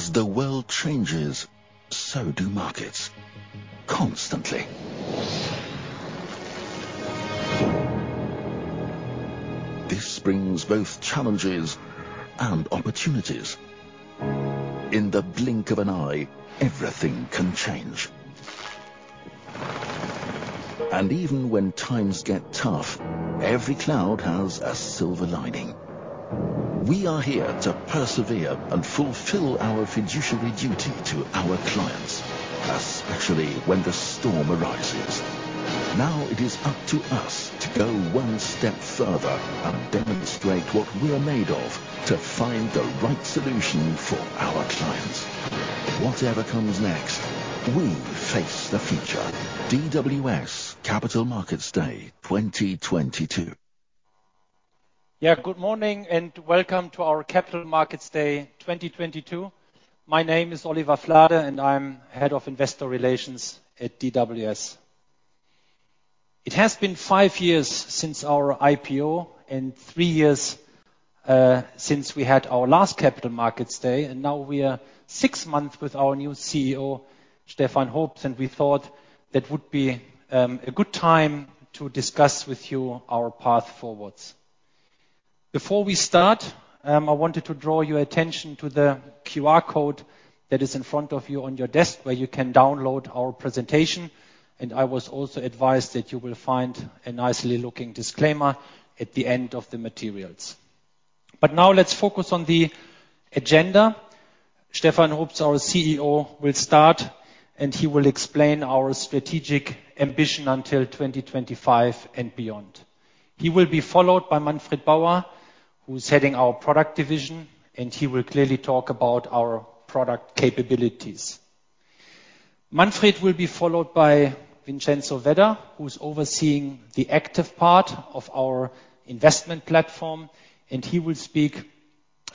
As the world changes, so do markets constantly. This brings both challenges and opportunities. In the blink of an eye, everything can change. Even when times get tough, every cloud has a silver lining. We are here to persevere and fulfill our fiduciary duty to our clients, especially when the storm arises. Now it is up to us to go one step further and demonstrate what we are made of to find the right solution for our clients. Whatever comes next, we face the future. DWS Capital Markets Day 2022. Good morning and welcome to our Capital Markets Day 2022. My name is Oliver Flade, and I'm Head of Investor Relations at DWS. It has been five years since our IPO and three years since we had our last Capital Markets Day, and now we are six months with our new CEO, Stefan Hoops, and we thought that would be a good time to discuss with you our path forwards. Before we start, I wanted to draw your attention to the QR code that is in front of you on your desk, where you can download our presentation. I was also advised that you will find a nicely looking disclaimer at the end of the materials. Now let's focus on the agenda. Stefan Hoops, our CEO, will start, and he will explain our strategic ambition until 2025 and beyond. He will be followed by Manfred Bauer, who's heading our product division, and he will clearly talk about our product capabilities. Manfred will be followed by Vincenzo Vedda, who's overseeing the active part of our investment platform, and he will speak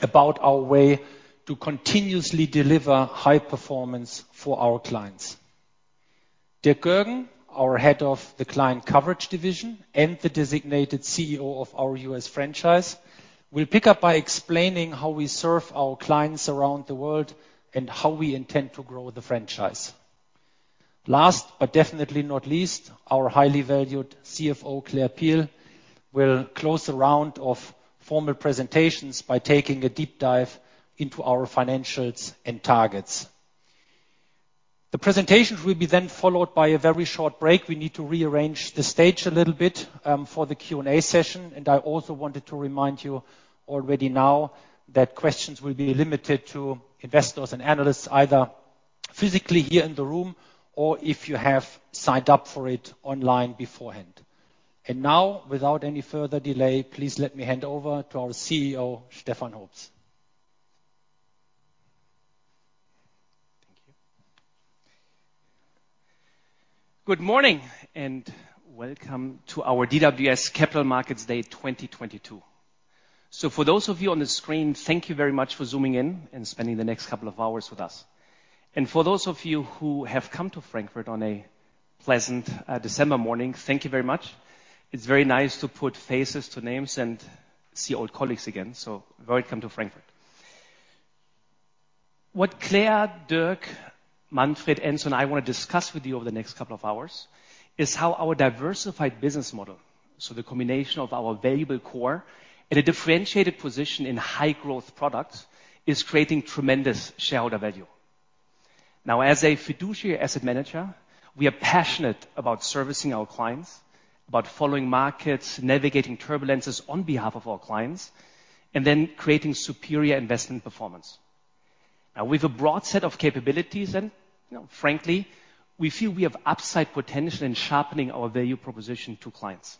about our way to continuously deliver high performance for our clients. Dirk Goergen, our Head of the Client Coverage Division and the designated CEO of our U.S. franchise, will pick up by explaining how we serve our clients around the world and how we intend to grow the franchise. Last, but definitely not least, our highly valued CFO, Claire Peel, will close the round of formal presentations by taking a deep dive into our financials and targets. The presentations will be then followed by a very short break. We need to rearrange the stage a little bit for the Q&A session. I also wanted to remind you already now that questions will be limited to investors and analysts, either physically here in the room or if you have signed up for it online beforehand. Now, without any further delay, please let me hand over to our CEO, Stefan Hoops. Thank you. Good morning. Welcome to our DWS Capital Markets Day 2022. For those of you on the screen, thank you very much for zooming in and spending the next couple of hours with us. For those of you who have come to Frankfurt on a pleasant December morning, thank you very much. It's very nice to put faces to names and see old colleagues again. Welcome to Frankfurt. What Claire, Dirk, Manfred, Enzo and I wanna discuss with you over the next couple of hours is how our diversified business model, so the combination of our valuable core and a differentiated position in high growth products, is creating tremendous shareholder value. Now, as a fiduciary asset manager, we are passionate about servicing our clients, about following markets, navigating turbulences on behalf of our clients, and then creating superior investment performance. With a broad set of capabilities and, you know, frankly, we feel we have upside potential in sharpening our value proposition to clients.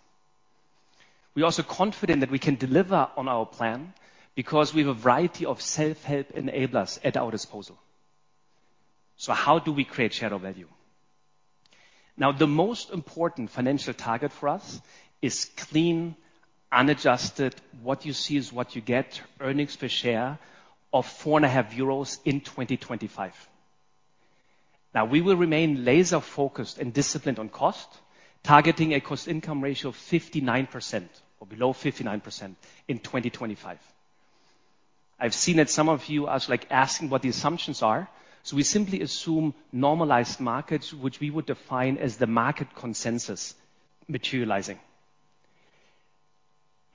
We are also confident that we can deliver on our plan because we have a variety of self-help enablers at our disposal. How do we create shareholder value? The most important financial target for us is clean, unadjusted, what you see is what you get, earnings per share of 4.5 euros in 2025. We will remain laser-focused and disciplined on cost, targeting a cost income ratio of 59% or below 59% in 2025. I've seen that some of you are like asking what the assumptions are. We simply assume normalized markets, which we would define as the market consensus materializing.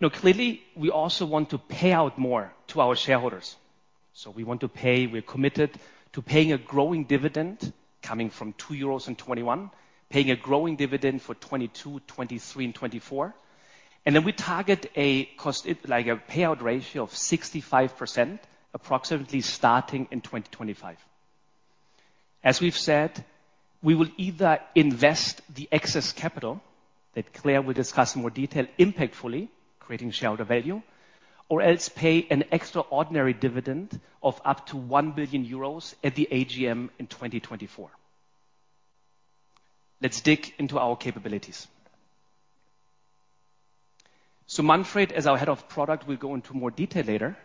Clearly, we also want to pay out more to our shareholders. We want to pay. We're committed to paying a growing dividend coming from 2 euros in 2021, paying a growing dividend for 2022, 2023 and 2024. We target like a payout ratio of 65% approximately starting in 2025. As we've said, we will either invest the excess capital, that Claire will discuss in more detail, impactfully creating shareholder value, or else pay an extraordinary dividend of up to 1 billion euros at the AGM in 2024. Let's dig into our capabilities. Manfred, as our Head of Product, will go into more detail later.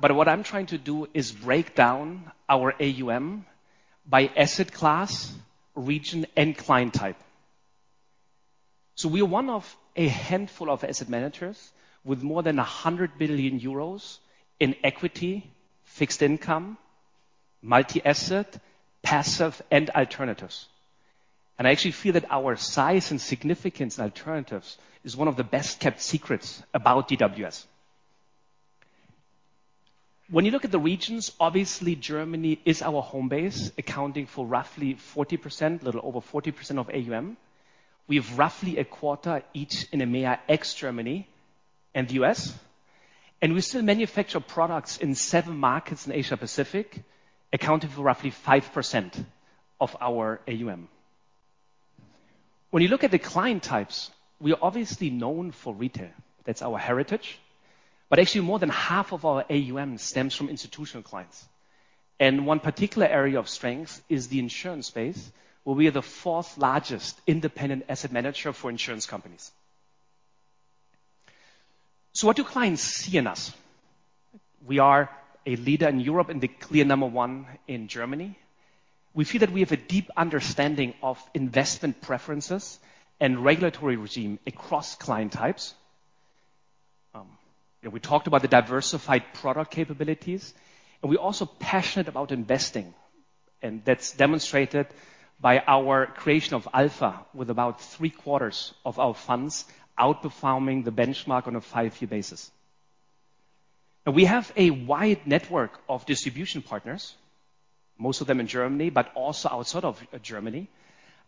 What I'm trying to do is break down our AUM by asset class, region and client type. We are one of a handful of asset managers with more than 100 billion euros in equity, fixed income, multi-asset, passive, and alternatives. I actually feel that our size and significance in alternatives is one of the best-kept secrets about DWS. When you look at the regions, obviously Germany is our home base, accounting for roughly 40%, a little over 40% of AUM. We have roughly a quarter each in EMEA, ex-Germany, and the U.S., and we still manufacture products in seven markets in Asia-Pacific, accounting for roughly 5% of our AUM. When you look at the client types, we are obviously known for retail. That's our heritage. Actually more than half of our AUM stems from institutional clients. One particular area of strength is the insurance space, where we are the fourth-largest independent asset manager for insurance companies. What do clients see in us? We are a leader in Europe and the clear number one in Germany. We feel that we have a deep understanding of investment preferences and regulatory regime across client types. We talked about the diversified product capabilities, and we're also passionate about investing, and that's demonstrated by our creation of alpha with about three-quarters of our funds outperforming the benchmark on a five-year basis. We have a wide network of distribution partners, most of them in Germany, but also outside of Germany.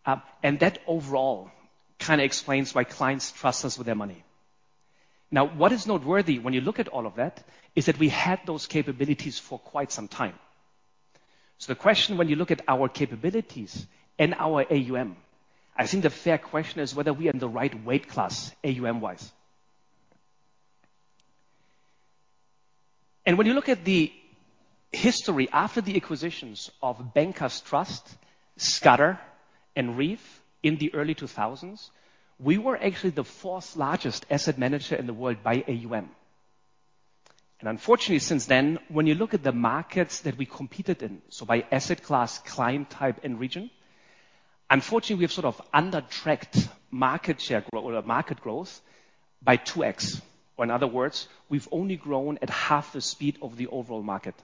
That overall kind of explains why clients trust us with their money. What is noteworthy when you look at all of that is that we had those capabilities for quite some time. The question when you look at our capabilities and our AUM, I think the fair question is whether we are in the right weight class AUM-wise. When you look at the history after the acquisitions of Bankers Trust, Scudder, and RREEF in the early 2000s, we were actually the 4th-largest asset manager in the world by AUM. Unfortunately, since then, when you look at the markets that we competed in, so by asset class, client type, and region, unfortunately we have sort of under tracked market share grow or market growth by 2x, or in other words, we've only grown at half the speed of the overall market.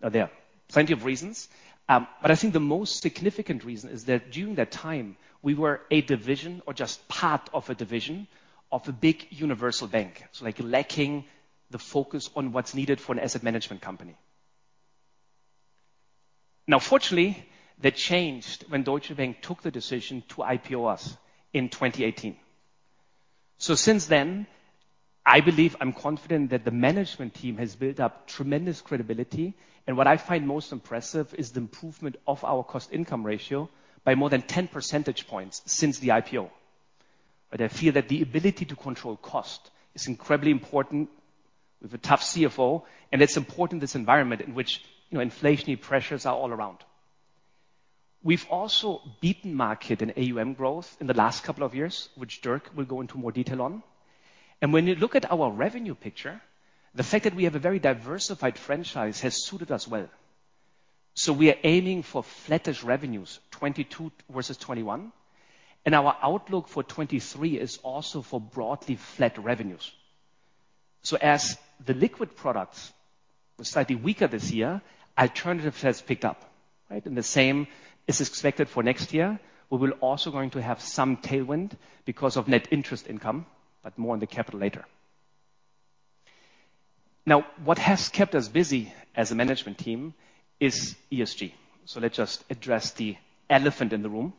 There are plenty of reasons, but I think the most significant reason is that during that time we were a division or just part of a division of a big universal bank. Like lacking the focus on what's needed for an asset management company. Fortunately, that changed when Deutsche Bank took the decision to IPO us in 2018. Since then, I believe I'm confident that the management team has built up tremendous credibility, and what I find most impressive is the improvement of our cost income ratio by more than 10 percentage points since the IPO. I feel that the ability to control cost is incredibly important with a tough CFO, and it's important this environment in which, you know, inflationary pressures are all around. We've also beaten market and AUM growth in the last couple of years, which Dirk will go into more detail on. When you look at our revenue picture, the fact that we have a very diversified franchise has suited us well. We are aiming for flattish revenues, 2022 versus 2021, and our outlook for 2023 is also for broadly flat revenues. As the liquid products were slightly weaker this year, alternatives has picked up, right? The same is expected for next year. We will also going to have some tailwind because of net interest income, more on the capital later. What has kept us busy as a management team is ESG. Let's just address the elephant in the room.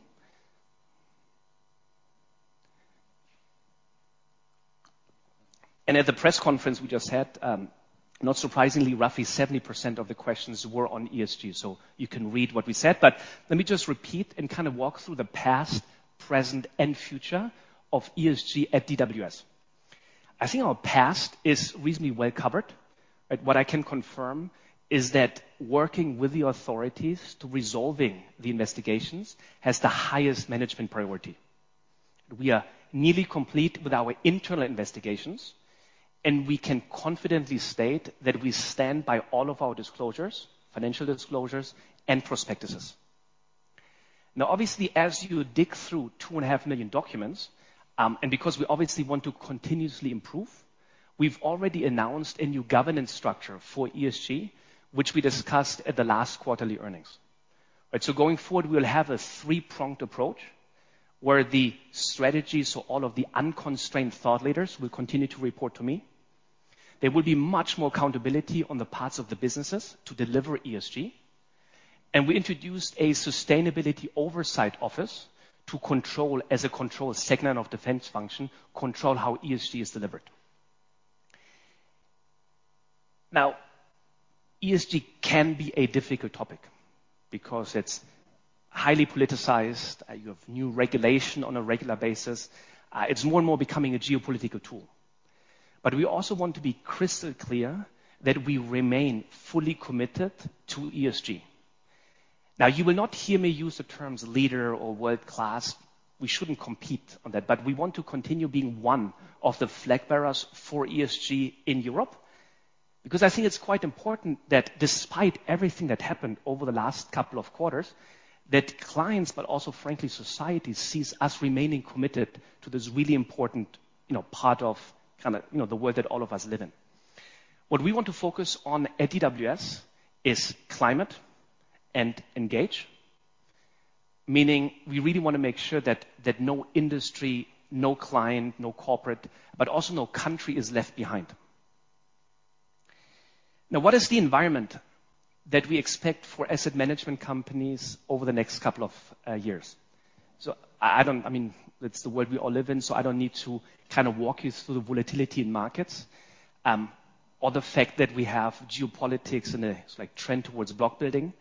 At the press conference we just had, not surprisingly, roughly 70% of the questions were on ESG, you can read what we said. Let me just repeat and kind of walk through the past, present, and future of ESG at DWS. I think our past is reasonably well covered, right? What I can confirm is that working with the authorities to resolving the investigations has the highest management priority. We are nearly complete with our internal investigations, we can confidently state that we stand by all of our disclosures, financial disclosures and prospectuses. Obviously, as you dig through 2.5 million documents, because we obviously want to continuously improve, we've already announced a new governance structure for ESG, which we discussed at the last quarterly earnings. Right. Going forward, we'll have a three-pronged approach where the strategies or all of the unconstrained thought leaders will continue to report to me. There will be much more accountability on the parts of the businesses to deliver ESG, we introduced a sustainability oversight office to control as a control segment of defense function, control how ESG is delivered. ESG can be a difficult topic because it's highly politicized. You have new regulation on a regular basis. It's more and more becoming a geopolitical tool. We also want to be crystal clear that we remain fully committed to ESG. You will not hear me use the terms leader or world-class. We shouldn't compete on that, but we want to continue being one of the flag bearers for ESG in Europe. Because I think it's quite important that despite everything that happened over the last couple of quarters, that clients, but also frankly, society sees us remaining committed to this really important, you know, part of kinda, you know, the world that all of us live in. What we want to focus on at DWS is climate and engage, meaning we really wanna make sure that no industry, no client, no corporate, but also no country is left behind. What is the environment that we expect for asset management companies over the next couple of years? I don't... I mean, that's the world we all live in, so I don't need to kind of walk you through the volatility in markets, or the fact that we have geopolitics and a like trend towards block building.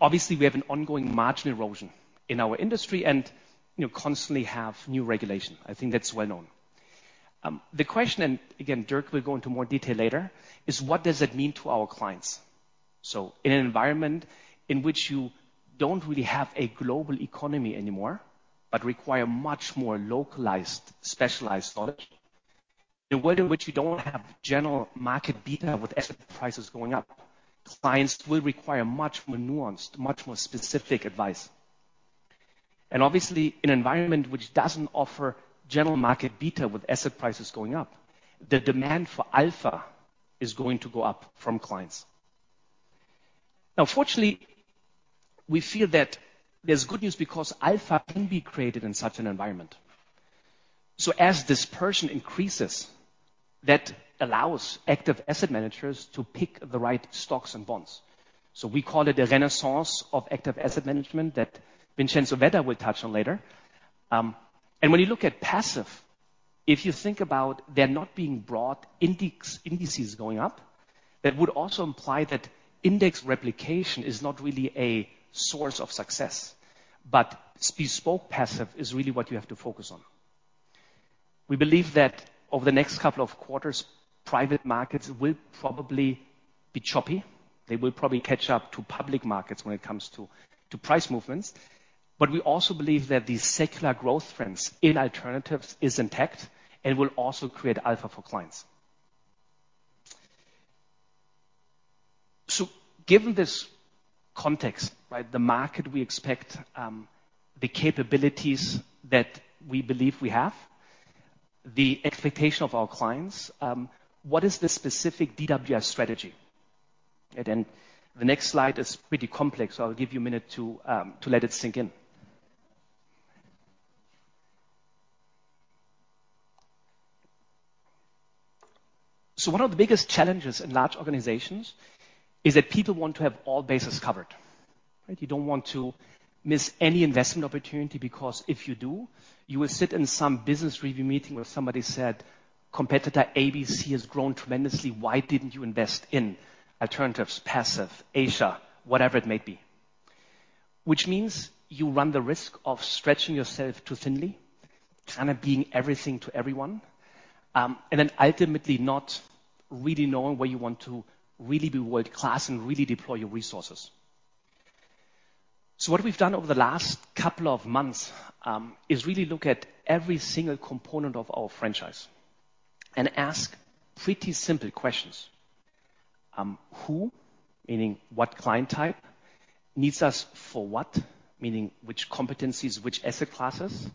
Obviously we have an ongoing margin erosion in our industry and, you know, constantly have new regulation. I think that's well known. The question, and again, Dirk will go into more detail later, is what does it mean to our clients? In an environment in which you don't really have a global economy anymore, but require much more localized, specialized knowledge, in a world in which you don't have general market beta with asset prices going up, clients will require much more nuanced, much more specific advice. Obviously an environment which doesn't offer general market beta with asset prices going up, the demand for alpha is going to go up from clients. Fortunately, we feel that there's good news because alpha can be created in such an environment. As dispersion increases, that allows active asset managers to pick the right stocks and bonds. We call it a renaissance of active asset management that Vincenzo Vedda will touch on later. When you look at passive, if you think about there not being broad indices going up, that would also imply that index replication is not really a source of success, but bespoke passive is really what you have to focus on. We believe that over the next couple of quarters, private markets will probably be choppy. They will probably catch up to public markets when it comes to price movements. We also believe that the secular growth trends in alternatives is intact and will also create alpha for clients. Given this context, right? The market we expect, the capabilities that we believe we have, the expectation of our clients, what is the specific DWS strategy? The next slide is pretty complex, so I'll give you a minute to let it sink in. One of the biggest challenges in large organizations is that people want to have all bases covered, right? You don't want to miss any investment opportunity because if you do, you will sit in some business review meeting where somebody said, "Competitor ABC has grown tremendously. Why didn't you invest in alternatives, passive, Asia?" Whatever it may be. Which means you run the risk of stretching yourself too thinly, kind of being everything to everyone, and then ultimately not really knowing where you want to really be world-class and really deploy your resources. What we've done over the last couple of months is really look at every single component of our franchise and ask pretty simple questions. Who, meaning what client type needs us for what? Meaning which competencies, which asset classes,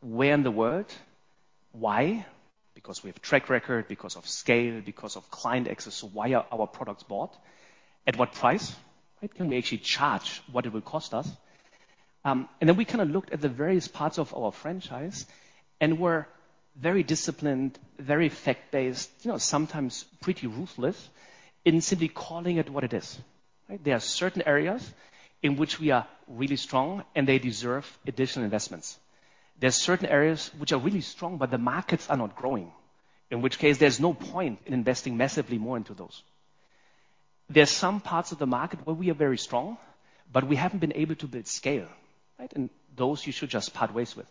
where in the world, why? Because we have track record, because of scale, because of client access. Why are our products bought? At what price, right? Can we actually charge what it will cost us? We kind of looked at the various parts of our franchise and were very disciplined, very fact-based, you know, sometimes pretty ruthless in simply calling it what it is, right? There are certain areas in which we are really strong and they deserve additional investments. There are certain areas which are really strong, but the markets are not growing, in which case there's no point in investing massively more into those. There are some parts of the market where we are very strong, but we haven't been able to build scale, right? Those you should just part ways with.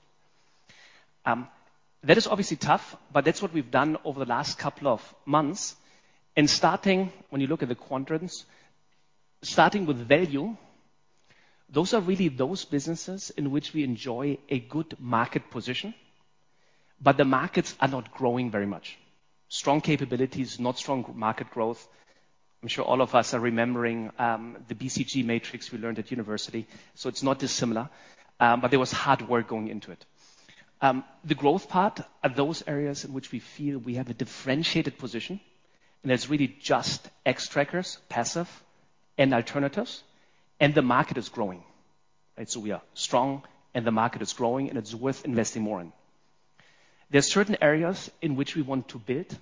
That is obviously tough, but that's what we've done over the last couple of months. When you look at the quadrants, starting with value, those are really those businesses in which we enjoy a good market position, but the markets are not growing very much. Strong capabilities, not strong market growth. I'm sure all of us are remembering the BCG matrix we learned at university, so it's not dissimilar. There was hard work going into it. The growth part are those areas in which we feel we have a differentiated position, and that's really just Xtrackers, passive and alternatives, and the market is growing, right? We are strong and the market is growing and it's worth investing more in. There are certain areas in which we want to build,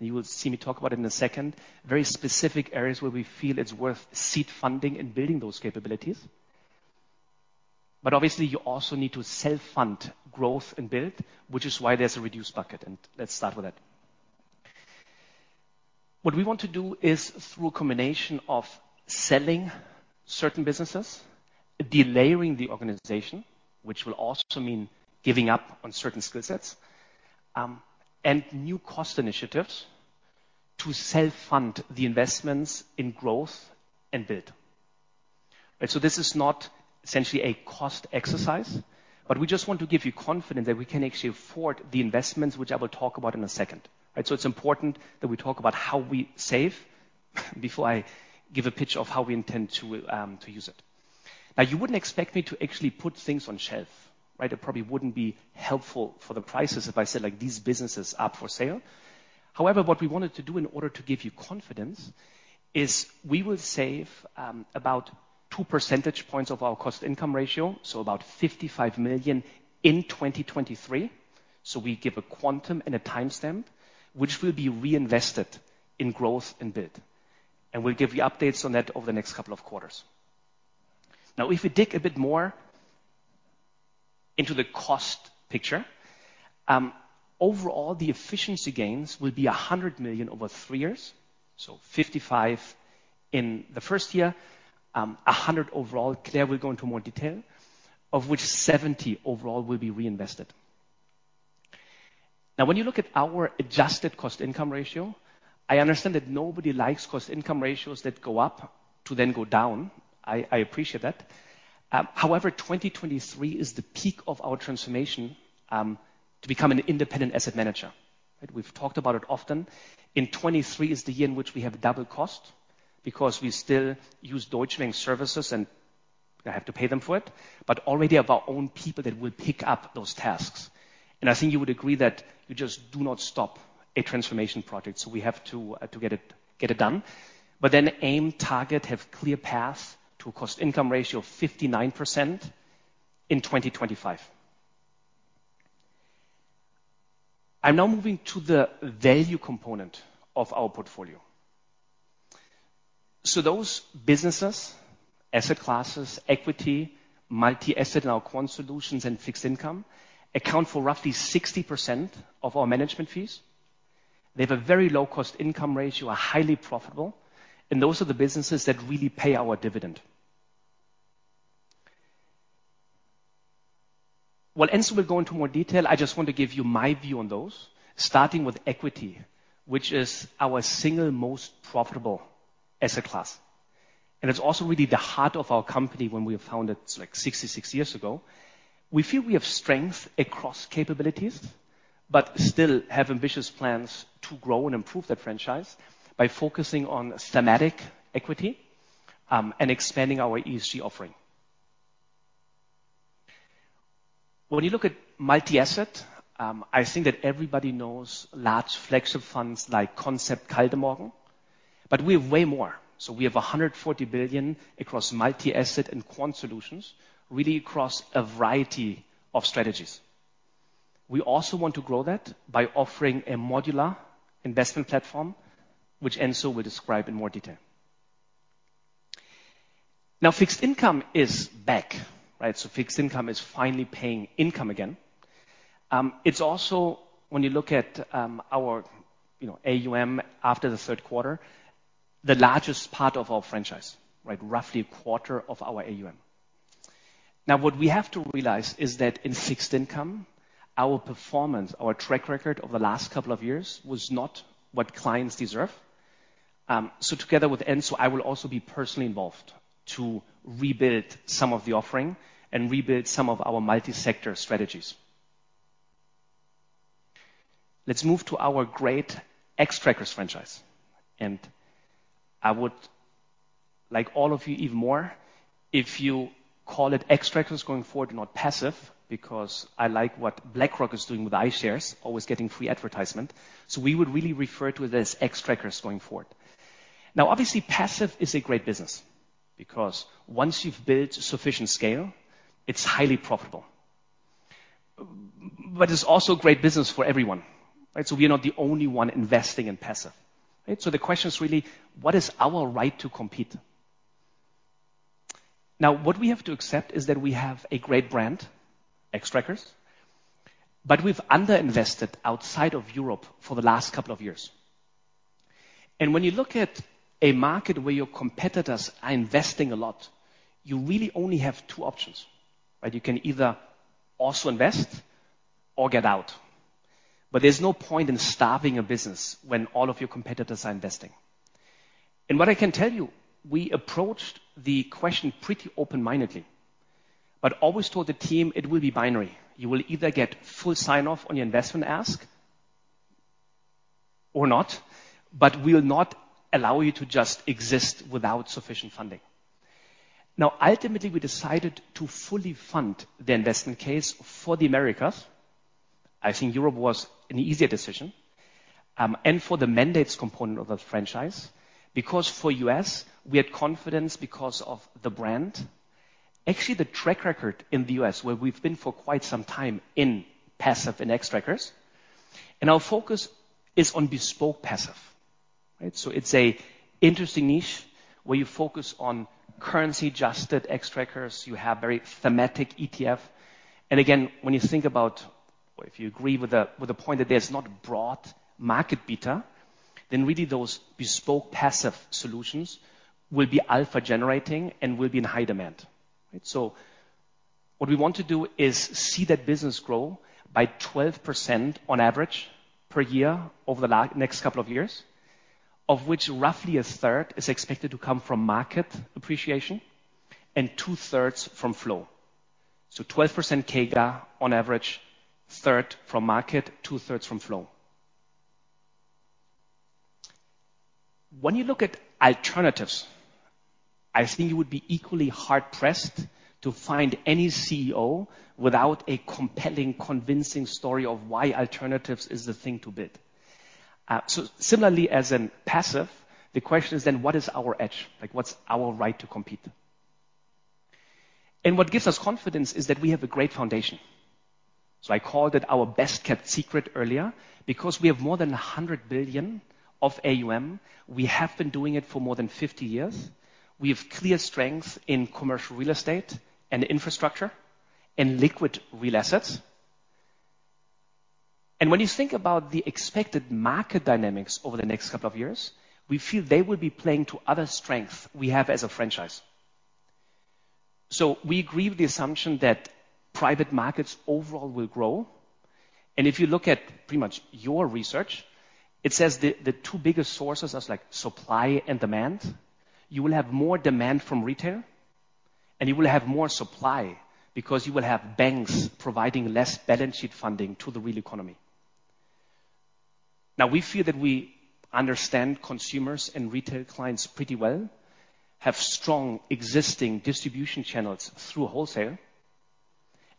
right? You will see me talk about it in a second. Very specific areas where we feel it's worth seed funding and building those capabilities. Obviously you also need to self-fund growth and build, which is why there's a reduced bucket, and let's start with that. What we want to do is through a combination of selling certain businesses, delayering the organization, which will also mean giving up on certain skill sets, and new cost initiatives to self-fund the investments in growth and build. This is not essentially a cost exercise, but we just want to give you confidence that we can actually afford the investments which I will talk about in a second. Right? It's important that we talk about how we save before I give a pitch of how we intend to use it. You wouldn't expect me to actually put things on shelf, right? It probably wouldn't be helpful for the prices if I said, like, "These businesses are up for sale." What we wanted to do in order to give you confidence is we will save about 2 percentage points of our cost income ratio, so about 55 million in 2023. We give a quantum and a timestamp which will be reinvested in growth and bid. We'll give you updates on that over the next couple of quarters. If we dig a bit more into the cost picture, overall, the efficiency gains will be 100 million over three years, so 55 million in the 1st year, 100 million overall, Claire will go into more detail, of which 70 million overall will be reinvested. When you look at our adjusted cost income ratio, I understand that nobody likes cost income ratios that go up to then go down. I appreciate that. However, 2023 is the peak of our transformation to become an independent asset manager. Right? We've talked about it often. In 2023 is the year in which we have double cost because we still use Deutsche Link services, and I have to pay them for it, but already have our own people that will pick up those tasks. I think you would agree that you just do not stop a transformation project, we have to get it done. Aim, target, have clear path to a cost income ratio of 59% in 2025. I'm now moving to the value component of our portfolio. Those businesses, asset classes, equity, multi-asset, and our quant solutions and fixed income account for roughly 60% of our management fees. They have a very low cost income ratio, are highly profitable, and those are the businesses that really pay our dividend. Enzo will go into more detail. I just want to give you my view on those, starting with equity, which is our single most profitable asset class. It's also really the heart of our company when we found it, like, 66 years ago. We feel we have strength across capabilities, but still have ambitious plans to grow and improve that franchise by focusing on thematic equity and expanding our ESG offering. You look at multi-asset, I think that everybody knows large flexible funds like Concept Kaldemorgen, but we have way more. We have 140 billion across multi-asset and quant solutions, really across a variety of strategies. We also want to grow that by offering a modular investment platform which Enzo will describe in more detail. Fixed income is back, right? Fixed income is finally paying income again. It's also when you look at our, you know, AUM after the third quarter, the largest part of our franchise, right? Roughly a quarter of our AUM. What we have to realize is that in fixed income, our performance, our track record over the last couple of years was not what clients deserve. Together with Enzo, I will also be personally involved to rebuild some of the offering and rebuild some of our multi-sector strategies. Let's move to our great Xtrackers franchise. I would like all of you even more if you call it Xtrackers going forward, not passive, because I like what BlackRock is doing with iShares, always getting free advertisement. We would really refer to it as Xtrackers going forward. Obviously, passive is a great business because once you've built sufficient scale, it's highly profitable. It's also great business for everyone, right? We are not the only one investing in passive, right? The question is really: what is our right to compete? What we have to accept is that we have a great brand, Xtrackers, but we've underinvested outside of Europe for the last couple of years. When you look at a market where your competitors are investing a lot, you really only have two options, right? You can either also invest or get out. There's no point in starving a business when all of your competitors are investing. What I can tell you, we approached the question pretty open-mindedly, but always told the team it will be binary. You will either get full sign-off on your investment ask or not, but we will not allow you to just exist without sufficient funding. Ultimately, we decided to fully fund the investment case for the Americas. I think Europe was an easier decision, and for the mandates component of the franchise, because for U.S., we had confidence because of the brand. Actually, the track record in the U.S., where we've been for quite some time in passive and Xtrackers, and our focus is on bespoke passive, right? It's a interesting niche where you focus on currency-adjusted Xtrackers, you have very thematic ETF. When you think about or if you agree with the, with the point that there's not broad market beta, then really those bespoke passive solutions will be alpha generating and will be in high demand. Right? What we want to do is see that business grow by 12% on average per year over the next couple of years, of which roughly 1/3 is expected to come from market appreciation and 2/3 from flow. 12% CAGR on average, 1/3 from market, 2/3 from flow. When you look at alternatives, I think you would be equally hard pressed to find any CEO without a compelling, convincing story of why alternatives is the thing to beat. Similarly as in passive, the question is what is our edge? Like, what's our right to compete? What gives us confidence is that we have a great foundation. I called it our best-kept secret earlier because we have more than 100 billion of AUM. We have been doing it for more than 50 years. We have clear strength in commercial real estate and infrastructure and liquid real assets. When you think about the expected market dynamics over the next couple of years, we feel they will be playing to other strength we have as a franchise. We agree with the assumption that private markets overall will grow, and if you look at pretty much your research, it says the two biggest sources as like supply and demand. You will have more demand from retail, and you will have more supply because you will have banks providing less balance sheet funding to the real economy. Now, we feel that we understand consumers and retail clients pretty well, have strong existing distribution channels through wholesale,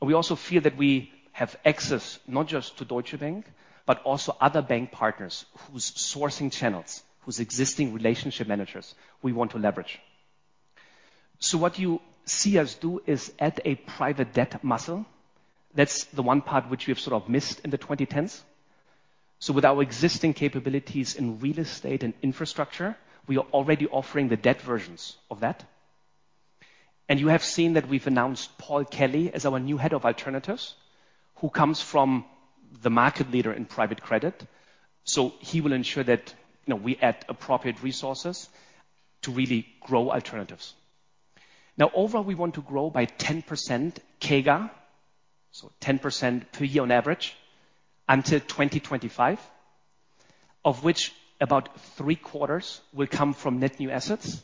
and we also feel that we have access not just to Deutsche Bank, but also other bank partners whose sourcing channels, whose existing relationship managers we want to leverage. What you see us do is add a private debt muscle. That's the one part which we have sort of missed in the 2010s. With our existing capabilities in real estate and infrastructure, we are already offering the debt versions of that. You have seen that we've announced Paul Kelly as our new head of alternatives, who comes from the market leader in private credit. He will ensure that, you know, we add appropriate resources to really grow alternatives. Overall, we want to grow by 10% CAGR, so 10% per year on average until 2025, of which about three-quarters will come from net new assets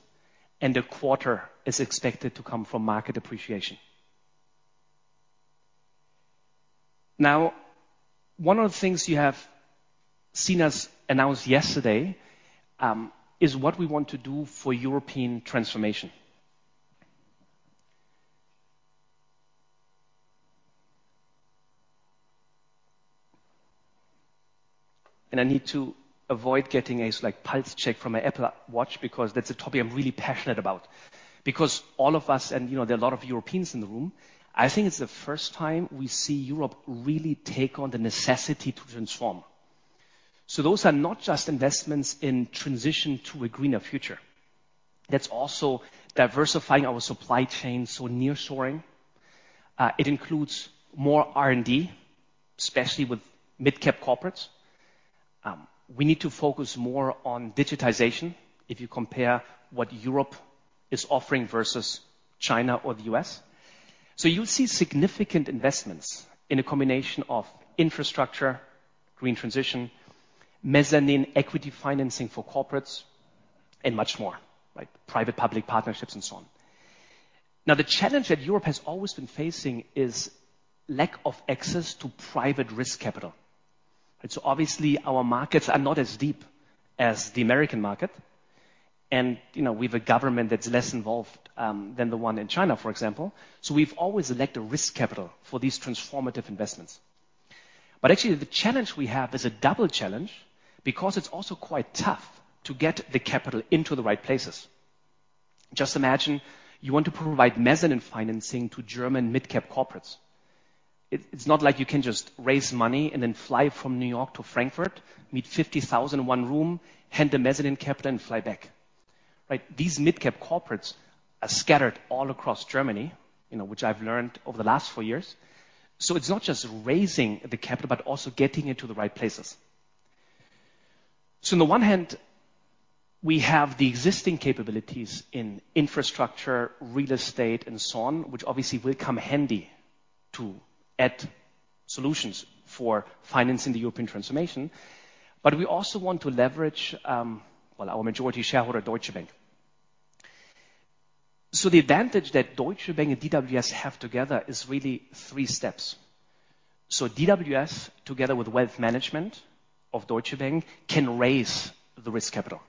and a quarter is expected to come from market appreciation. One of the things you have seen us announce yesterday is what we want to do for European Transformation. I need to avoid getting a like pulse check from my Apple Watch because that's a topic I'm really passionate about. All of us, you know, there are a lot of Europeans in the room, I think it's the first time we see Europe really take on the necessity to transform. Those are not just investments in transition to a greener future. That's also diversifying our supply chain, so near-shoring. It includes more R&D, especially with midcap corporates. We need to focus more on digitization if you compare what Europe is offering versus China or the U.S. You'll see significant investments in a combination of infrastructure, green transition, mezzanine equity financing for corporates, and much more, like private-public partnerships and so on. The challenge that Europe has always been facing is lack of access to private risk capital. Obviously, our markets are not as deep as the American market, and, you know, we have a government that's less involved than the one in China, for example. We've always lacked risk capital for these transformative investments. Actually, the challenge we have is a double challenge because it's also quite tough to get the capital into the right places. Just imagine you want to provide mezzanine financing to German midcap corporates. It's not like you can just raise money and then fly from New York to Frankfurt, meet 50,000 in one room, hand the mezzanine capital, and fly back, right? These midcap corporates are scattered all across Germany, you know, which I've learned over the last 4 years. It's not just raising the capital, but also getting it to the right places. On the one hand, we have the existing capabilities in infrastructure, real estate, and so on, which obviously will come handy to add solutions for financing the European transformation. We also want to leverage, well, our majority shareholder, Deutsche Bank. The advantage that Deutsche Bank and DWS have together is really three steps. DWS, together with wealth management of Deutsche Bank, can raise the risk capital.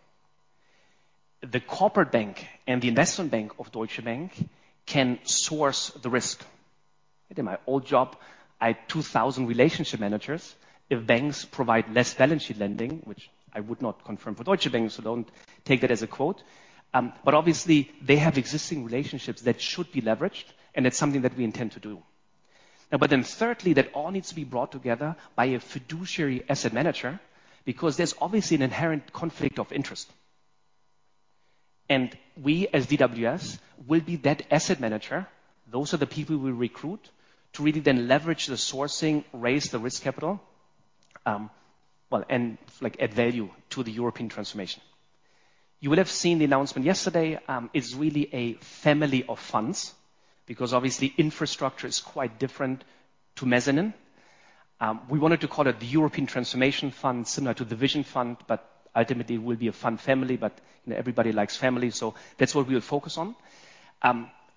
The corporate bank and the investment bank of Deutsche Bank can source the risk. In my old job, I had 2,000 relationship managers. If banks provide less balance sheet lending, which I would not confirm for Deutsche Bank, so don't take that as a quote, but obviously they have existing relationships that should be leveraged, and that's something that we intend to do. Now, thirdly, that all needs to be brought together by a fiduciary asset manager because there's obviously an inherent conflict of interest. We, as DWS, will be that asset manager. Those are the people we recruit to really then leverage the sourcing, raise the risk capital, well, and like add value to the European transformation. You will have seen the announcement yesterday, is really a family of funds because obviously infrastructure is quite different to mezzanine. We wanted to call it the European Transformation Fund, similar to the Vision Fund, but ultimately it will be a fund family, but, you know, everybody likes family, so that's what we'll focus on,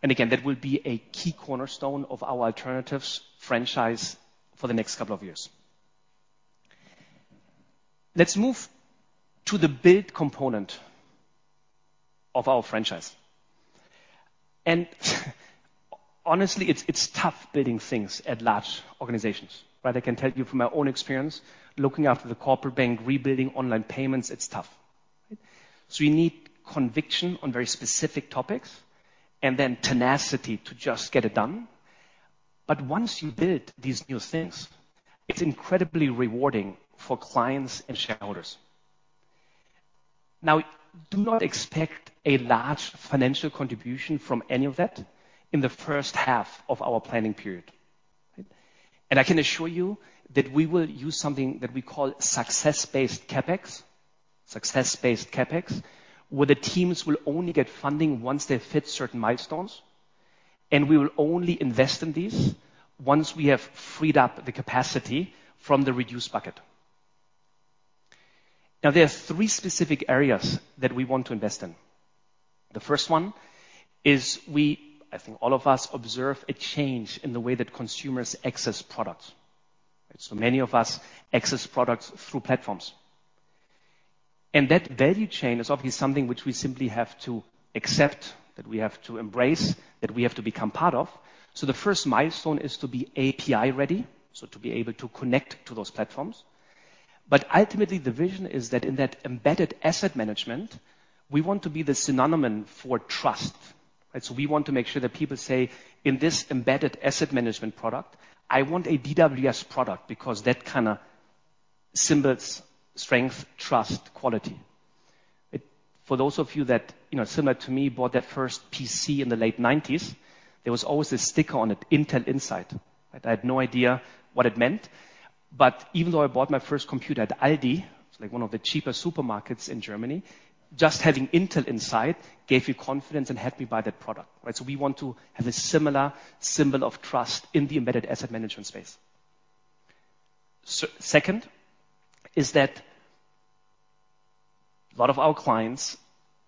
and again, that will be a key cornerstone of our alternatives franchise for the next couple of years. Let's move to the build component of our franchise. Honestly, it's tough building things at large organizations, right? I can tell you from my own experience, looking after the corporate bank, rebuilding online payments, it's tough. You need conviction on very specific topics and then tenacity to just get it done. Once you build these new things, it's incredibly rewarding for clients and shareholders. Now, do not expect a large financial contribution from any of that in the first half of our planning period. I can assure you that we will use something that we call success-based CapEx. Success-based CapEx, where the teams will only get funding once they fit certain milestones, and we will only invest in these once we have freed up the capacity from the reduced bucket. There are three specific areas that we want to invest in. The first one is I think all of us observe a change in the way that consumers access products. Many of us access products through platforms. That value chain is obviously something which we simply have to accept, that we have to embrace, that we have to become part of. The first milestone is to be API ready, so to be able to connect to those platforms. Ultimately, the vision is that in that embedded asset management, we want to be the synonym for trust. We want to make sure that people say, "In this embedded asset management product, I want a DWS product because that kinda symbols strength, trust, quality." For those of you that, you know, similar to me, bought that first PC in the late nineties, there was always a sticker on it, Intel Inside. I had no idea what it meant, even though I bought my first computer at Aldi, it's like one of the cheapest supermarkets in Germany, just having Intel Inside gave you confidence and helped me buy that product, right? We want to have a similar symbol of trust in the embedded asset management space. Second is that a lot of our clients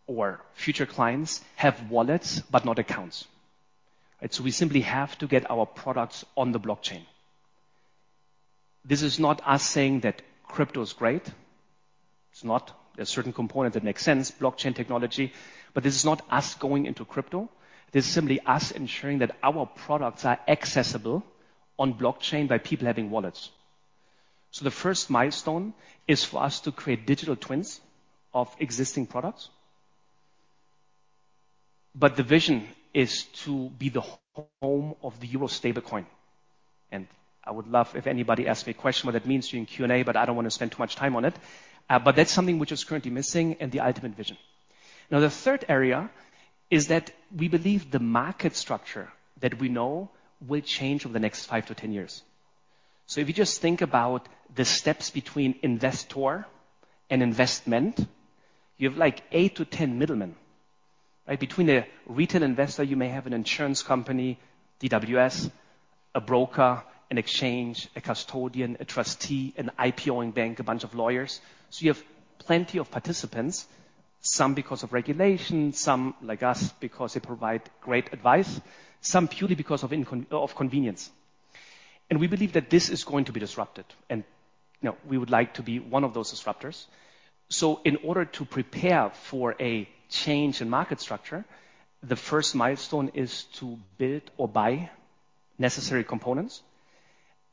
or future clients have wallets, but not accounts. We simply have to get our products on the blockchain. This is not us saying that crypto is great. It's not. There are certain components that make sense, blockchain technology, this is not us going into crypto. This is simply us ensuring that our products are accessible on blockchain by people having wallets. The first milestone is for us to create digital twins of existing products. The vision is to be the home of the Euro Stablecoin. I would love if anybody asks me a question what that means during Q&A, but I don't want to spend too much time on it. That's something which is currently missing and the ultimate vision. The third area is that we believe the market structure that we know will change over the next five to 10 years. If you just think about the steps between investor and investment, you have like eight to 10 middlemen. Between a retail investor, you may have an insurance company, DWS, a broker, an exchange, a custodian, a trustee, an IPOing bank, a bunch of lawyers. You have plenty of participants, some because of regulation, some like us because they provide great advice, some purely because of convenience. We believe that this is going to be disrupted and, you know, we would like to be one of those disruptors. In order to prepare for a change in market structure, the first milestone is to build or buy necessary components.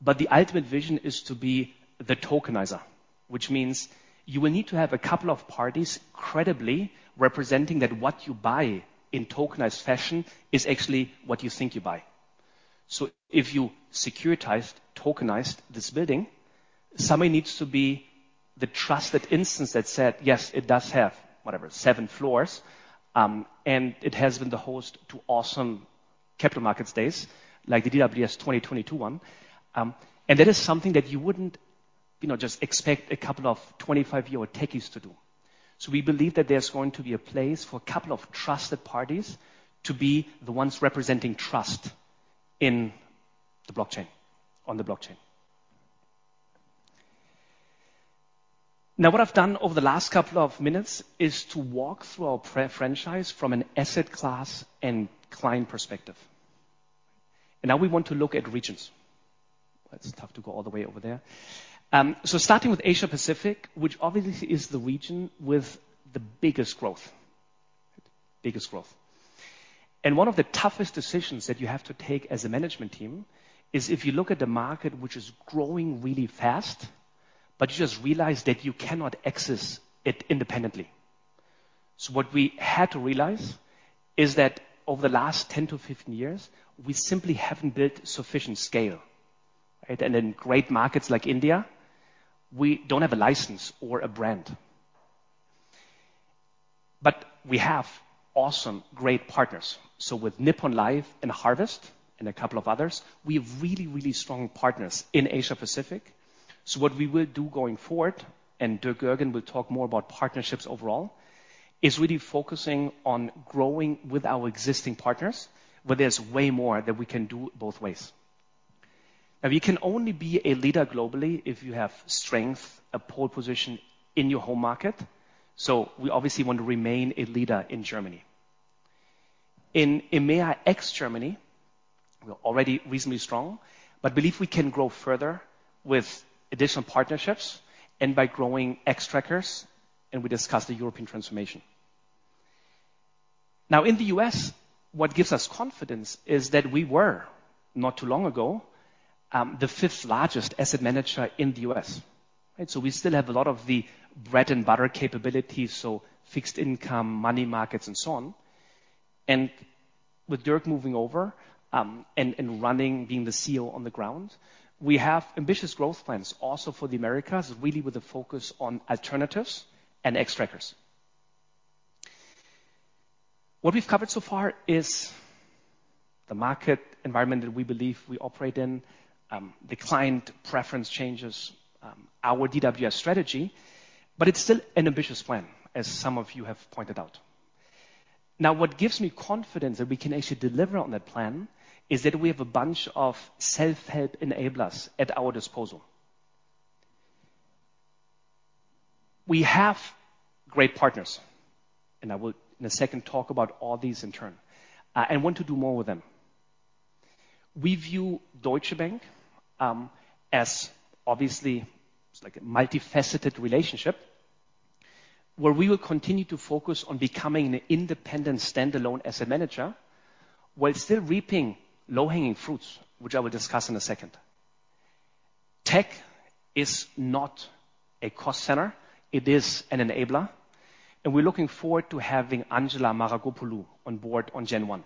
The ultimate vision is to be the tokenizer, which means you will need to have a couple of parties credibly representing that what you buy in tokenized fashion is actually what you think you buy. If you securitized, tokenized this building, somebody needs to be the trusted instance that said, "Yes, it does have, whatever, seven floors, and it has been the host to awesome capital markets days like the DWS 2022 one." And that is something that you wouldn't, you know, just expect a couple of 25-year-old techies to do. We believe that there's going to be a place for a couple of trusted parties to be the ones representing trust in the blockchain on the blockchain. Now, what I've done over the last couple of minutes is to walk through our franchise from an asset class and client perspective. Now we want to look at regions. It's tough to go all the way over there. Starting with Asia-Pacific, which obviously is the region with the biggest growth. One of the toughest decisions that you have to take as a management team is if you look at the market which is growing really fast, you just realize that you cannot access it independently. What we had to realize is that over the last 10 to 15 years, we simply haven't built sufficient scale, right? In great markets like India, we don't have a license or a brand. We have awesome, great partners. With Nippon Life and Harvest and a couple of others, we have really, really strong partners in Asia-Pacific. What we will do going forward, Dirk Goergen will talk more about partnerships overall, is really focusing on growing with our existing partners, but there's way more that we can do both ways. We can only be a leader globally if you have strength, a pole position in your home market. We obviously want to remain a leader in Germany. In EMEA ex-Germany, we're already reasonably strong, but believe we can grow further with additional partnerships and by growing Xtrackers, and we discussed the European transformation. In the U.S., what gives us confidence is that we were, not too long ago, the fifth-largest asset manager in the U.S.. Right? We still have a lot of the bread and butter capabilities, so fixed income, money markets, and so on. With Dirk moving over, and running, being the CEO on the ground, we have ambitious growth plans also for the Americas, really with a focus on alternatives and Xtrackers. What we've covered so far is the market environment that we believe we operate in, the client preference changes, our DWS strategy, but it's still an ambitious plan, as some of you have pointed out. What gives me confidence that we can actually deliver on that plan is that we have a bunch of self-help enablers at our disposal. We have great partners, and I will in a second talk about all these in turn, and want to do more with them. We view Deutsche Bank as obviously it's like a multifaceted relationship, where we will continue to focus on becoming an independent standalone asset manager while still reaping low-hanging fruits, which I will discuss in a second. Tech is not a cost center. It is an enabler, and we're looking forward to having Angela Maragkopoulou on board on Jan 1.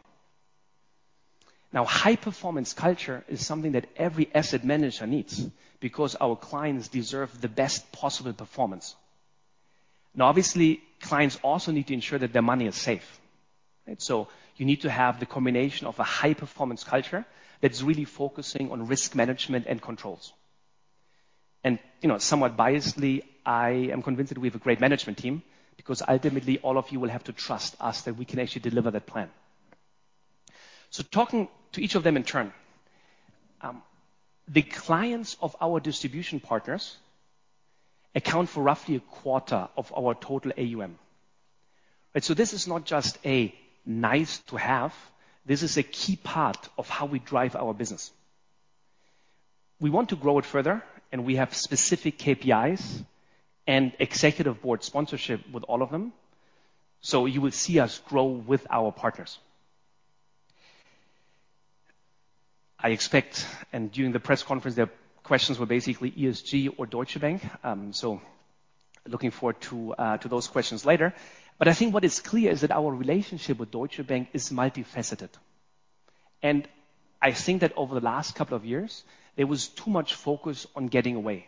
high-performance culture is something that every asset manager needs because our clients deserve the best possible performance. obviously, clients also need to ensure that their money is safe, right? you need to have the combination of a high-performance culture that's really focusing on risk management and controls. you know, somewhat biasedly, I am convinced that we have a great management team because ultimately all of you will have to trust us that we can actually deliver that plan. talking to each of them in turn. the clients of our distribution partners account for roughly a quarter of our total AUM. Right? this is not just a nice-to-have, this is a key part of how we drive our business. We want to grow it further, and we have specific KPIs and executive board sponsorship with all of them, so you will see us grow with our partners. I expect, and during the press conference, the questions were basically ESG or Deutsche Bank, looking forward to those questions later. I think what is clear is that our relationship with Deutsche Bank is multifaceted. I think that over the last couple of years, there was too much focus on getting away.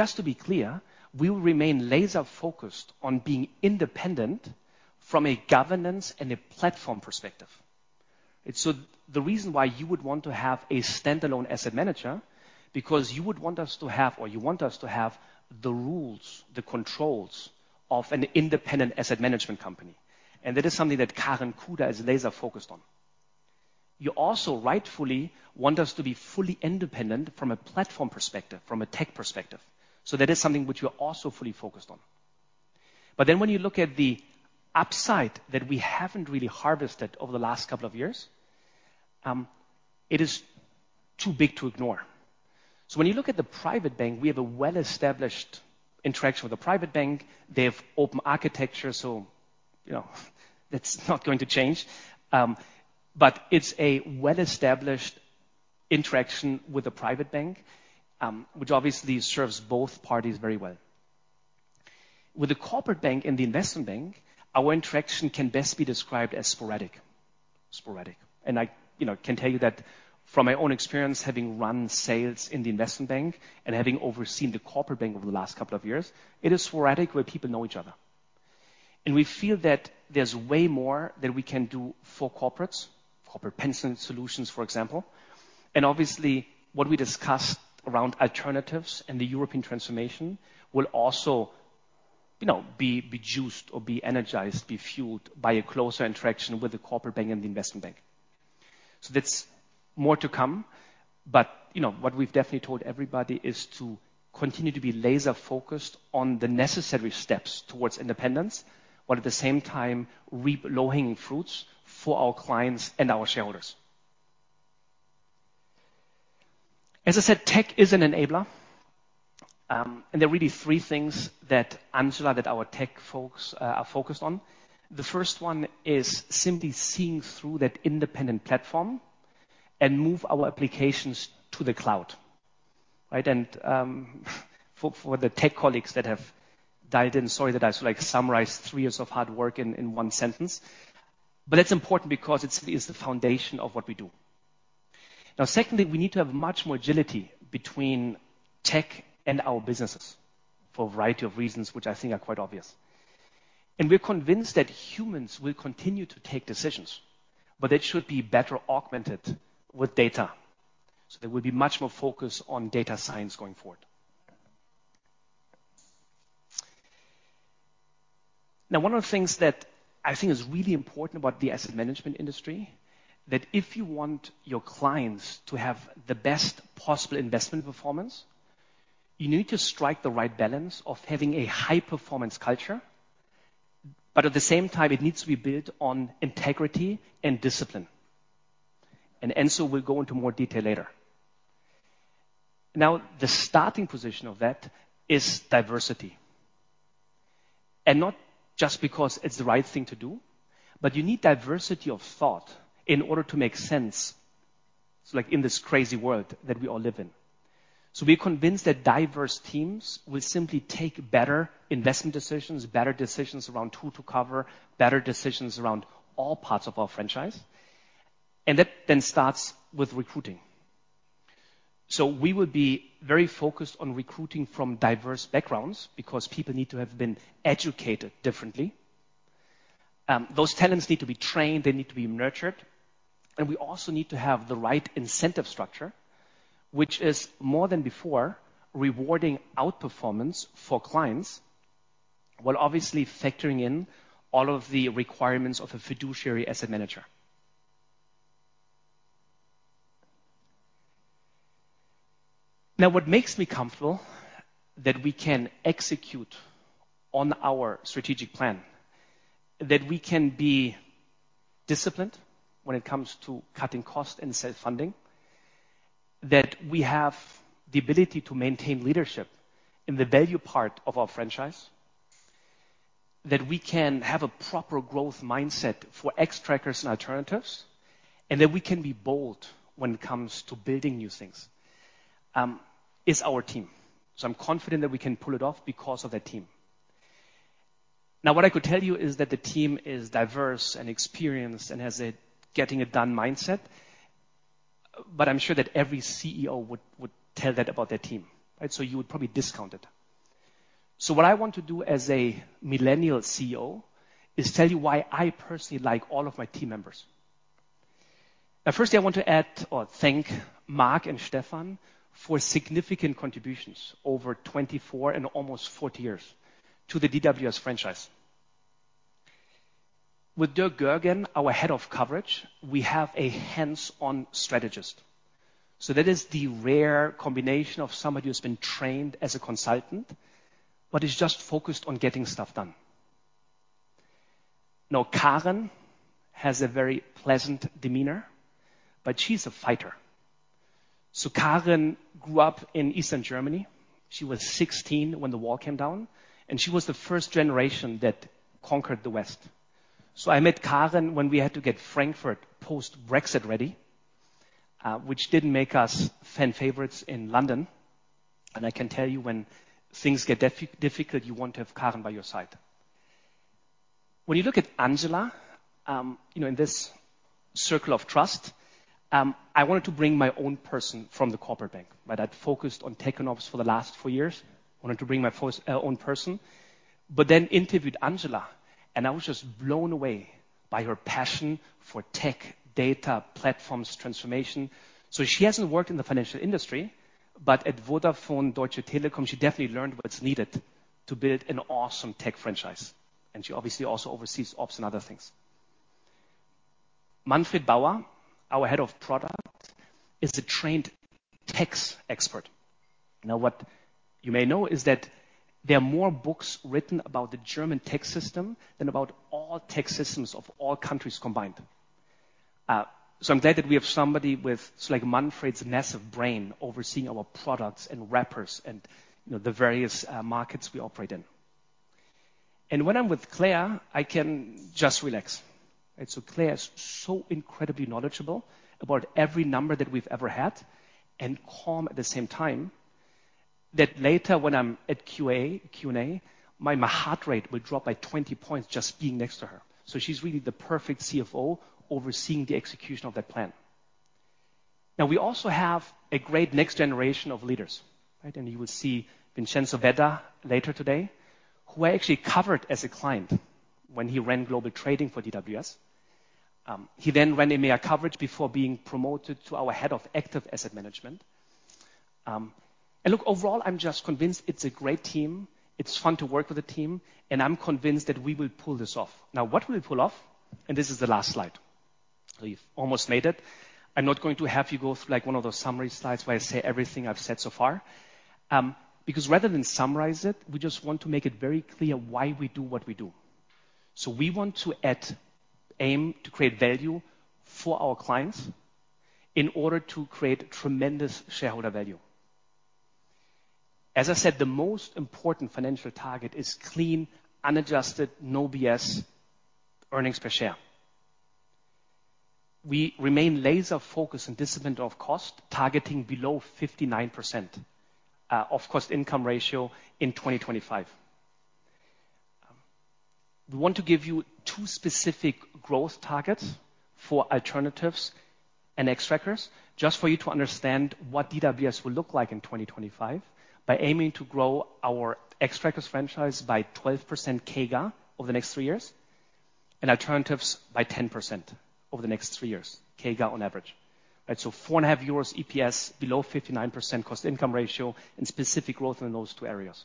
Just to be clear, we will remain laser-focused on being independent from a governance and a platform perspective. The reason why you would want to have a standalone asset manager, because you want us to have the rules, the controls of an independent asset management company. That is something that Karen Kuder is laser-focused on. You also rightfully want us to be fully independent from a platform perspective, from a tech perspective. That is something which we are also fully focused on. When you look at the upside that we haven't really harvested over the last couple of years, it is too big to ignore. When you look at the private bank, we have a well-established interaction with the private bank. They have open architecture, so, you know, that's not going to change. It's a well-established interaction with the private bank, which obviously serves both parties very well. With the corporate bank and the investment bank, our interaction can best be described as sporadic. I, you know, can tell you that from my own experience, having run sales in the Investment Bank and having overseen the Corporate Bank over the last couple of years, it is sporadic where people know each other. We feel that there's way more that we can do for corporates, corporate pension solutions, for example. Obviously, what we discussed around alternatives and the European Transformation will also, you know, be juiced or be energized, be fueled by a closer interaction with the Corporate Bank and the Investment Bank. That's more to come. You know, what we've definitely told everybody is to continue to be laser-focused on the necessary steps towards independence, while at the same time reap low-hanging fruits for our clients and our shareholders. As I said, tech is an enabler, and there are really three things that Angela, that our tech folks are focused on. The first one is simply seeing through that independent platform and move our applications to the cloud, right? For the tech colleagues that have dialed in, sorry that I sort of like summarized three years of hard work in 1 sentence, but it's important because it's the foundation of what we do. Now, secondly, we need to have much more agility between tech and our businesses for a variety of reasons, which I think are quite obvious. We're convinced that humans will continue to take decisions, but they should be better augmented with data. There will be much more focus on data science going forward. One of the things that I think is really important about the asset management industry, that if you want your clients to have the best possible investment performance, you need to strike the right balance of having a high-performance culture, but at the same time, it needs to be built on integrity and discipline. Enzo will go into more detail later. The starting position of that is diversity. Not just because it's the right thing to do, but you need diversity of thought in order to make sense, it's like in this crazy world that we all live in. We're convinced that diverse teams will simply take better investment decisions, better decisions around tool to cover, better decisions around all parts of our franchise, and that then starts with recruiting. We will be very focused on recruiting from diverse backgrounds because people need to have been educated differently. Those talents need to be trained, they need to be nurtured, and we also need to have the right incentive structure, which is more than before rewarding outperformance for clients, while obviously factoring in all of the requirements of a fiduciary asset manager. What makes me comfortable that we can execute on our strategic plan, that we can be disciplined when it comes to cutting costs and self-funding, that we have the ability to maintain leadership in the value part of our franchise, that we can have a proper growth mindset for Xtrackers and alternatives, and that we can be bold when it comes to building new things, is our team. I'm confident that we can pull it off because of that team. What I could tell you is that the team is diverse and experienced and has a getting-it-done mindset, but I'm sure that every CEO would tell that about their team, right? You would probably discount it. What I want to do as a millennial CEO is tell you why I personally like all of my team members. Firstly, I want to add or thank Mark and Stefan for significant contributions over 24 and almost 40 years to the DWS franchise. With Dirk Goergen, our head of coverage, we have a hands-on strategist. That is the rare combination of somebody who's been trained as a consultant but is just focused on getting stuff done. Karen has a very pleasant demeanor, but she's a fighter. Karen grew up in Eastern Germany. She was 16 when the wall came down. She was the first generation that conquered the West. I met Karen when we had to get Frankfurt post-Brexit ready, which didn't make us fan favorites in London. I can tell you when things get difficult, you want to have Karen by your side. When you look at Angela, you know, in this circle of trust, I wanted to bring my own person from the corporate bank, right? I'd focused on tech and ops for the last four years, wanted to bring my own person. Interviewed Angela, I was just blown away by her passion for tech, data, platforms, transformation. She hasn't worked in the financial industry, but at Vodafone Deutsche Telekom, she definitely learned what's needed to build an awesome tech franchise. She obviously also oversees ops and other things. Manfred Bauer, our head of product, is a trained tax expert. What you may know is that there are more books written about the German tax system than about all tax systems of all countries combined. I'm glad that we have somebody like Manfred's massive brain overseeing our products and wrappers and, you know, the various markets we operate in. When I'm with Claire, I can just relax. Claire is so incredibly knowledgeable about every number that we've ever had and calm at the same time, that later when I'm at Q&A, my heart rate will drop by 20 points just being next to her. She's really the perfect CFO overseeing the execution of that plan. We also have a great next generation of leaders, right? You will see Vincenzo Vedda later today, who I actually covered as a client when he ran global trading for DWS. He then ran EMEA coverage before being promoted to our head of active asset management. Look, overall, I'm just convinced it's a great team. It's fun to work with the team, and I'm convinced that we will pull this off. What will we pull off? This is the last slide. We've almost made it. I'm not going to have you go through like one of those summary slides where I say everything I've said so far, because rather than summarize it, we just want to make it very clear why we do what we do. We want to aim to create value for our clients in order to create tremendous shareholder value. As I said, the most important financial target is clean, unadjusted, no BS earnings per share. We remain laser-focused and disciplined of cost, targeting below 59% of cost income ratio in 2025. We want to give you two specific growth targets alternatives, and Xtrackers, just for you to understand what DWS will look like in 2025, by aiming to grow our Xtrackers franchise by 12% CAGR over the next three years, and alternatives by 10% over the next three years, CAGR on average. Right, so 4.5 euros EPS below 59% cost income ratio and specific growth in those two areas.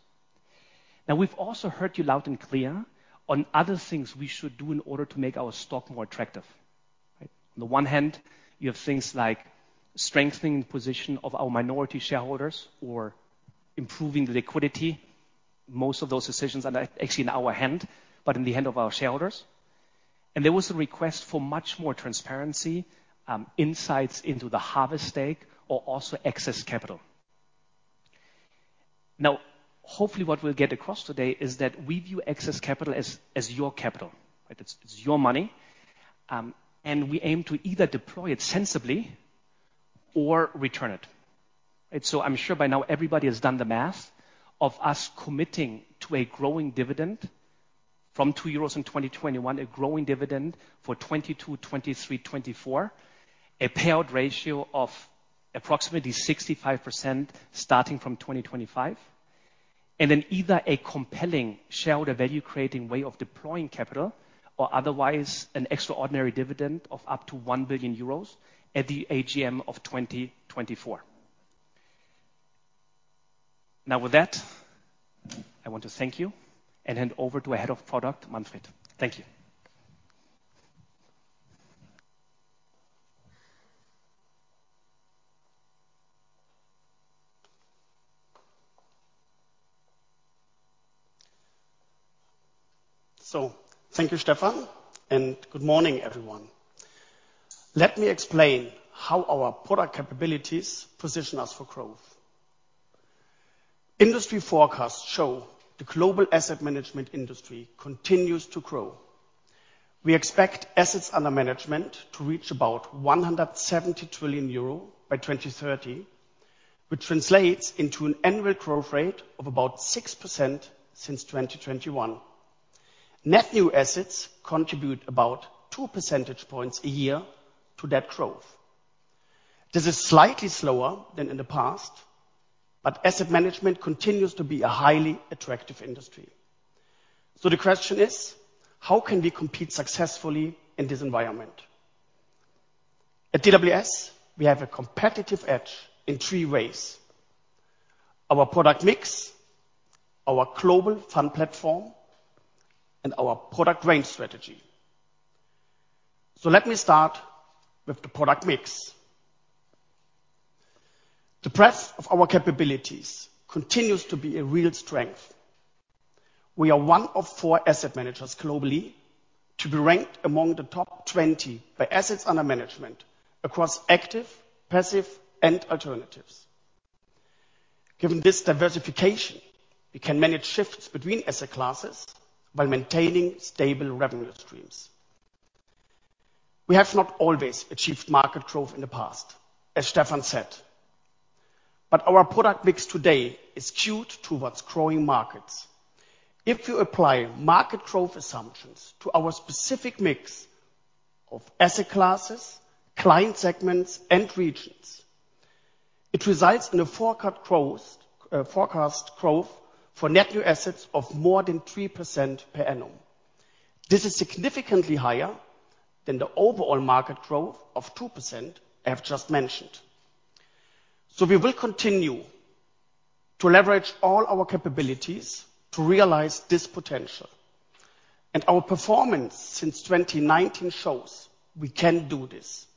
Now, we've also heard you loud and clear on other things we should do in order to make our stock more attractive. On the one hand, you have things like strengthening the position of our minority shareholders or improving the liquidity. Most of those decisions are not actually in our hand, but in the hand of our shareholders. There was a request for much more transparency, insights into the Harvest stake or also excess capital. Hopefully, what we'll get across today is that we view excess capital as your capital. It's your money. We aim to either deploy it sensibly or return it. I'm sure by now everybody has done the math of us committing to a growing dividend from 2 euros in 2021, a growing dividend for 2022, 2023, 2024, a payout ratio of approximately 65% starting from 2025. Either a compelling shareholder value creating way of deploying capital or otherwise an extraordinary dividend of up to 1 billion euros at the AGM of 2024. With that, I want to thank you and hand over to our Head of Product, Manfred. Thank you. Thank you, Stefan, and good morning, everyone. Let me explain how our product capabilities position us for growth. Industry forecasts show the global asset management industry continues to grow. We expect assets under management to reach about 170 trillion euro by 2030, which translates into an annual growth rate of about 6% since 2021. Net new assets contribute about 2 percentage points a year to that growth. This is slightly slower than in the past, but asset management continues to be a highly attractive industry. The question is, how can we compete successfully in this environment? At DWS, we have a competitive edge in three ways: our product mix, our global fund platform, and our product range strategy. Let me start with the product mix. The breadth of our capabilities continues to be a real strength. We are one of four asset managers globally to be ranked among the top 20 by assets under management across active, passive, and alternatives. Given this diversification, we can manage shifts between asset classes while maintaining stable revenue streams. We have not always achieved market growth in the past, as Stefan said, but our product mix today is skewed towards growing markets. If you apply market growth assumptions to our specific mix of asset classes, client segments, and regions, it results in a forecast growth for net new assets of more than 3% per annum. This is significantly higher than the overall market growth of 2% I have just mentioned. We will continue to leverage all our capabilities to realize this potential. Our performance since 2019 shows we can do this.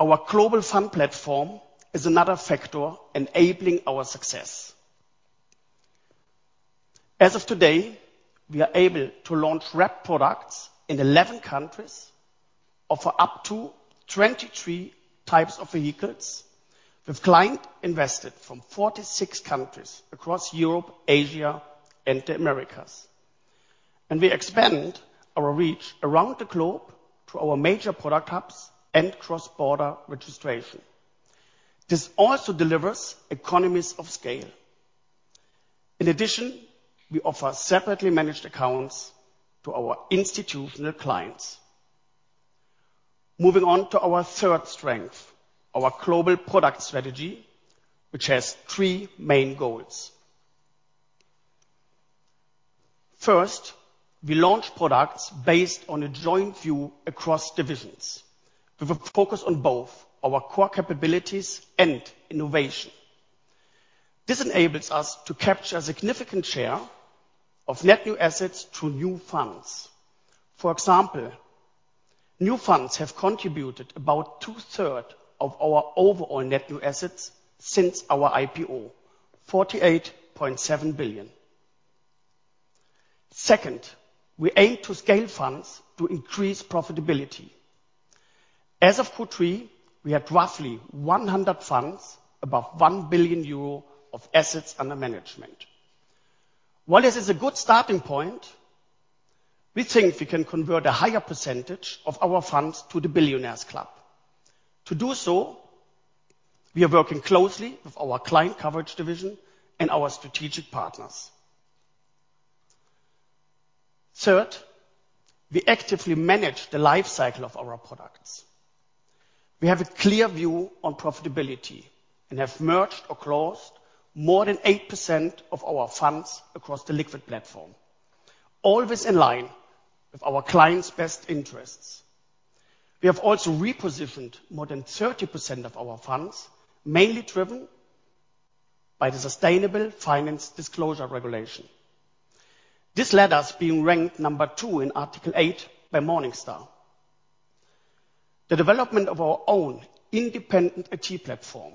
Our global fund platform is another factor enabling our success. As of today, we are able to launch wrap products in 11 countries, offer up to 23 types of vehicles, with client invested from 46 countries across Europe, Asia, and the Americas. We expand our reach around the globe to our major product hubs and cross-border registration. This also delivers economies of scale. In addition, we offer separately managed accounts to our institutional clients. Moving on to our third strength, our global product strategy, which has 3 main goals. First, we launch products based on a joint view across divisions. We will focus on both our core capabilities and innovation. This enables us to capture a significant share of net new assets through new funds. For example, new funds have contributed about 2/3 of our overall net new assets since our IPO, 48.7 billion. Second, we aim to scale funds to increase profitability. As of Q3, we had roughly 100 funds above 1 billion euro of AUM. While this is a good starting point, we think we can convert a higher percentage of our funds to the Billionaire's Club. To do so. We are working closely with our Client Coverage Division and our strategic partners. Third, we actively manage the life cycle of our products. We have a clear view on profitability and have merged or closed more than 8% of our funds across the liquid platform, always in line with our clients best interests. We have also repositioned more than 30% of our funds, mainly driven by the Sustainable Finance Disclosure Regulation. This led us being ranked number two in Article eight by Morningstar. The development of our own independent achieve platform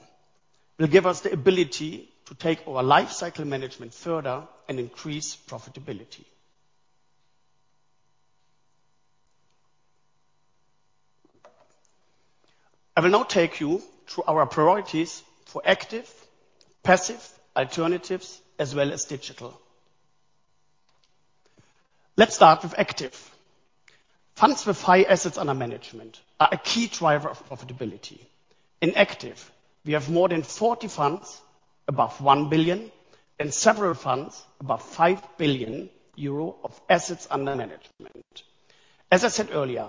will give us the ability to take our life cycle management further and increase profitability. I will now take you through our priorities for active, passive alternatives as well as digital. Let's start with active. Funds with high assets under management are a key driver of profitability. In active, we have more than 40 funds above 1 billion and several funds above 5 billion euro of assets under management. As I said earlier,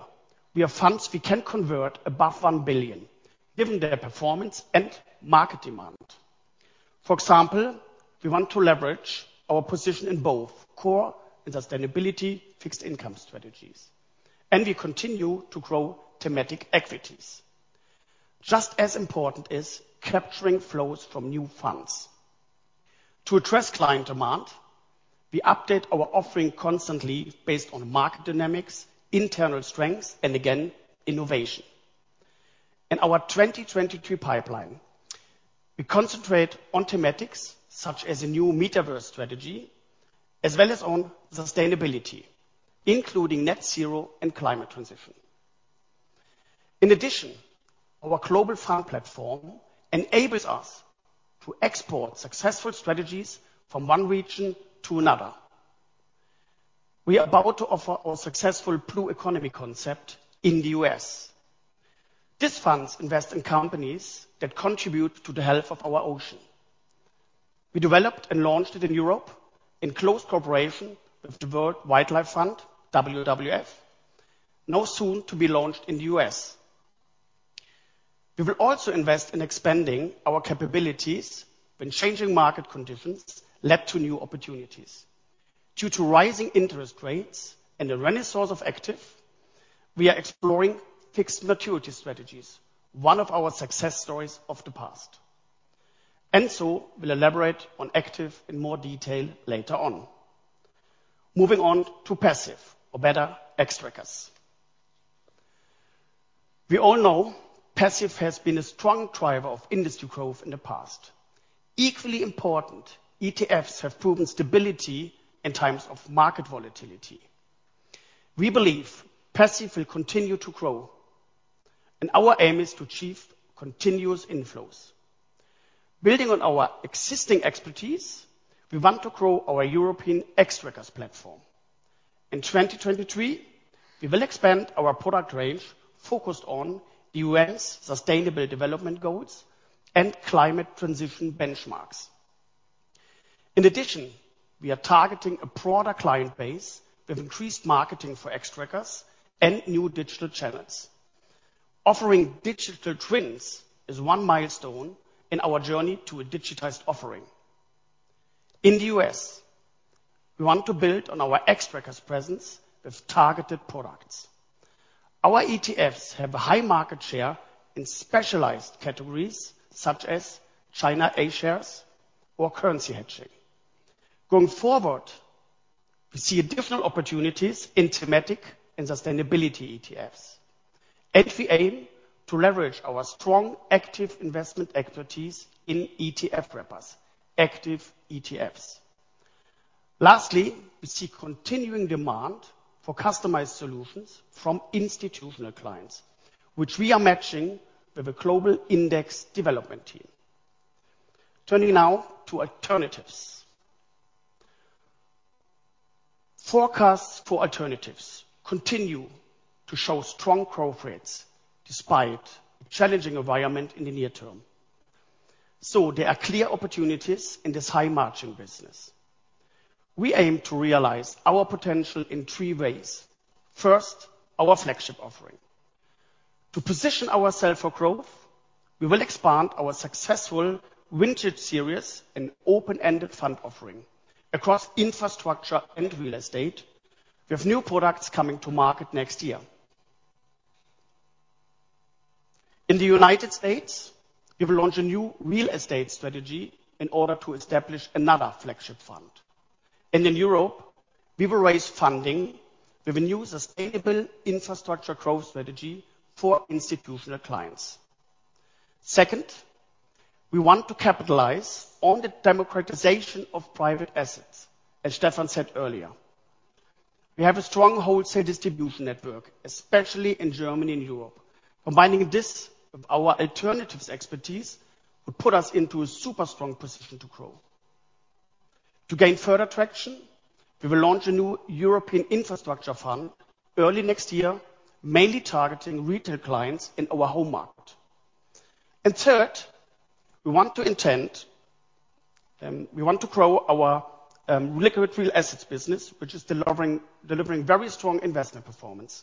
we have funds we can convert above 1 billion given their performance and market demand. For example, we want to leverage our position in both core and sustainability fixed income strategies, and we continue to grow thematic equities. Just as important is capturing flows from new funds. To address client demand, we update our offering constantly based on market dynamics, internal strengths, and again innovation. In our 2022 pipeline, we concentrate on thematics such as a new metaverse strategy as well as on sustainability, including net zero and climate transition. In addition, our global farm platform enables us to export successful strategies from one region to another. We are about to offer our successful blue economy concept in the U.S. These funds invest in companies that contribute to the health of our ocean. We developed and launched it in Europe in close cooperation with the World Wildlife Fund, WWF, now soon to be launched in the U.S. We will also invest in expanding our capabilities when changing market conditions led to new opportunities. Due to rising interest rates and the renaissance of active, we are exploring fixed maturity strategies, one of our success stories of the past. Enzo will elaborate on active in more detail later on. Moving on to passive or better Xtrackers. We all know passive has been a strong driver of industry growth in the past. Equally important, ETFs have proven stability in times of market volatility. We believe passive will continue to grow, and our aim is to achieve continuous inflows. Building on our existing expertise, we want to grow our European Xtrackers platform. In 2023, we will expand our product range focused on UN Sustainable Development Goals and climate transition benchmarks. In addition, we are targeting a broader client base with increased marketing for Xtrackers and new digital channels. Offering digital twins is one milestone in our journey to a digitized offering. In the U.S., we want to build on our Xtrackers presence with targeted products. Our ETFs have a high market share in specialized categories such as China A-shares or currency hedging. Going forward, we see additional opportunities in thematic and sustainability ETFs, and we aim to leverage our strong active investment expertise in ETF wrappers, active ETFs. Lastly, we see continuing demand for customized solutions from institutional clients, which we are matching with a global index development team. Turning now to alternatives. Forecasts for alternatives continue to show strong growth rates despite a challenging environment in the near term, there are clear opportunities in this high margin business. We aim to realize our potential in three ways. First, our flagship offering. To position ourselves for growth, we will expand our successful vintage series and open-ended fund offering across infrastructure and real estate with new products coming to market next year. In the United States, we will launch a new real estate strategy in order to establish another flagship fund. In Europe, we will raise funding with a new sustainable infrastructure growth strategy for institutional clients. Second, we want to capitalize on the democratization of private assets, as Stefan said earlier. We have a strong wholesale distribution network, especially in Germany and Europe. Combining this with our alternatives expertise will put us into a super strong position to grow. To gain further traction, we will launch a new European infrastructure fund early next year, mainly targeting retail clients in our home market. Third, we want to grow our liquid real assets business, which is delivering very strong investment performance.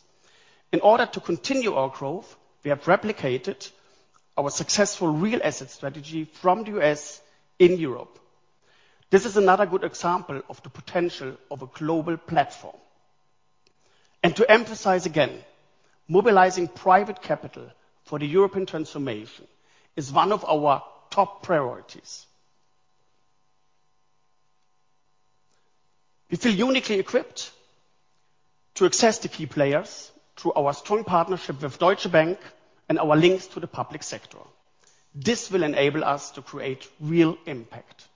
In order to continue our growth, we have replicated our successful real asset strategy from the U.S. in Europe. This is another good example of the potential of a global platform. To emphasize again, mobilizing private capital for the European transformation is one of our top priorities. We feel uniquely equipped to access the key players through our strong partnership with Deutsche Bank and our links to the public sector. This will enable us to create real impact.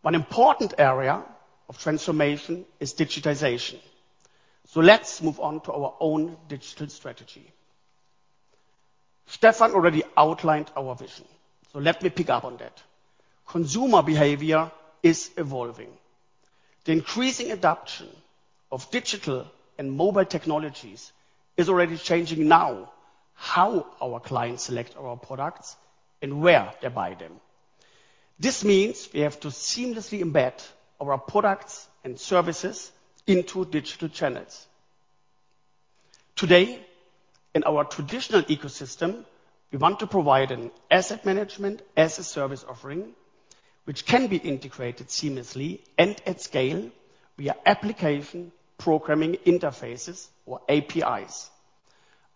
One important area of transformation is digitization. Let's move on to our own digital strategy. Stefan already outlined our vision, so let me pick up on that. Consumer behavior is evolving. The increasing adoption of digital and mobile technologies is already changing now how our clients select our products and where they buy them. This means we have to seamlessly embed our products and services into digital channels. Today, in our traditional ecosystem, we want to provide an asset management as a service offering, which can be integrated seamlessly and at scale via application programming interfaces or APIs.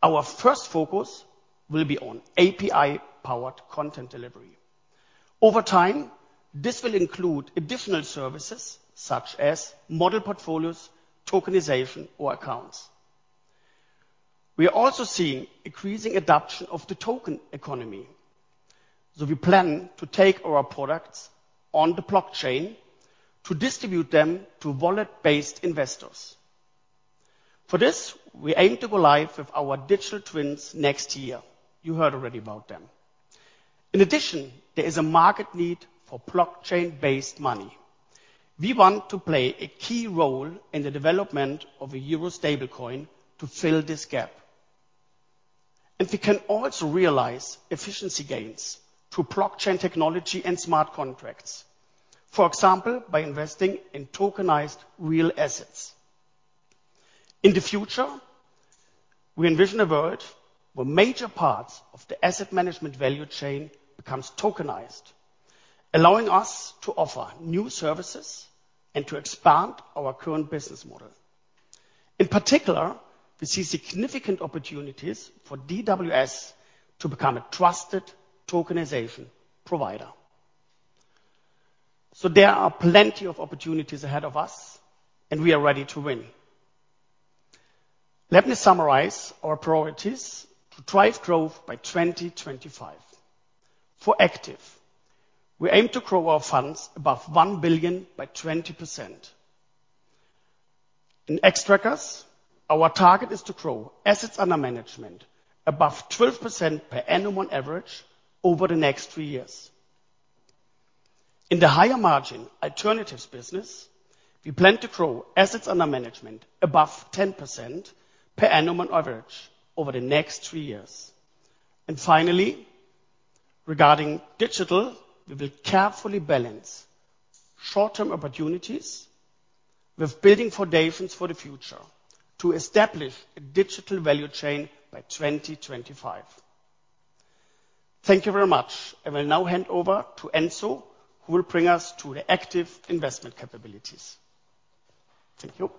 Our first focus will be on API-powered content delivery. Over time, this will include additional services such as model portfolios, tokenization, or accounts. We are also seeing increasing adoption of the token economy. We plan to take our products on the blockchain to distribute them to wallet-based investors. For this, we aim to go live with our digital twins next year. You heard already about them. In addition, there is a market need for blockchain-based money. We want to play a key role in the development of a Euro stablecoin to fill this gap. We can also realize efficiency gains through blockchain technology and smart contracts, for example, by investing in tokenized real assets. In the future, we envision a world where major parts of the asset management value chain becomes tokenized, allowing us to offer new services and to expand our current business model. In particular, we see significant opportunities for DWS to become a trusted tokenization provider. There are plenty of opportunities ahead of us, and we are ready to win. Let me summarize our priorities to drive growth by 2025. For active, we aim to grow our funds above 1 billion by 20%. In Xtrackers, our target is to grow assets under management above 12% per annum on average over the next three years. In the higher margin alternatives business, we plan to grow assets under management above 10% per annum on average over the next three years. Finally, regarding digital, we will carefully balance short-term opportunities with building foundations for the future to establish a digital value chain by 2025. Thank you very much. I will now hand over to Enzo, who will bring us to the active investment capabilities. Thank you.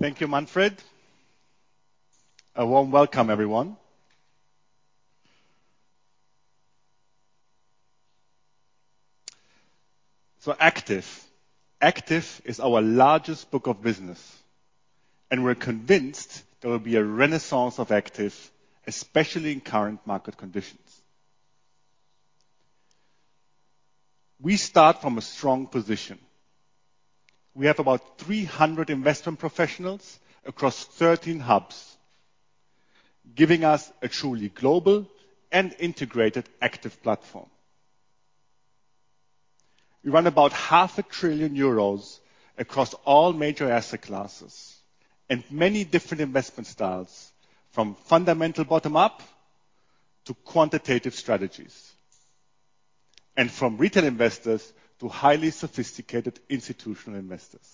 Thank you, Manfred. A warm welcome, everyone. Active. Active is our largest book of business, and we're convinced there will be a renaissance of active, especially in current market conditions. We start from a strong position. We have about 300 investment professionals across 13 hubs, giving us a truly global and integrated active platform. We run about 500 billion euros across all major asset classes and many different investment styles, from fundamental bottom up to quantitative strategies, and from retail investors to highly sophisticated institutional investors.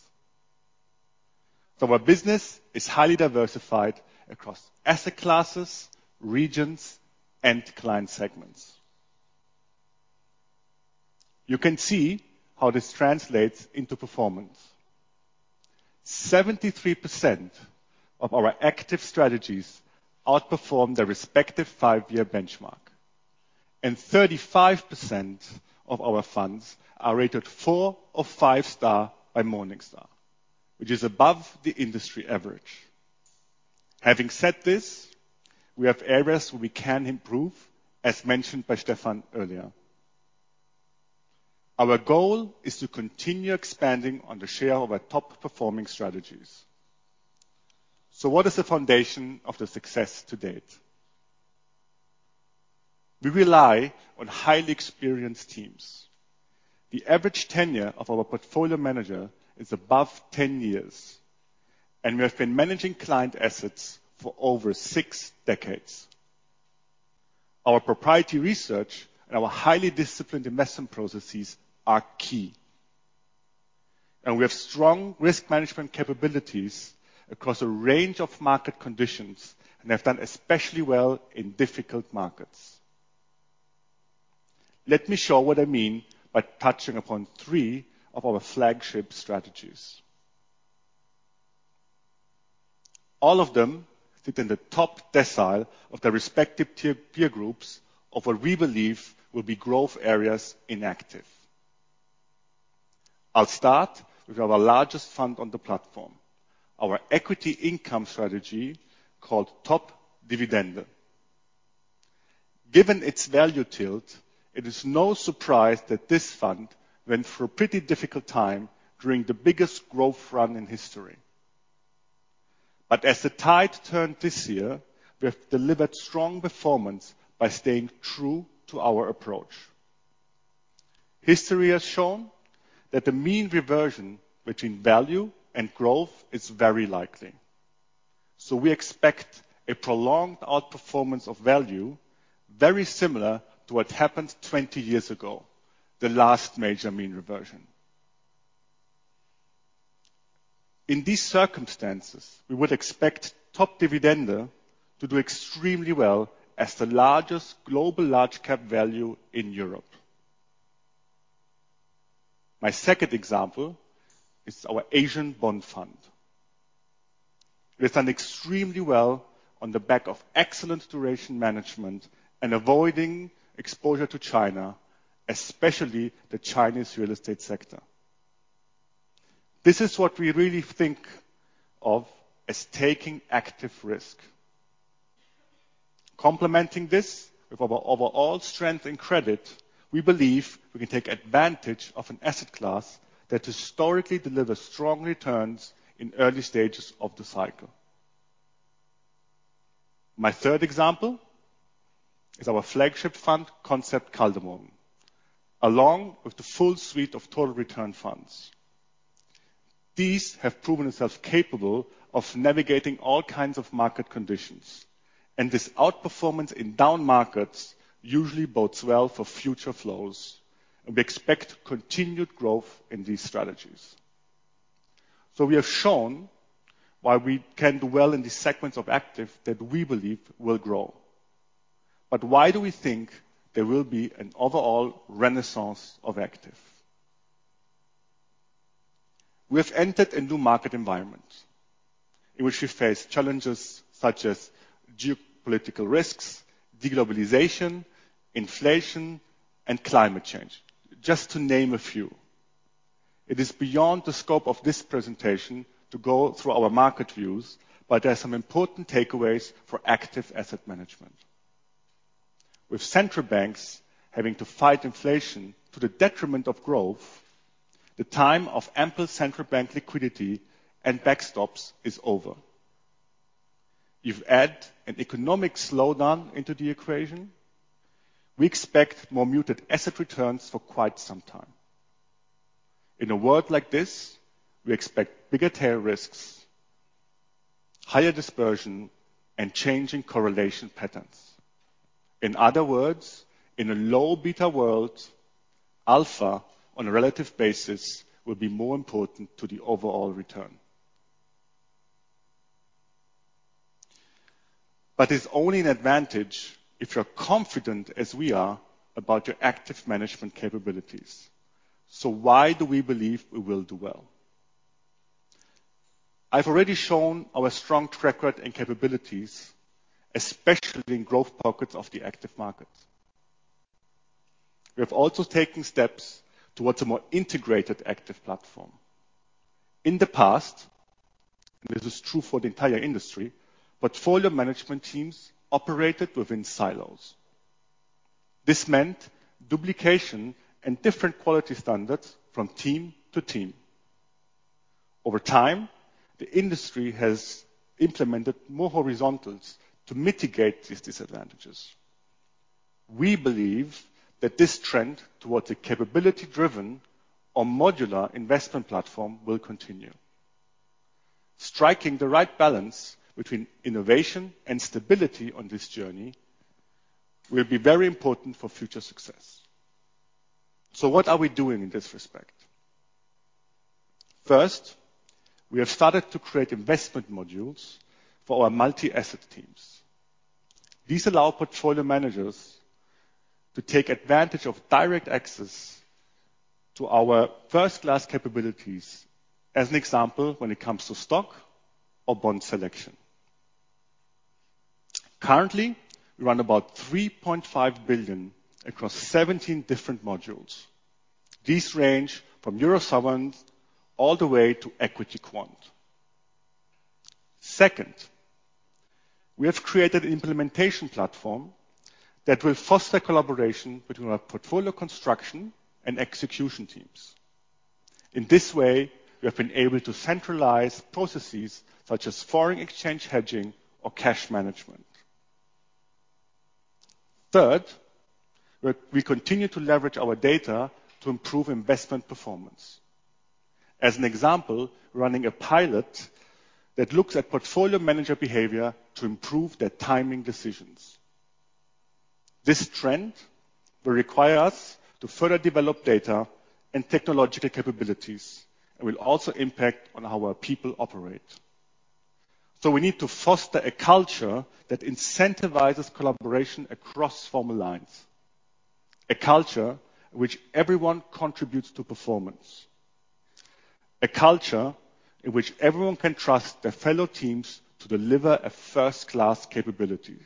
Our business is highly diversified across asset classes, regions, and client segments. You can see how this translates into performance. 73% of our active strategies outperform their respective five-year benchmark, and 35% of our funds are rated four or five star by Morningstar, which is above the industry average. Having said this, we have areas where we can improve, as mentioned by Stefan earlier. Our goal is to continue expanding on the share of our top performing strategies. What is the foundation of the success to date? We rely on highly experienced teams. The average tenure of our portfolio manager is above 10 years, and we have been managing client assets for over six decades. Our proprietary research and our highly disciplined investment processes are key. We have strong risk management capabilities across a range of market conditions and have done especially well in difficult markets. Let me show what I mean by touching upon three of our flagship strategies. All of them sit in the top decile of their respective peer groups of what we believe will be growth areas in active. I'll start with our largest fund on the platform, our equity income strategy called Top Dividende. Given its value tilt, it is no surprise that this fund went through a pretty difficult time during the biggest growth run in history. As the tide turned this year, we have delivered strong performance by staying true to our approach. History has shown that the mean reversion between value and growth is very likely. We expect a prolonged outperformance of value very similar to what happened 20 years ago, the last major mean reversion. In these circumstances, we would expect Top Dividende to do extremely well as the largest global large cap value in Europe. My second example is our Asian Bond Fund. We've done extremely well on the back of excellent duration management and avoiding exposure to China, especially the Chinese real estate sector. This is what we really think of as taking active risk. Complementing this with our overall strength in credit, we believe we can take advantage of an asset class that historically delivers strong returns in early stages of the cycle. My third example is our flagship fund, Concept Kaldemorgen, along with the full suite of total return funds. These have proven themselves capable of navigating all kinds of market conditions, and this outperformance in down markets usually bodes well for future flows, and we expect continued growth in these strategies. We have shown why we can do well in the segments of active that we believe will grow. Why do we think there will be an overall renaissance of active? We have entered a new market environment in which we face challenges such as geopolitical risks, deglobalization, inflation, and climate change, just to name a few. It is beyond the scope of this presentation to go through our market views, but there are some important takeaways for active asset management. With central banks having to fight inflation to the detriment of growth, the time of ample central bank liquidity and backstops is over. If you add an economic slowdown into the equation, we expect more muted asset returns for quite some time. In a world like this, we expect bigger tail risks, higher dispersion, and changing correlation patterns. In other words, in a low beta world, alpha on a relative basis will be more important to the overall return. It's only an advantage if you're confident, as we are, about your active management capabilities. Why do we believe we will do well? I've already shown our strong track record and capabilities, especially in growth pockets of the active market. We have also taken steps towards a more integrated active platform. In the past, and this is true for the entire industry, portfolio management teams operated within silos. This meant duplication and different quality standards from team to team. Over time, the industry has implemented more horizontals to mitigate these disadvantages. We believe that this trend towards a capability-driven or modular investment platform will continue. Striking the right balance between innovation and stability on this journey will be very important for future success. What are we doing in this respect? First, we have started to create investment modules for our multi-asset teams. These allow portfolio managers to take advantage of direct access to our first-class capabilities, as an example, when it comes to stock or bond selection. Currently, we run about 3.5 billion across 17 different modules. These range from Euro Sovereigns all the way to equity quant. We have created an implementation platform that will foster collaboration between our portfolio construction and execution teams. In this way, we have been able to centralize processes such as foreign exchange hedging or cash management. We continue to leverage our data to improve investment performance. As an example, running a pilot that looks at portfolio manager behavior to improve their timing decisions. This trend will require us to further develop data and technological capabilities, and will also impact on how our people operate. We need to foster a culture that incentivizes collaboration across former lines. A culture in which everyone contributes to performance. A culture in which everyone can trust their fellow teams to deliver a first-class capability.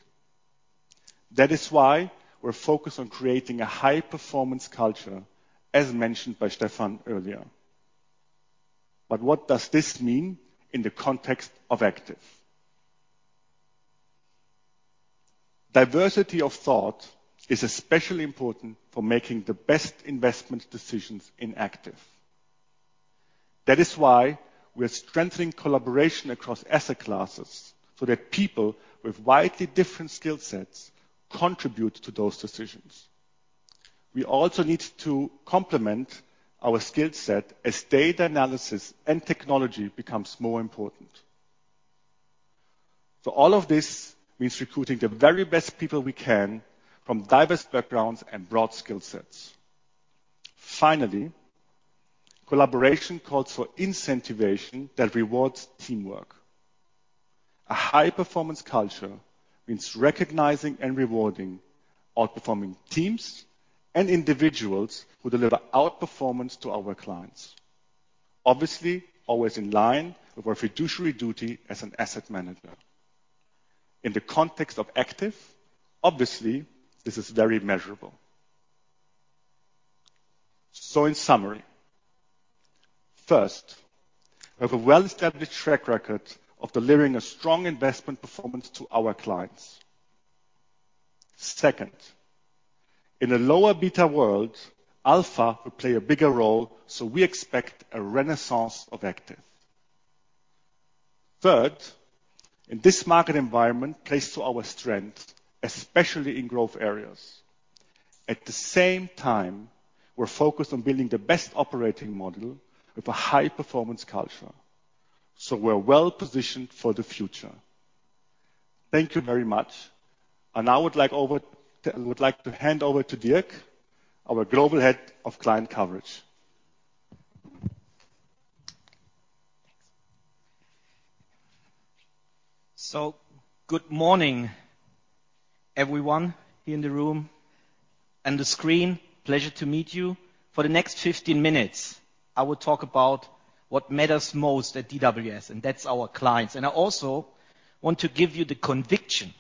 That is why we're focused on creating a high-performance culture, as mentioned by Stefan earlier. What does this mean in the context of active? Diversity of thought is especially important for making the best investment decisions in active. That is why we are strengthening collaboration across asset classes so that people with widely different skill sets contribute to those decisions. We also need to complement our skill set as data analysis and technology becomes more important. All of this means recruiting the very best people we can from diverse backgrounds and broad skill sets. Finally, collaboration calls for incentivation that rewards teamwork. A high-performance culture means recognizing and rewarding outperforming teams and individuals who deliver outperformance to our clients. Obviously, always in line with our fiduciary duty as an asset manager. In the context of active, obviously, this is very measurable. In summary, first, we have a well-established track record of delivering a strong investment performance to our clients. Second, in a lower beta world, alpha will play a bigger role, so we expect a renaissance of active. Third, in this market environment, plays to our strength, especially in growth areas. At the same time, we're focused on building the best operating model with a high-performance culture, so we're well-positioned for the future. Thank you very much. I would like to hand over to Dirk, our Global Head of Client Coverage. Good morning, everyone here in the room and the screen. Pleasure to meet you. For the next 15 minutes, I will talk about what matters most at DWS, and that's our clients. I also want to give you the conviction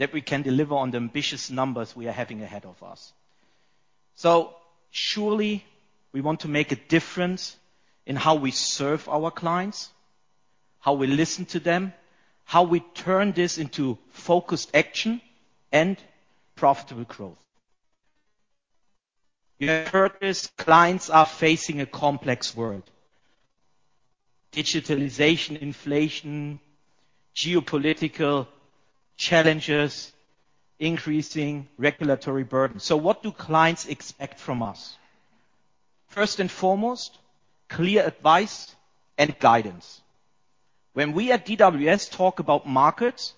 that we can deliver on the ambitious numbers we are having ahead of us. Surely we want to make a difference in how we serve our clients, how we listen to them, how we turn this into focused action and profitable growth. You've heard this, clients are facing a complex world: digitalization, inflation, geopolitical challenges, increasing regulatory burden. What do clients expect from us? First and foremost, clear advice and guidance. When we at DWS talk about markets,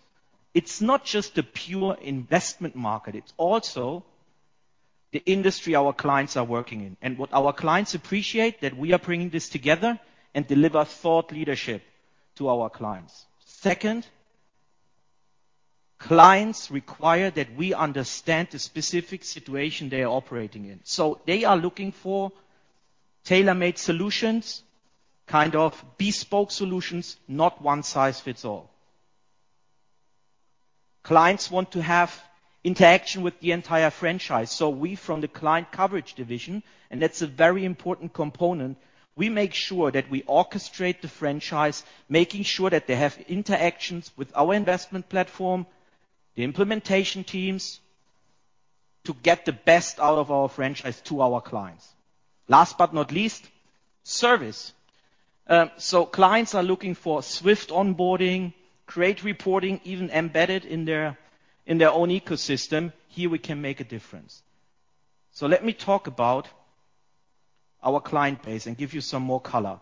it's not just the pure investment market, it's also the industry our clients are working in. What our clients appreciate that we are bringing this together and deliver thought leadership to our clients. Second, clients require that we understand the specific situation they are operating in, so they are looking for tailor-made solutions, kind of bespoke solutions, not one size fits all. Clients want to have interaction with the entire franchise. We from the Client Coverage Division, and that's a very important component, we make sure that we orchestrate the franchise, making sure that they have interactions with our investment platform, the implementation teams, to get the best out of our franchise to our clients. Last but not least, service. Clients are looking for swift onboarding, great reporting, even embedded in their own ecosystem. Here we can make a difference. Let me talk about our client base and give you some more color.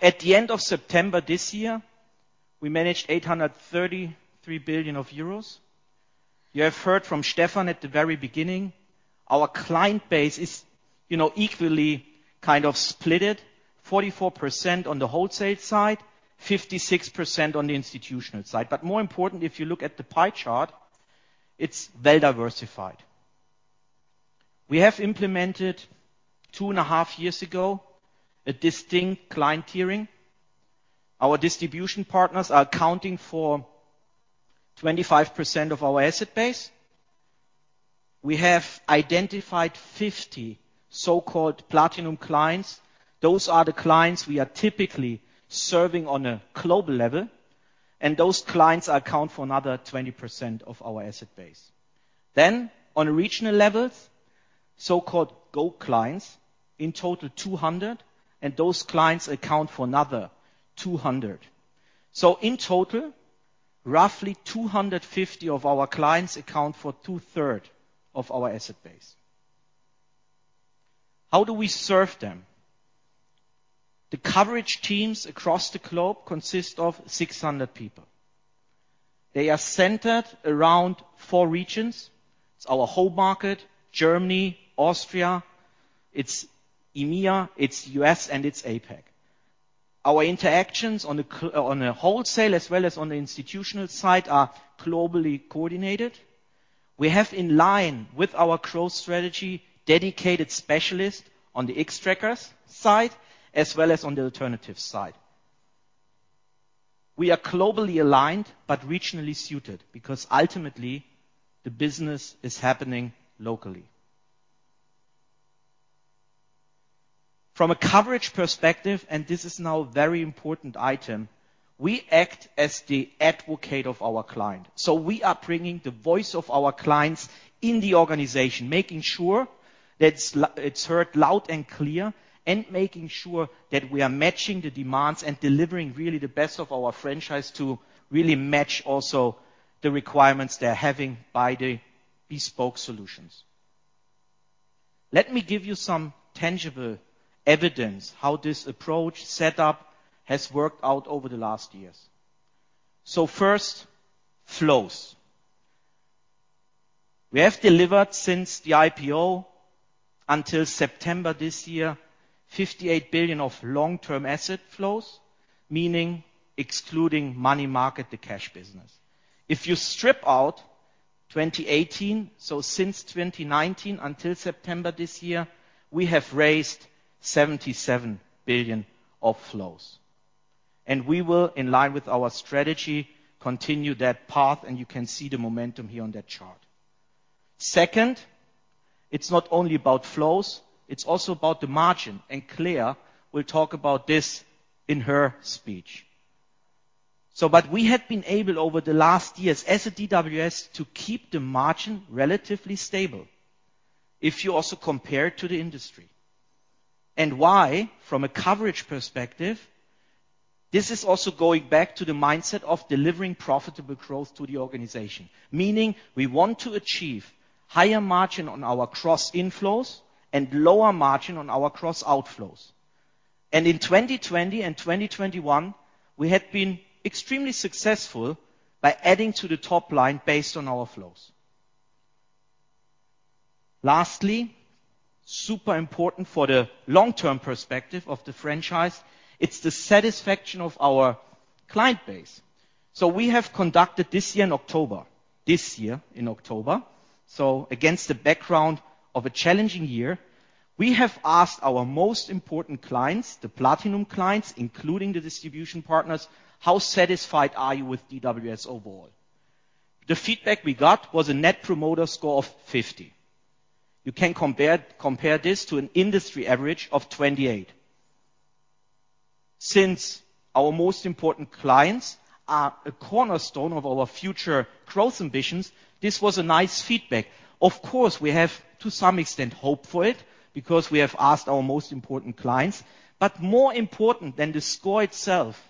At the end of September this year, we managed 833 billion euros. You have heard from Stefan at the very beginning. Our client base is, you know, equally kind of splitted, 44% on the wholesale side, 56% on the institutional side. More important, if you look at the pie chart, it's well diversified. We have implemented two and a half years ago, a distinct client tiering. Our distribution partners are accounting for 25% of our asset base. We have identified 50 so-called platinum clients. Those are the clients we are typically serving on a global level, and those clients account for another 20% of our asset base. On regional levels, so-called gold clients, in total 200, and those clients account for another 200. In total, roughly 250 of our clients account for two-third of our asset base. How do we serve them? The coverage teams across the globe consist of 600 people. They are centered around four regions. It's our home market, Germany, Austria, it's EMEA, it's U.S., and it's APAC. Our interactions on the wholesale as well as on the institutional side are globally coordinated. We have in line with our growth strategy, dedicated specialists on the Xtrackers side as well as on the alternatives side. We are globally aligned but regionally suited because ultimately the business is happening locally. From a coverage perspective, and this is now a very important item, we act as the advocate of our client. We are bringing the voice of our clients in the organization, making sure that it's. it's heard loud and clear, and making sure that we are matching the demands and delivering really the best of our franchise to really match also the requirements they're having by the bespoke solutions. Let me give you some tangible evidence how this approach set up has worked out over the last years. First, flows. We have delivered since the IPO until September this year, 58 billion of long-term asset flows, meaning excluding money market, the cash business. If you strip out 2018, since 2019 until September this year, we have raised 77 billion of flows. We will, in line with our strategy, continue that path, and you can see the momentum here on that chart. Second, it's not only about flows, it's also about the margin. Claire will talk about this in her speech. We have been able, over the last years as a DWS, to keep the margin relatively stable if you also compare to the industry. Why? From a coverage perspective, this is also going back to the mindset of delivering profitable growth to the organization, meaning we want to achieve higher margin on our cross-inflows and lower margin on our cross-outflows. In 2020 and 2021, we had been extremely successful by adding to the top line based on our flows. Lastly, super important for the long-term perspective of the franchise, it's the satisfaction of our client base. We have conducted this year in October, against the background of a challenging year, we have asked our most important clients, the platinum clients, including the distribution partners: How satisfied are you with DWS overall? The feedback we got was a Net Promoter Score of 50. You can compare this to an industry average of 28. Since our most important clients are a cornerstone of our future growth ambitions, this was a nice feedback. Of course, we have to some extent hoped for it because we have asked our most important clients. More important than the score itself,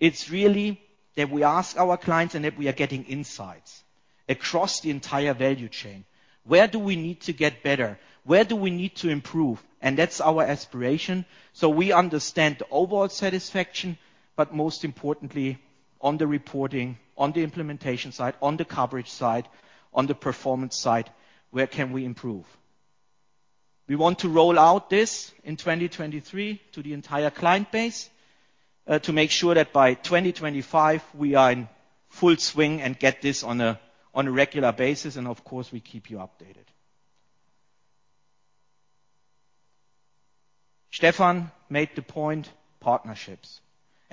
it's really that we ask our clients and that we are getting insights across the entire value chain. Where do we need to get better? Where do we need to improve? That's our aspiration. We understand the overall satisfaction, but most importantly on the reporting, on the implementation side, on the coverage side, on the performance side, where can we improve? We want to roll out this in 2023 to the entire client base, to make sure that by 2025 we are in full swing and get this on a, on a regular basis and of course we keep you updated. Stefan made the point, partnerships.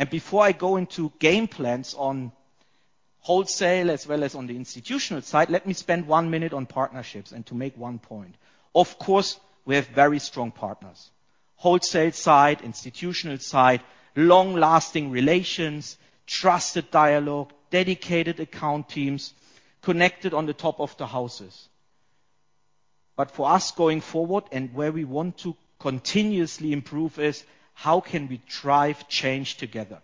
Before I go into game plans on wholesale as well as on the institutional side, let me spend one minute on partnerships and to make one point. Of course, we have very strong partners. Wholesale side, institutional side, long-lasting relations, trusted dialogue, dedicated account teams connected on the top of the houses. For us going forward and where we want to continuously improve is: How can we drive change together?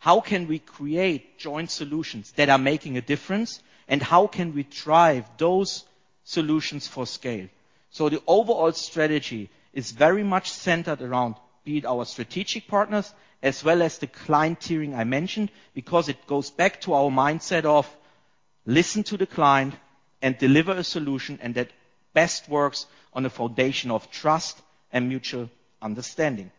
How can we create joint solutions that are making a difference? How can we drive those solutions for scale? The overall strategy is very much centered around be it our strategic partners as well as the client tiering I mentioned, because it goes back to our mindset of listen to the client and deliver a solution, that best works on a foundation of trust and mutual understanding.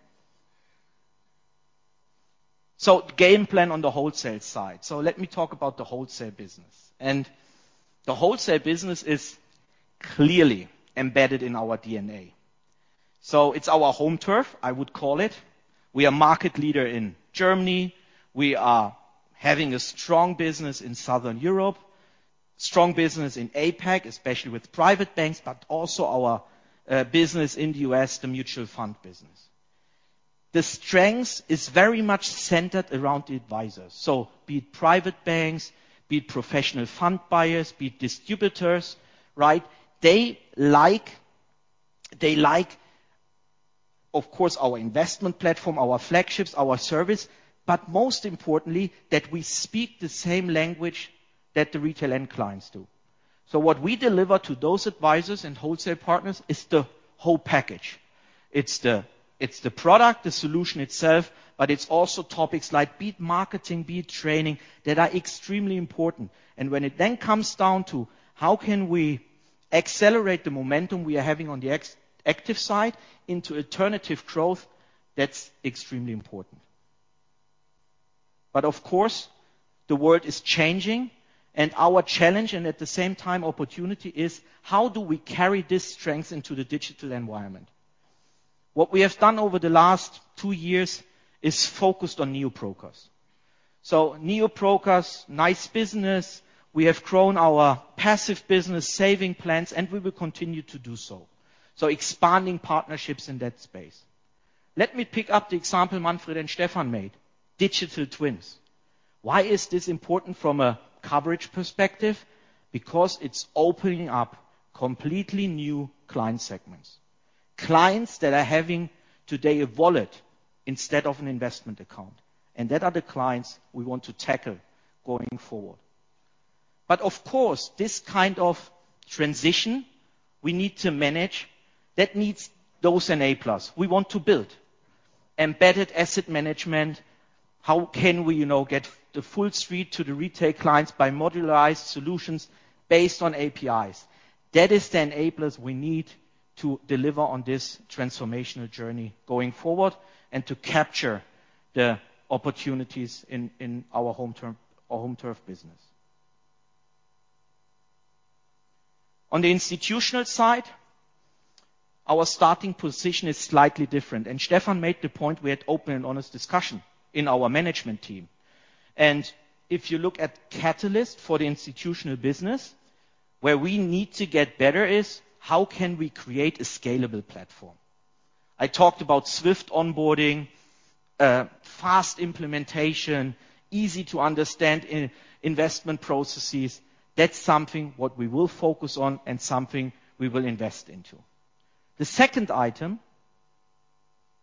Game plan on the wholesale side. Let me talk about the wholesale business. The wholesale business is clearly embedded in our DNA, so it's our home turf, I would call it. We are market leader in Germany. We are having a strong business in Southern Europe, strong business in APAC, especially with private banks, but also our business in the U.S., the mutual fund business. The strength is very much centered around the advisors. Be it private banks, be it professional fund buyers, be it distributors, right? They like, they like of course, our investment platform, our flagships, our service, but most importantly that we speak the same language that the retail end clients do. What we deliver to those advisors and wholesale partners is the whole package. It's the, it's the product, the solution itself, but it's also topics like be it marketing, be it training that are extremely important, and when it then comes down to how can we accelerate the momentum we are having on the ex-active side into Alternatives growth, that's extremely important. Of course, the world is changing and our challenge and at the same time opportunity is: how do we carry this strength into the digital environment? What we have done over the last two years is focused on neo-brokers. Neo-brokers, nice business. We have grown our passive business saving plans, and we will continue to do so. Expanding partnerships in that space. Let me pick up the example Manfred and Stefan made, digital twins. Why is this important from a coverage perspective? Because it's opening up completely new client segments. Clients that are having today a wallet instead of an investment account, and that are the clients we want to tackle going forward. Of course, this kind of transition we need to manage that needs those enablers we want to build. Embedded asset management, how can we, you know, get the full suite to the retail clients by modularized solutions based on APIs? That is the enablers we need to deliver on this transformational journey going forward, and to capture the opportunities in our home turf business. On the institutional side, our starting position is slightly different, Stefan made the point we had open and honest discussion in our management team. If you look at catalyst for the institutional business, where we need to get better is: how can we create a scalable platform? I talked about swift onboarding, fast implementation, easy to understand in-investment processes. That's something what we will focus on and something we will invest into. The second item,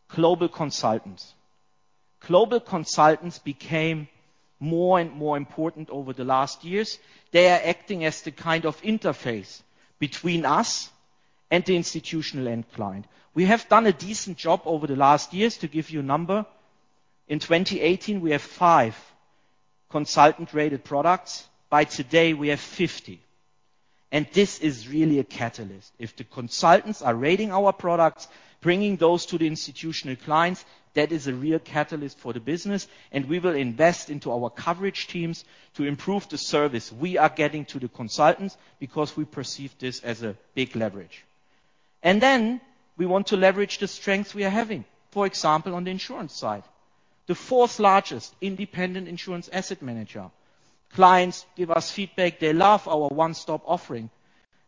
global consultants. Global consultants became more and more important over the last years. They are acting as the kind of interface between us and the institutional end client. We have done a decent job over the last years. To give you a number, in 2018 we have five consultant-rated products. By today, we have 50, and this is really a catalyst. If the consultants are rating our products, bringing those to the institutional clients, that is a real catalyst for the business, and we will invest into our coverage teams to improve the service we are getting to the consultants because we perceive this as a big leverage. We want to leverage the strength we are having, for example, on the insurance side. The fourth largest independent insurance asset manager. Clients give us feedback. They love our one-stop offering.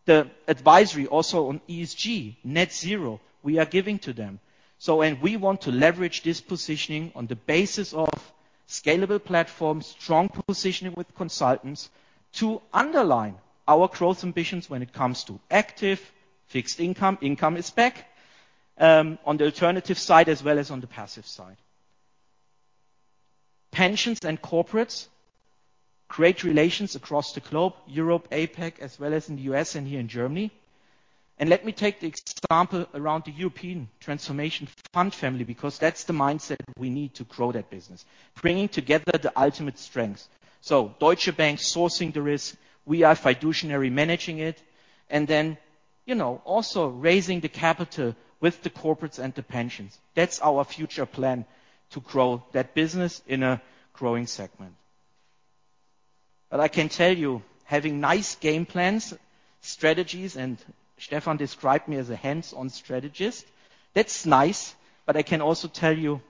The advisory also on ESG net zero we are giving to them. When we want to leverage this positioning on the basis of scalable platforms, strong positioning with consultants to underline our growth ambitions when it comes to active fixed income is back, on the alternative side as well as on the passive side. Pensions and corporates, great relations across the globe, Europe, APAC, as well as in the U.S. and here in Germany. Let me take the example around the European Transformation Fund family because that's the mindset we need to grow that business, bringing together the ultimate strengths. Deutsche Bank sourcing the risk, we are fiduciary managing it, and then, you know, also raising the capital with the corporates and the pensions. That's our future plan to grow that business in a growing segment, but I can tell you having nice game plans, strategies, and Stefan described me as a hands-on strategist, that's nice, but I can also tell you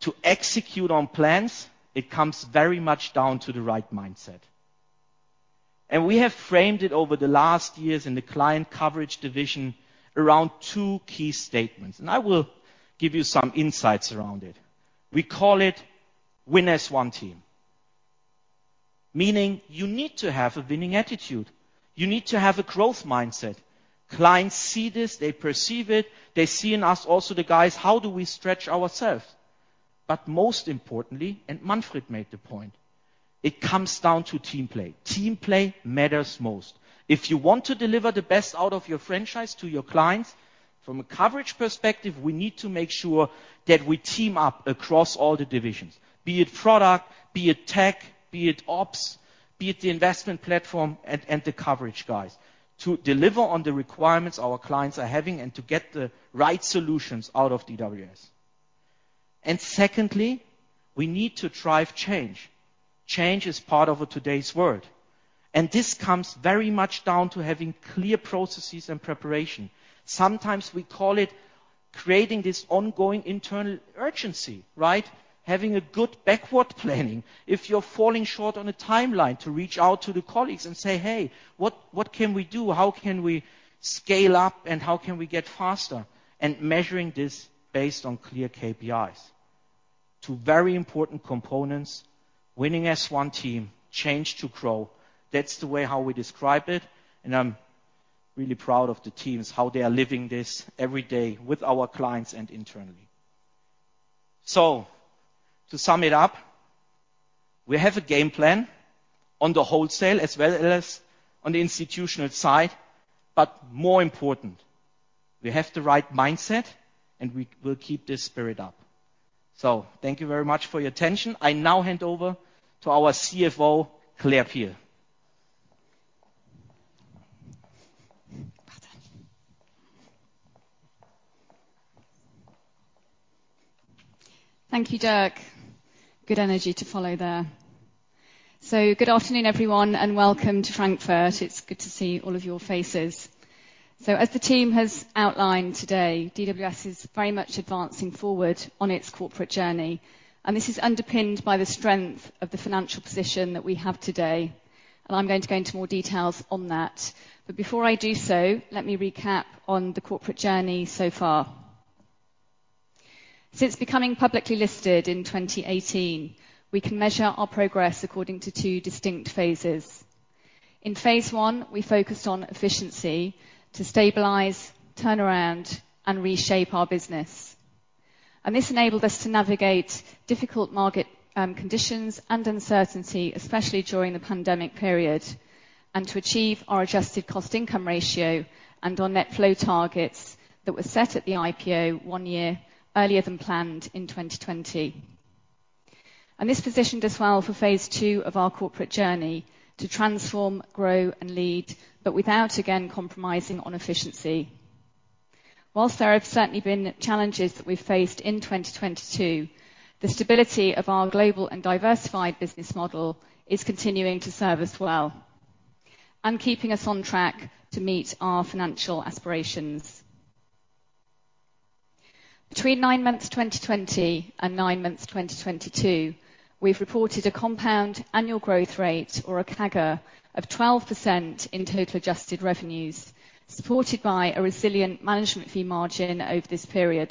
to execute on plans, it comes very much down to the right mindset. We have framed it over the last years in the client coverage division around two key statements, and I will give you some insights around it. We call it win as one team, meaning you need to have a winning attitude. You need to have a growth mindset. Clients see this, they perceive it. They see in us also the guys, how do we stretch ourselves? Most importantly, and Manfred made the point, it comes down to team play. Team play matters most. If you want to deliver the best out of your franchise to your clients from a coverage perspective, we need to make sure that we team up across all the divisions, be it product, be it tech, be it ops, be it the investment platform and the coverage guys, to deliver on the requirements our clients are having and to get the right solutions out of DWS. Secondly, we need to drive change. Change is part of today's world, and this comes very much down to having clear processes and preparation. Sometimes we call it creating this ongoing internal urgency, right? Having a good backward planning. If you're falling short on a timeline to reach out to the colleagues and say, "Hey, what can we do? How can we scale up and how can we get faster?" And measuring this based on clear KPIs. Two very important components, winning as one team, change to grow. That's the way how we describe it, and I'm really proud of the teams, how they are living this every day with our clients and internally. To sum it up, we have a game plan on the wholesale as well as on the institutional side. More important, we have the right mindset and we will keep this spirit up. Thank you very much for your attention. I now hand over to our CFO, Claire Peel. Thank you, Dirk. Good energy to follow there. Good afternoon, everyone, and welcome to Frankfurt. It's good to see all of your faces. As the team has outlined today, DWS is very much advancing forward on its corporate journey, and this is underpinned by the strength of the financial position that we have today. I'm going to go into more details on that. Before I do so, let me recap on the corporate journey so far. Since becoming publicly listed in 2018, we can measure our progress according to two distinct phases. In phase 1, we focused on efficiency to stabilize, turn around, and reshape our business. This enabled us to navigate difficult market conditions and uncertainty, especially during the pandemic period, and to achieve our adjusted cost-income ratio and our net flow targets that were set at the IPO one year earlier than planned in 2020. This positioned us well for phase 2 of our corporate journey to transform, grow, and lead, but without again compromising on efficiency. While there have certainly been challenges that we've faced in 2022, the stability of our global and diversified business model is continuing to serve us well and keeping us on track to meet our financial aspirations. Between nine months 2020 and nine months 2022, we've reported a compound annual growth rate or a CAGR of 12% in total adjusted revenues, supported by a resilient management fee margin over this period,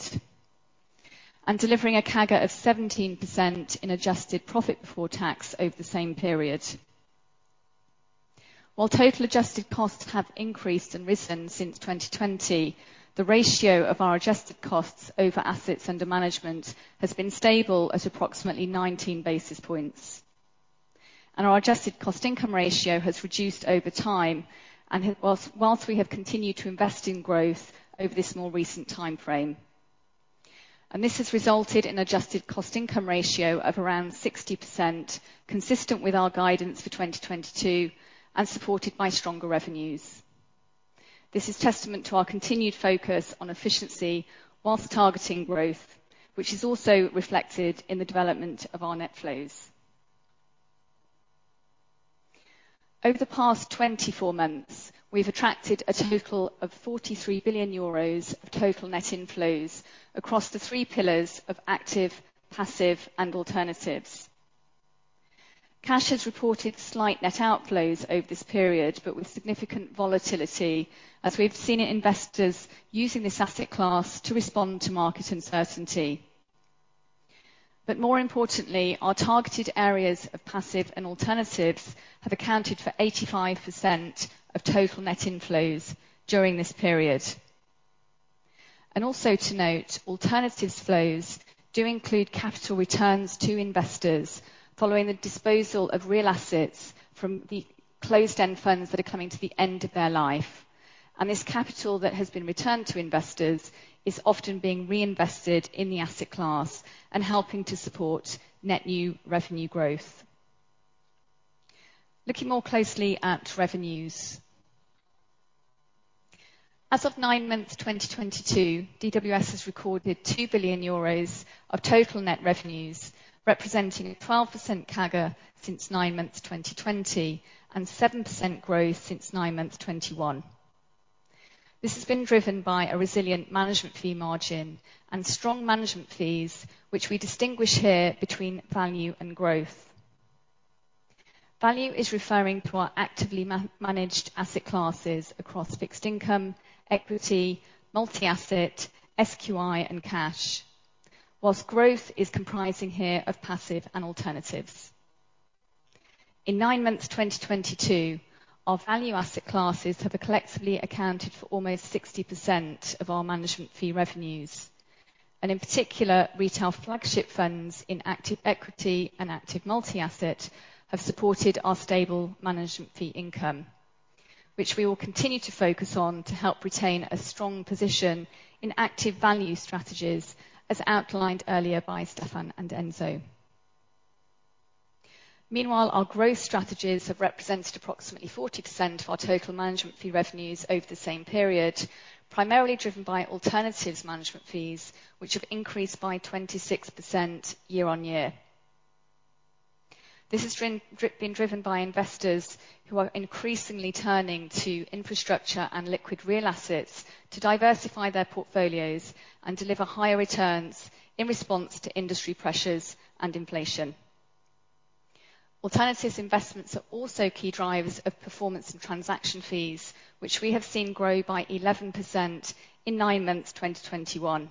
and delivering a CAGR of 17% in adjusted profit before tax over the same period. While total adjusted costs have increased and risen since 2020, the ratio of our adjusted costs over assets under management has been stable at approximately 19 basis points. Our adjusted cost income ratio has reduced over time. Whilst we have continued to invest in growth over this more recent timeframe. This has resulted in adjusted cost income ratio of around 60%, consistent with our guidance for 2022 and supported by stronger revenues. This is testament to our continued focus on efficiency whilst targeting growth, which is also reflected in the development of our net flows. Over the past 24 months, we've attracted a total of 43 billion euros of total net inflows across the three pillars of active, passive and alternatives. Cash has reported slight net outflows over this period, with significant volatility as we've seen investors using this asset class to respond to market uncertainty. More importantly, our targeted areas of passive and alternatives have accounted for 85% of total net inflows during this period. Also to note, alternatives flows do include capital returns to investors following the disposal of real assets from the closed-end funds that are coming to the end of their life. This capital that has been returned to investors is often being reinvested in the asset class and helping to support net new revenue growth. Looking more closely at revenues. As of nine months 2022, DWS has recorded 2 billion euros of total net revenues, representing a 12% CAGR since nine months 2020 and 7% growth since nine months 2021. This has been driven by a resilient management fee margin and strong management fees, which we distinguish here between value and growth. Value is referring to our actively managed asset classes across fixed income, equity, multi-asset, SQI and cash. Whilst growth is comprising here of passive and alternatives. In nine months 2022, our value asset classes have collectively accounted for almost 60% of our management fee revenues. In particular, retail flagship funds in active equity and active multi-asset have supported our stable management fee income, which we will continue to focus on to help retain a strong position in active value strategies, as outlined earlier by Stefan and Enzo. Our growth strategies have represented approximately 40% of our total management fee revenues over the same period, primarily driven by alternatives management fees, which have increased by 26% year-on-year. This has been driven by investors who are increasingly turning to infrastructure and liquid real assets to diversify their portfolios and deliver higher returns in response to industry pressures and inflation. Alternatives investments are also key drivers of performance and transaction fees, which we have seen grow by 11% in nine months 2021.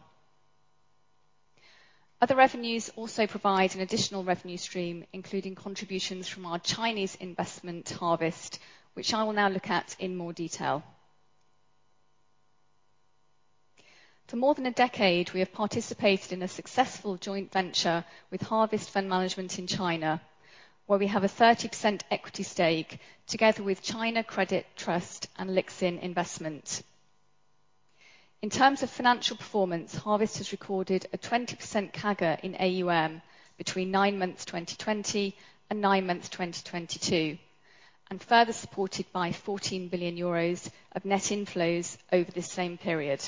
Other revenues also provide an additional revenue stream, including contributions from our Chinese investment Harvest, which I will now look at in more detail. For more than a decade, we have participated in a successful joint venture with Harvest Fund Management in China, where we have a 30% equity stake together with China Credit Trust and Lixin Investment. In terms of financial performance, Harvest has recorded a 20% CAGR in AUM between nine months, 2020 and nine months, 2022, and further supported by EUR 14 billion of net inflows over the same period.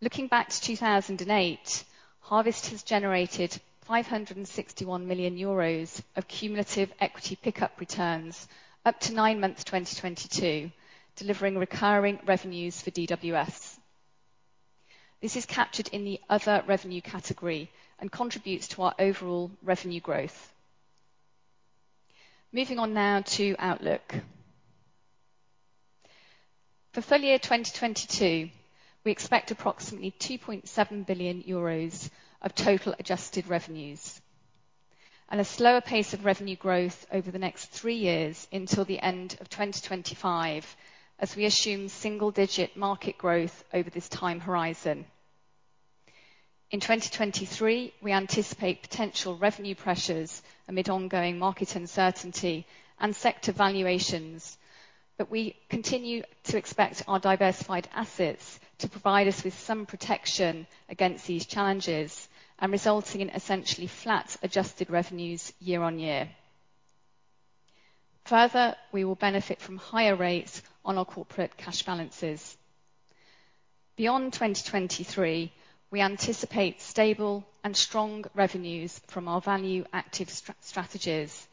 Looking back to 2008, Harvest has generated 561 million euros of cumulative equity pickup returns up to nine months, 2022, delivering recurring revenues for DWS. This is captured in the other revenue category and contributes to our overall revenue growth. Moving on now to outlook. For full year 2022, we expect approximately 2.7 billion euros of total adjusted revenues and a slower pace of revenue growth over the next three years until the end of 2025, as we assume single-digit market growth over this time horizon. In 2023, we anticipate potential revenue pressures amid ongoing market uncertainty and sector valuations, but we continue to expect our diversified assets to provide us with some protection against these challenges and resulting in essentially flat adjusted revenues year-on-year. Further, we will benefit from higher rates on our corporate cash balances. Beyond 2023, we anticipate stable and strong revenues from our value active strategies,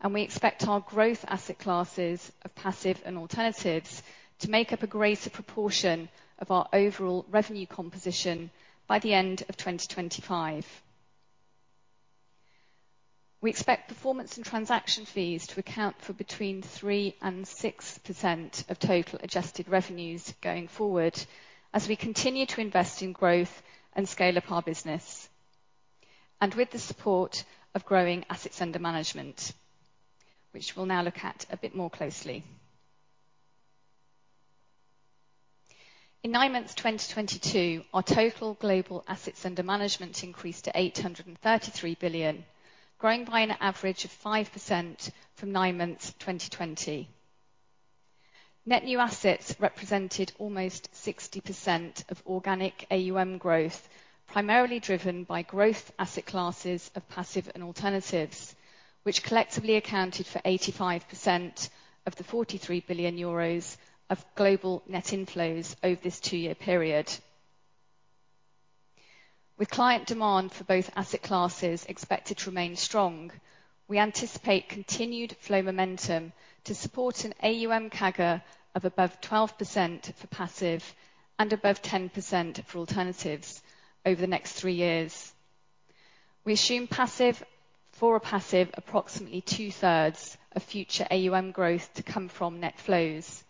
and we expect our growth asset classes of passive and alternatives to make up a greater proportion of our overall revenue composition by the end of 2025. We expect performance and transaction fees to account for between 3% and 6% of total adjusted revenues going forward as we continue to invest in growth and scale up our business. With the support of growing assets under management, which we'll now look at a bit more closely. In nine months, 2022, our total global assets under management increased to 833 billion, growing by an average of 5% from nine months, 2020. Net new assets represented almost 60% of organic AUM growth, primarily driven by growth asset classes of passive and alternatives, which collectively accounted for 85% of the 43 billion euros of global net inflows over this two-year period. With client demand for both asset classes expected to remain strong, we anticipate continued flow momentum to support an AUM CAGR of above 12% for passive and above 10% for alternatives over the next three years. We assume for a passive approximately two-thirds of future AUM growth to come from net flows.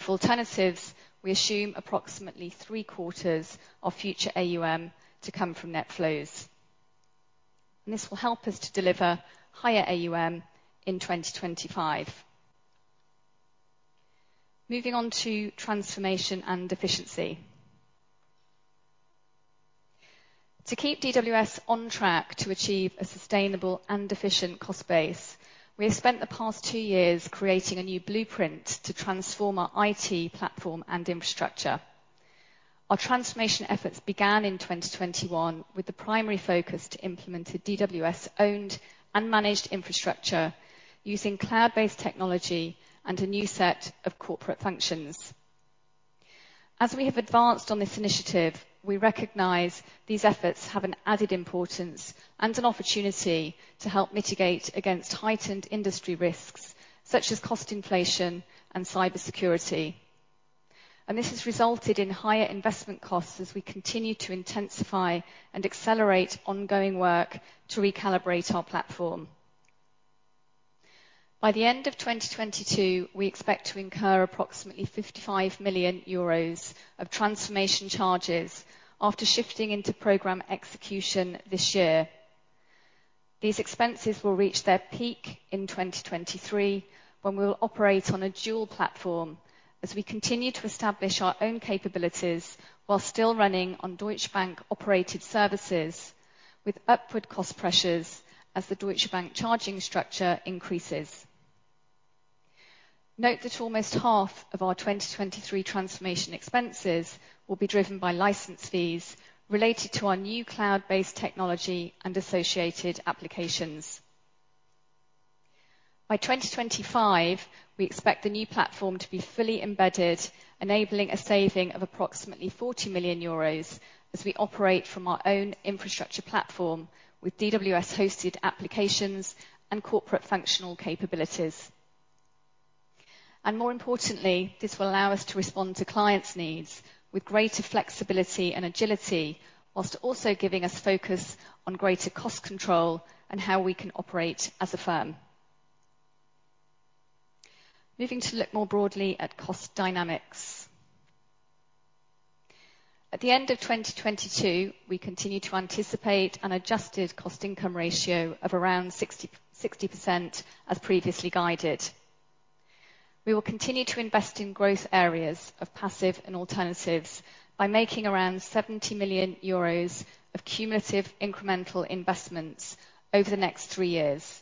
For alternatives, we assume approximately 3/4 of future AUM to come from net flows. This will help us to deliver higher AUM in 2025. Moving on to transformation and efficiency. To keep DWS on track to achieve a sustainable and efficient cost base, we have spent the past two years creating a new blueprint to transform our IT platform and infrastructure. Our transformation efforts began in 2021 with the primary focus to implement a DWS-owned and managed infrastructure using cloud-based technology and a new set of corporate functions. As we have advanced on this initiative, we recognize these efforts have an added importance and an opportunity to help mitigate against heightened industry risks such as cost inflation and cybersecurity. This has resulted in higher investment costs as we continue to intensify and accelerate ongoing work to recalibrate our platform. By the end of 2022, we expect to incur approximately 55 million euros of transformation charges after shifting into program execution this year. These expenses will reach their peak in 2023, when we will operate on a dual platform as we continue to establish our own capabilities while still running on Deutsche Bank-operated services with upward cost pressures as the Deutsche Bank charging structure increases. Note that almost half of our 2023 transformation expenses will be driven by license fees related to our new cloud-based technology and associated applications. By 2025, we expect the new platform to be fully embedded, enabling a saving of approximately 40 million euros as we operate from our own infrastructure platform with DWS hosted applications and corporate functional capabilities. More importantly, this will allow us to respond to clients' needs with greater flexibility and agility, whilst also giving us focus on greater cost control and how we can operate as a firm. Moving to look more broadly at cost dynamics. At the end of 2022, we continue to anticipate an adjusted cost income ratio of around 60% as previously guided. We will continue to invest in growth areas of Passive and Alternatives by making around 70 million euros of cumulative incremental investments over the next three years,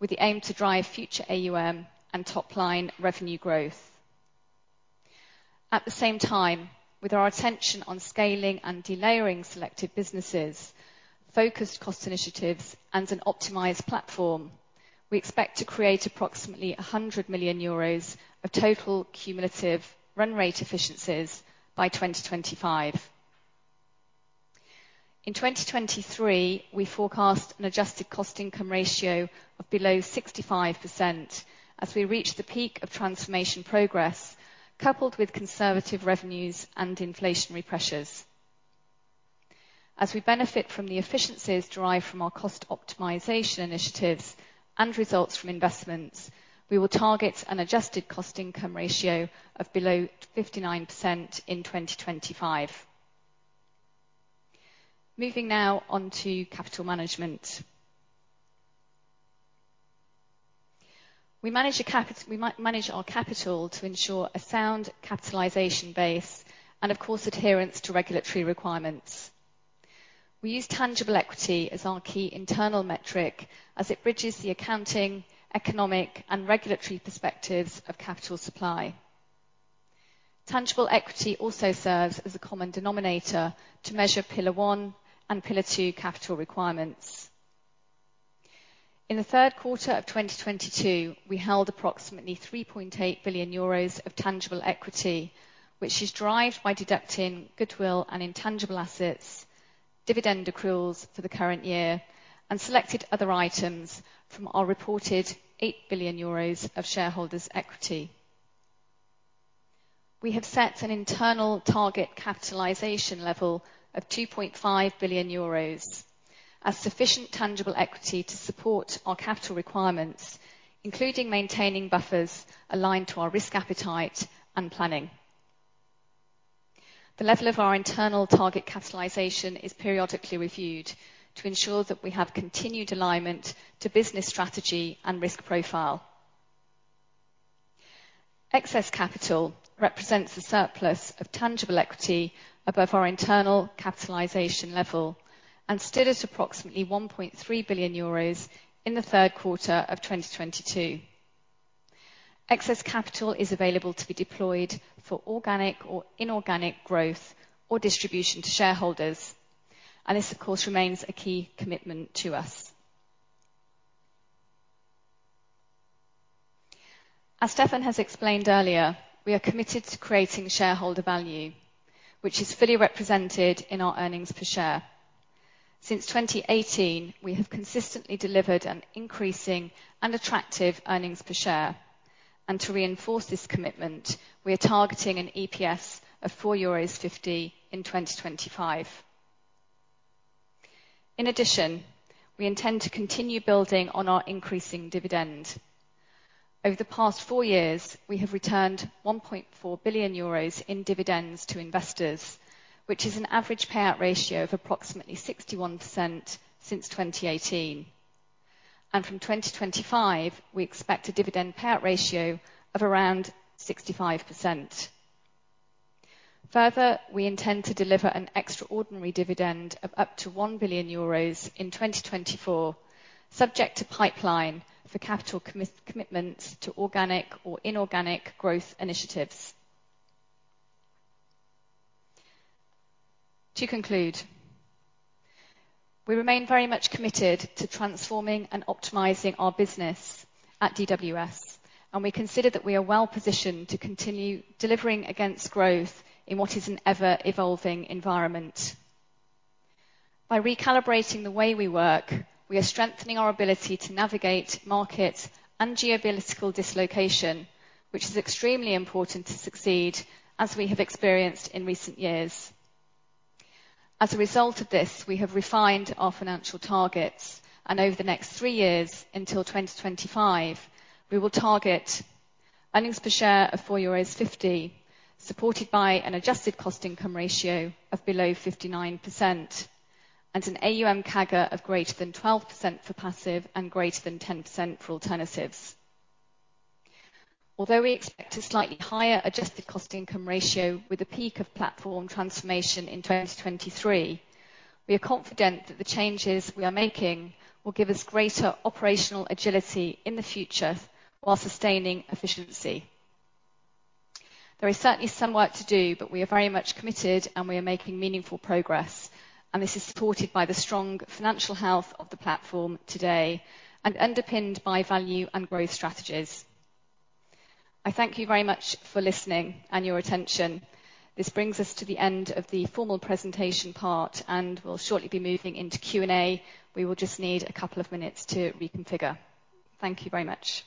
with the aim to drive future AUM and top line revenue growth. At the same time, with our attention on scaling and delayering selective businesses, focused cost initiatives and an optimized platform, we expect to create approximately 100 million euros of total cumulative run rate efficiencies by 2025. In 2023, we forecast an adjusted cost income ratio of below 65% as we reach the peak of transformation progress, coupled with conservative revenues and inflationary pressures. As we benefit from the efficiencies derived from our cost optimization initiatives and results from investments, we will target an adjusted cost income ratio of below 59% in 2025. Moving now on to capital management. We manage our capital to ensure a sound capitalization base and of course, adherence to regulatory requirements. We use tangible equity as our key internal metric as it bridges the accounting, economic, and regulatory perspectives of capital supply. Tangible equity also serves as a common denominator to measure Pillar I and Pillar II capital requirements. In the third quarter of 2022, we held approximately 3.8 billion euros of tangible equity, which is derived by deducting goodwill and intangible assets, dividend accruals for the current year, and selected other items from our reported 8 billion euros of shareholders' equity. We have set an internal target capitalization level of 2.5 billion euros as sufficient tangible equity to support our capital requirements, including maintaining buffers aligned to our risk appetite and planning. The level of our internal target capitalization is periodically reviewed to ensure that we have continued alignment to business strategy and risk profile. Excess capital represents a surplus of tangible equity above our internal capitalization level, and stood at approximately 1.3 billion euros in the third quarter of 2022. Excess capital is available to be deployed for organic or inorganic growth or distribution to shareholders, this of course remains a key commitment to us. As Stefan has explained earlier, we are committed to creating shareholder value, which is fully represented in our earnings per share. Since 2018, we have consistently delivered an increasing and attractive earnings per share. To reinforce this commitment, we are targeting an EPS of 4.50 euros in 2025. In addition, we intend to continue building on our increasing dividend. Over the past four years, we have returned 1.4 billion euros in dividends to investors, which is an average payout ratio of approximately 61% since 2018. From 2025, we expect a dividend payout ratio of around 65%. We intend to deliver an extraordinary dividend of up to 1 billion euros in 2024, subject to pipeline for capital commitments to organic or inorganic growth initiatives. We remain very much committed to transforming and optimizing our business at DWS, and we consider that we are well-positioned to continue delivering against growth in what is an ever-evolving environment. By recalibrating the way we work, we are strengthening our ability to navigate market and geopolitical dislocation, which is extremely important to succeed as we have experienced in recent years. As a result of this, we have refined our financial targets. Over the next three years until 2025, we will target EPS of 4.50 euros, supported by an adjusted cost income ratio of below 59% and an AUM CAGR of greater than 12% for Passive and greater than 10% for Alternatives. We expect a slightly higher adjusted cost income ratio with a peak of platform transformation in 2023. We are confident that the changes we are making will give us greater operational agility in the future while sustaining efficiency. There is certainly some work to do. We are very much committed and we are making meaningful progress. This is supported by the strong financial health of the platform today and underpinned by value and growth strategies. I thank you very much for listening and your attention. This brings us to the end of the formal presentation part. We'll shortly be moving into Q&A. We will just need a couple of minutes to reconfigure. Thank you very much.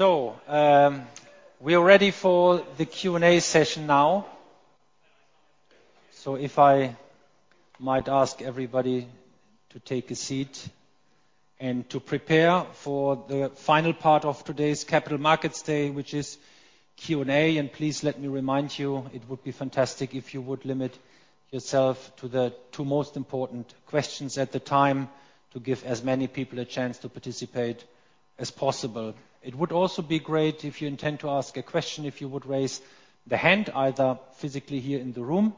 We are ready for the Q&A session now. If I might ask everybody to take a seat and to prepare for the final part of today's Capital Markets Day, which is Q&A. Please let me remind you, it would be fantastic if you would limit yourself to the two most important questions at the time to give as many people a chance to participate as possible. It would also be great if you intend to ask a question if you would raise the hand, either physically here in the room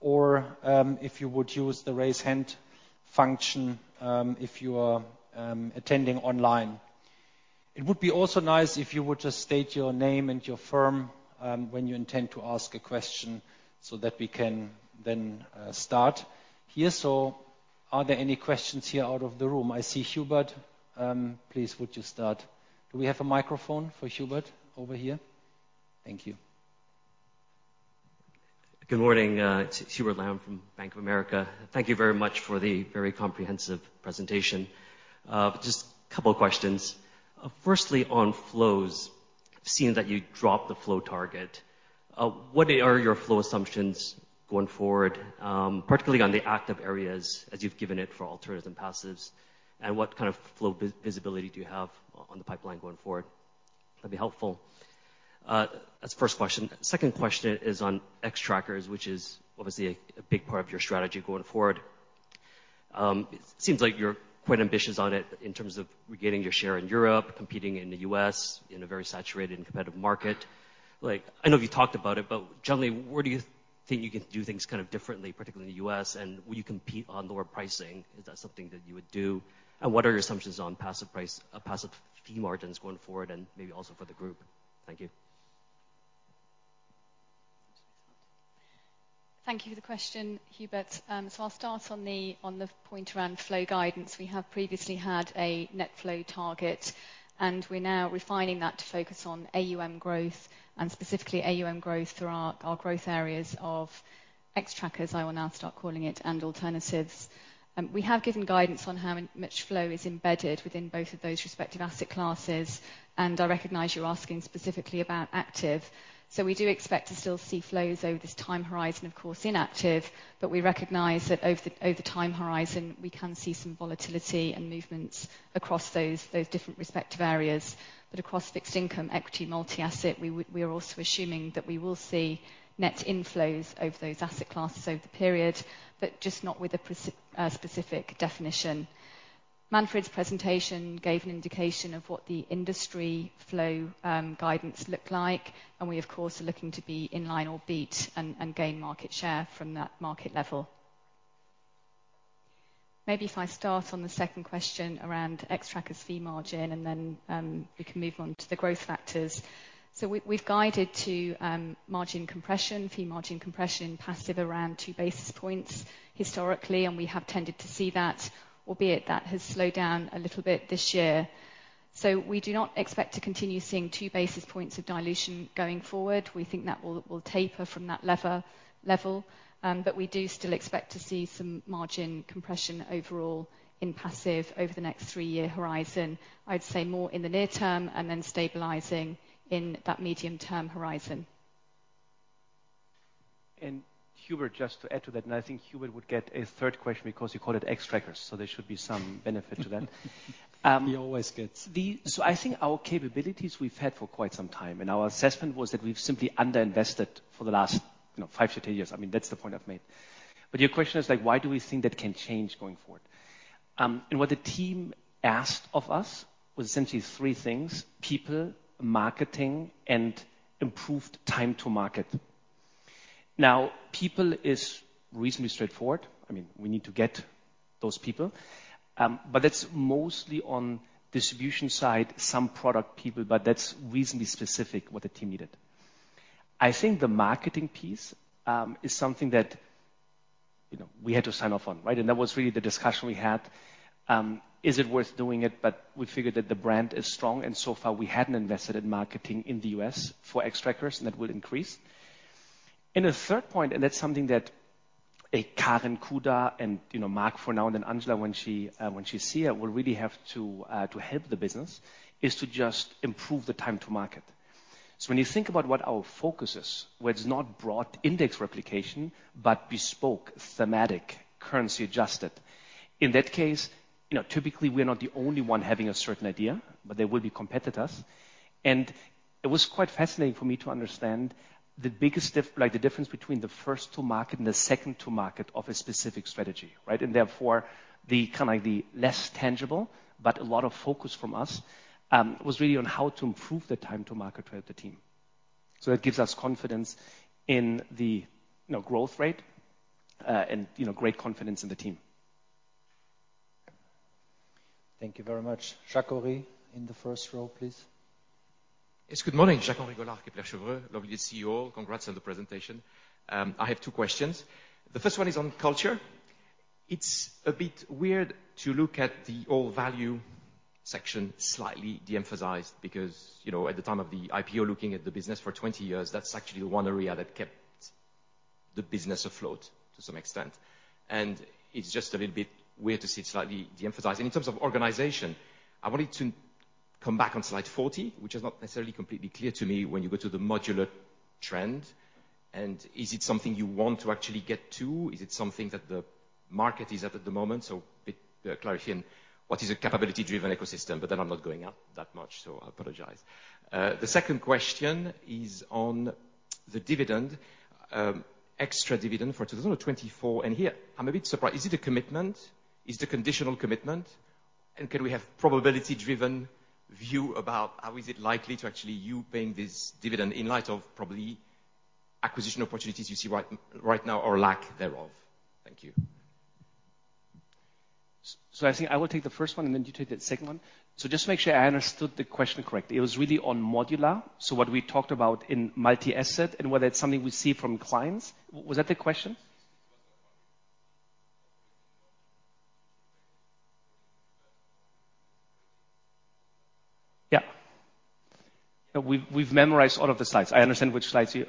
or if you would use the raise hand function if you are attending online. It would be also nice if you were to state your name and your firm when you intend to ask a question so that we can then start here. Are there any questions here out of the room? I see Hubert. Please would you start? Do we have a microphone for Hubert over here? Thank you. Good morning. It's Hubert Lam from Bank of America. Thank you very much for the very comprehensive presentation. Just a couple of questions. Firstly, on flows. Seeing that you dropped the flow target, what are your flow assumptions going forward, particularly on the active areas as you've given it for alternatives and passives, and what kind of flow vis-visibility do you have on the pipeline going forward? That'd be helpful. That's the first question. Second question is on Xtrackers, which is obviously a big part of your strategy going forward. It seems like you're quite ambitious on it in terms of regaining your share in Europe, competing in the U.S. in a very saturated and competitive market. Like, I know you talked about it, but generally, where do you think you can do things kind of differently, particularly in the U.S., and will you compete on lower pricing? Is that something that you would do? What are your assumptions on a passive fee margins going forward and maybe also for the group? Thank you. Thank you for the question, Hubert. I'll start on the point around flow guidance. We have previously had a net flow target, and we're now refining that to focus on AUM growth and specifically AUM growth through our growth areas of Xtrackers, I will now start calling it, and alternatives. We have given guidance on how much flow is embedded within both of those respective asset classes, and I recognize you're asking specifically about active. We do expect to still see flows over this time horizon, of course, inactive. We recognize that over the time horizon, we can see some volatility and movements across those different respective areas. Across fixed income, equity, multi-asset, we are also assuming that we will see net inflows over those asset classes over the period, but just not with a specific definition. Manfred's presentation gave an indication of what the industry flow guidance look like, and we of course, are looking to be in line or beat and gain market share from that market level. Maybe if I start on the second question around Xtrackers fee margin, and then we can move on to the growth factors. We've guided to margin compression, fee margin compression passive around 2 basis points historically, and we have tended to see that, albeit that has slowed down a little bit this year. We do not expect to continue seeing 2 basis points of dilution going forward. We think that will taper from that level. We do still expect to see some margin compression overall in passive over the next three-year horizon. I'd say more in the near term and then stabilizing in that medium-term horizon. Hubert, just to add to that, and I think Hubert would get a third question because you called it Xtrackers, so there should be some benefit to that. He always gets. I think our capabilities we've had for quite some time, and our assessment was that we've simply underinvested for the last, you know, five to 10 years. I mean, that's the point I've made. Your question is like, why do we think that can change going forward? What the team asked of us was essentially three things: people, marketing, and improved time to market. People is reasonably straightforward. I mean, we need to get those people. That's mostly on distribution side, some product people, but that's reasonably specific what the team needed. I think the marketing piece, is something that, you know, we had to sign off on, right? That was really the discussion we had. Is it worth doing it? We figured that the brand is strong, and so far we hadn't invested in marketing in the U.S. for Xtrackers, and that will increase. The third point, and that's something that Karen Kuder and, you know, Mark for now, and then Angela when she's here, will really have to help the business, is to just improve the time to market. When you think about what our focus is, where it's not broad index replication, but bespoke, thematic, currency adjusted. In that case, you know, typically, we are not the only one having a certain idea, but there will be competitors. It was quite fascinating for me to understand the biggest like the difference between the first to market and the second to market of a specific strategy, right? Therefore, the kind of the less tangible, but a lot of focus from us, was really on how to improve the time to market with the team. It gives us confidence in the, you know, growth rate, and, you know, great confidence in the team. Thank you very much. Jacques-Henri in the first row, please. Yes, good morning. Jacques-Henri Gaulard, Kepler Cheuvreux. Lovely CEO. Congrats on the presentation. I have two questions. The first one is on culture. It's a bit weird to look at the old value section slightly de-emphasized because, you know, at the time of the IPO, looking at the business for 20 years, that's actually one area that kept the business afloat to some extent. It's just a little bit weird to see it slightly de-emphasized. In terms of organization, I wanted to come back on slide 40, which is not necessarily completely clear to me when you go to the modular trend. Is it something you want to actually get to? Is it something that the market is at the moment? Clarify in what is a capability-driven ecosystem. I'm not going out that much, so I apologize. The second question is on the dividend, extra dividend for 2024. Here I'm a bit surprised. Is it a commitment? Is it a conditional commitment? Can we have probability-driven view about how is it likely to actually you paying this dividend in light of probably acquisition opportunities you see right now or lack thereof? Thank you. I think I will take the first one and then you take that second one. Just to make sure I understood the question correctly, it was really on modular. What we talked about in multi-asset and whether it's something we see from clients. Was that the question? Yeah. We've memorized all of the slides. I understand which slides you.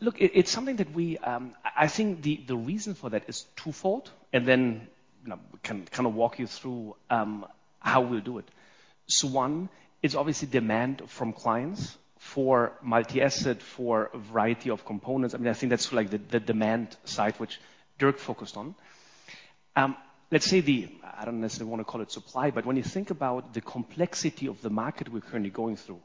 Look, it's something that we-- I think the reason for that is twofold, and then we can kind of walk you through, how we'll do it. One, it's obviously demand from clients for multi-asset, for a variety of components. I mean, I think that's like the demand side, which Dirk focused on. Let's say I don't necessarily want to call it supply, but when you think about the complexity of the market we're currently going through,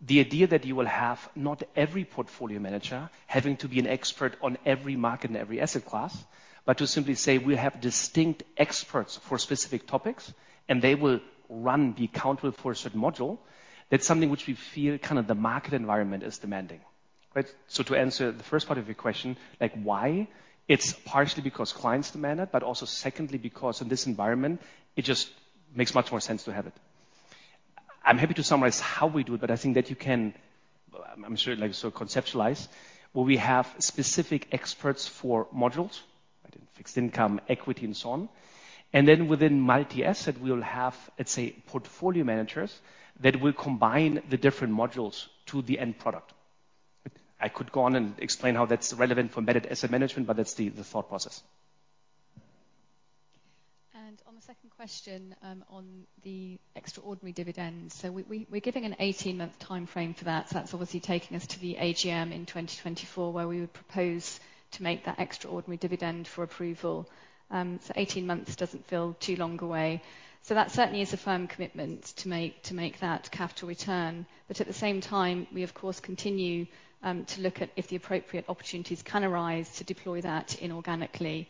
the idea that you will have not every portfolio manager having to be an expert on every market and every asset class, but to simply say we have distinct experts for specific topics and they will run the account for a certain module. That's something which we feel kind of the market environment is demanding, right? To answer the first part of your question, like why? It's partially because clients demand it, but also secondly because in this environment it just makes much more sense to have it. I'm happy to summarize how we do it, but I think that you can, I'm sure, like so conceptualize, where we have specific experts for modules, fixed income, equity and so on. Within multi-asset, we'll have, let's say, portfolio managers that will combine the different modules to the end product. I could go on and explain how that's relevant for managed asset management, but that's the thought process. On the second question, on the extraordinary dividends. We're giving an 18-month timeframe for that. That's obviously taking us to the AGM in 2024, where we would propose to make that extraordinary dividend for approval. 18 months doesn't feel too long away. That certainly is a firm commitment to make that capital return. At the same time, we of course continue to look at if the appropriate opportunities can arise to deploy that inorganically.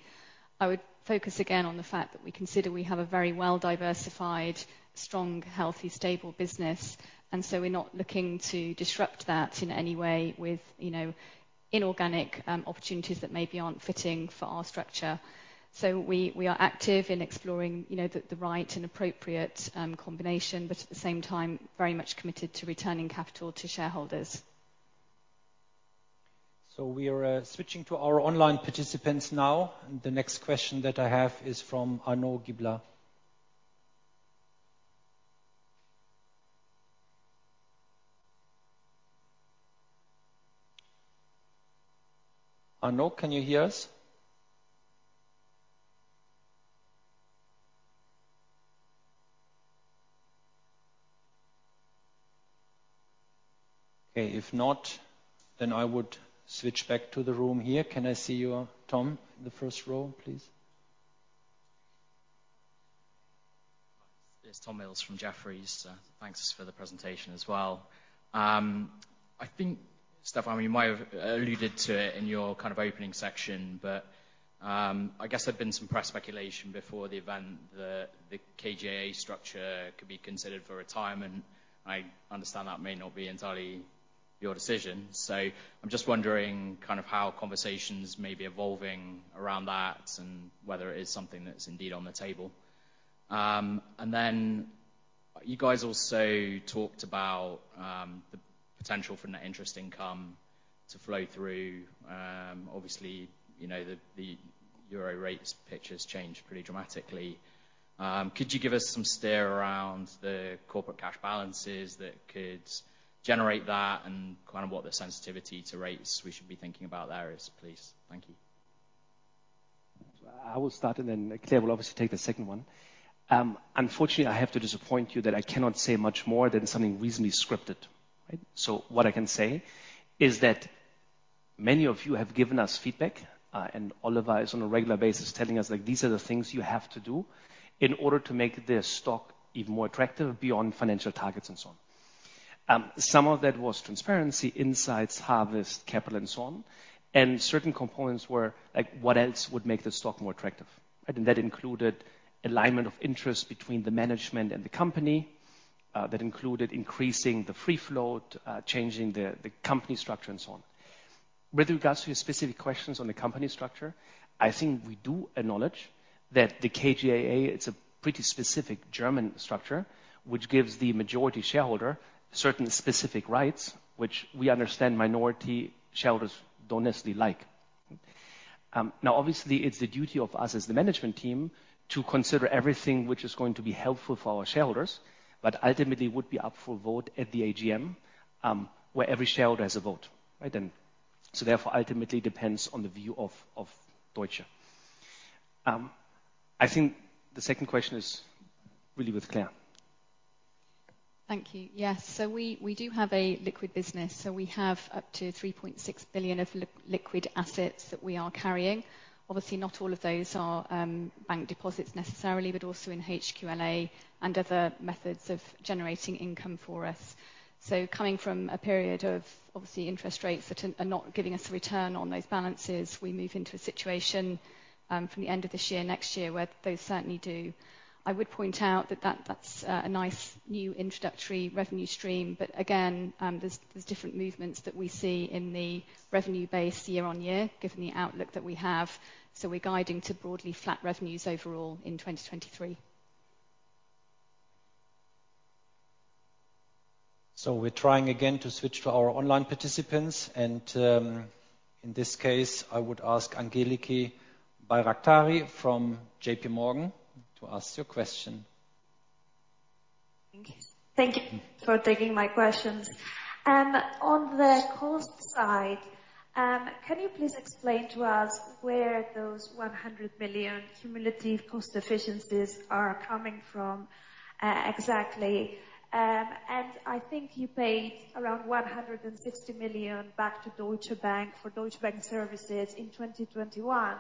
I would focus again on the fact that we consider we have a very well-diversified, strong, healthy, stable business. We're not looking to disrupt that in any way with, you know, inorganic opportunities that maybe aren't fitting for our structure. We are active in exploring, you know, the right and appropriate combination, but at the same time very much committed to returning capital to shareholders. We are switching to our online participants now. The next question that I have is from Arnaud Giblat. Arnaud, can you hear us? Okay, if not, I would switch back to the room here. Can I see you, Tom, in the first row, please? It's Tom Mills from Jefferies. Thanks for the presentation as well. I think, Stefan, you might have alluded to it in your kind of opening section, but I guess there's been some press speculation before the event that the KGaA structure could be considered for retirement. I understand that may not be entirely your decision. I'm just wondering kind of how conversations may be evolving around that and whether it is something that's indeed on the table. You guys also talked about the potential for net interest income to flow through. Obviously, you know, the Euro rates picture's changed pretty dramatically. Could you give us some steer around the corporate cash balances that could generate that and kind of what the sensitivity to rates we should be thinking about there is, please? Thank you. I will start, and then Claire will obviously take the second one. Unfortunately, I have to disappoint you that I cannot say much more than something reasonably scripted. What I can say is that many of you have given us feedback, and Oliver is on a regular basis telling us, like, these are the things you have to do in order to make this stock even more attractive beyond financial targets and so on. Some of that was transparency, insights, harvest, capital, and so on. Certain components were like, what else would make the stock more attractive? That included alignment of interest between the management and the company. That included increasing the free flow, changing the company structure and so on. With regards to your specific questions on the company structure, I think we do acknowledge that the KGaA, it's a pretty specific German structure, which gives the majority shareholder certain specific rights, which we understand minority shareholders don't necessarily like. Now, obviously, it's the duty of us as the management team to consider everything which is going to be helpful for our shareholders, but ultimately would be up for vote at the AGM, where every shareholder has a vote, right? Therefore, ultimately depends on the view of Deutsche. I think the second question is really with Claire. Thank you. Yes. We do have a liquid business, so we have up to 3.6 billion of liquid assets that we are carrying. Obviously, not all of those are bank deposits necessarily, but also in HQLA and other methods of generating income for us. Coming from a period of obviously interest rates that are not giving us a return on those balances, we move into a situation from the end of this year, next year, where those certainly do. I would point out that that's a nice new introductory revenue stream. Again, there's different movements that we see in the revenue base year-on-year, given the outlook that we have. We're guiding to broadly flat revenues overall in 2023. We're trying again to switch to our online participants, and, in this case, I would ask Angeliki Bairaktari from JPMorgan to ask your question. Thank you. Thank you for taking my questions. On the cost side, can you please explain to us where those 100 million cumulative cost efficiencies are coming from exactly? I think you paid around 160 million back to Deutsche Bank for Deutsche Bank services in 2021.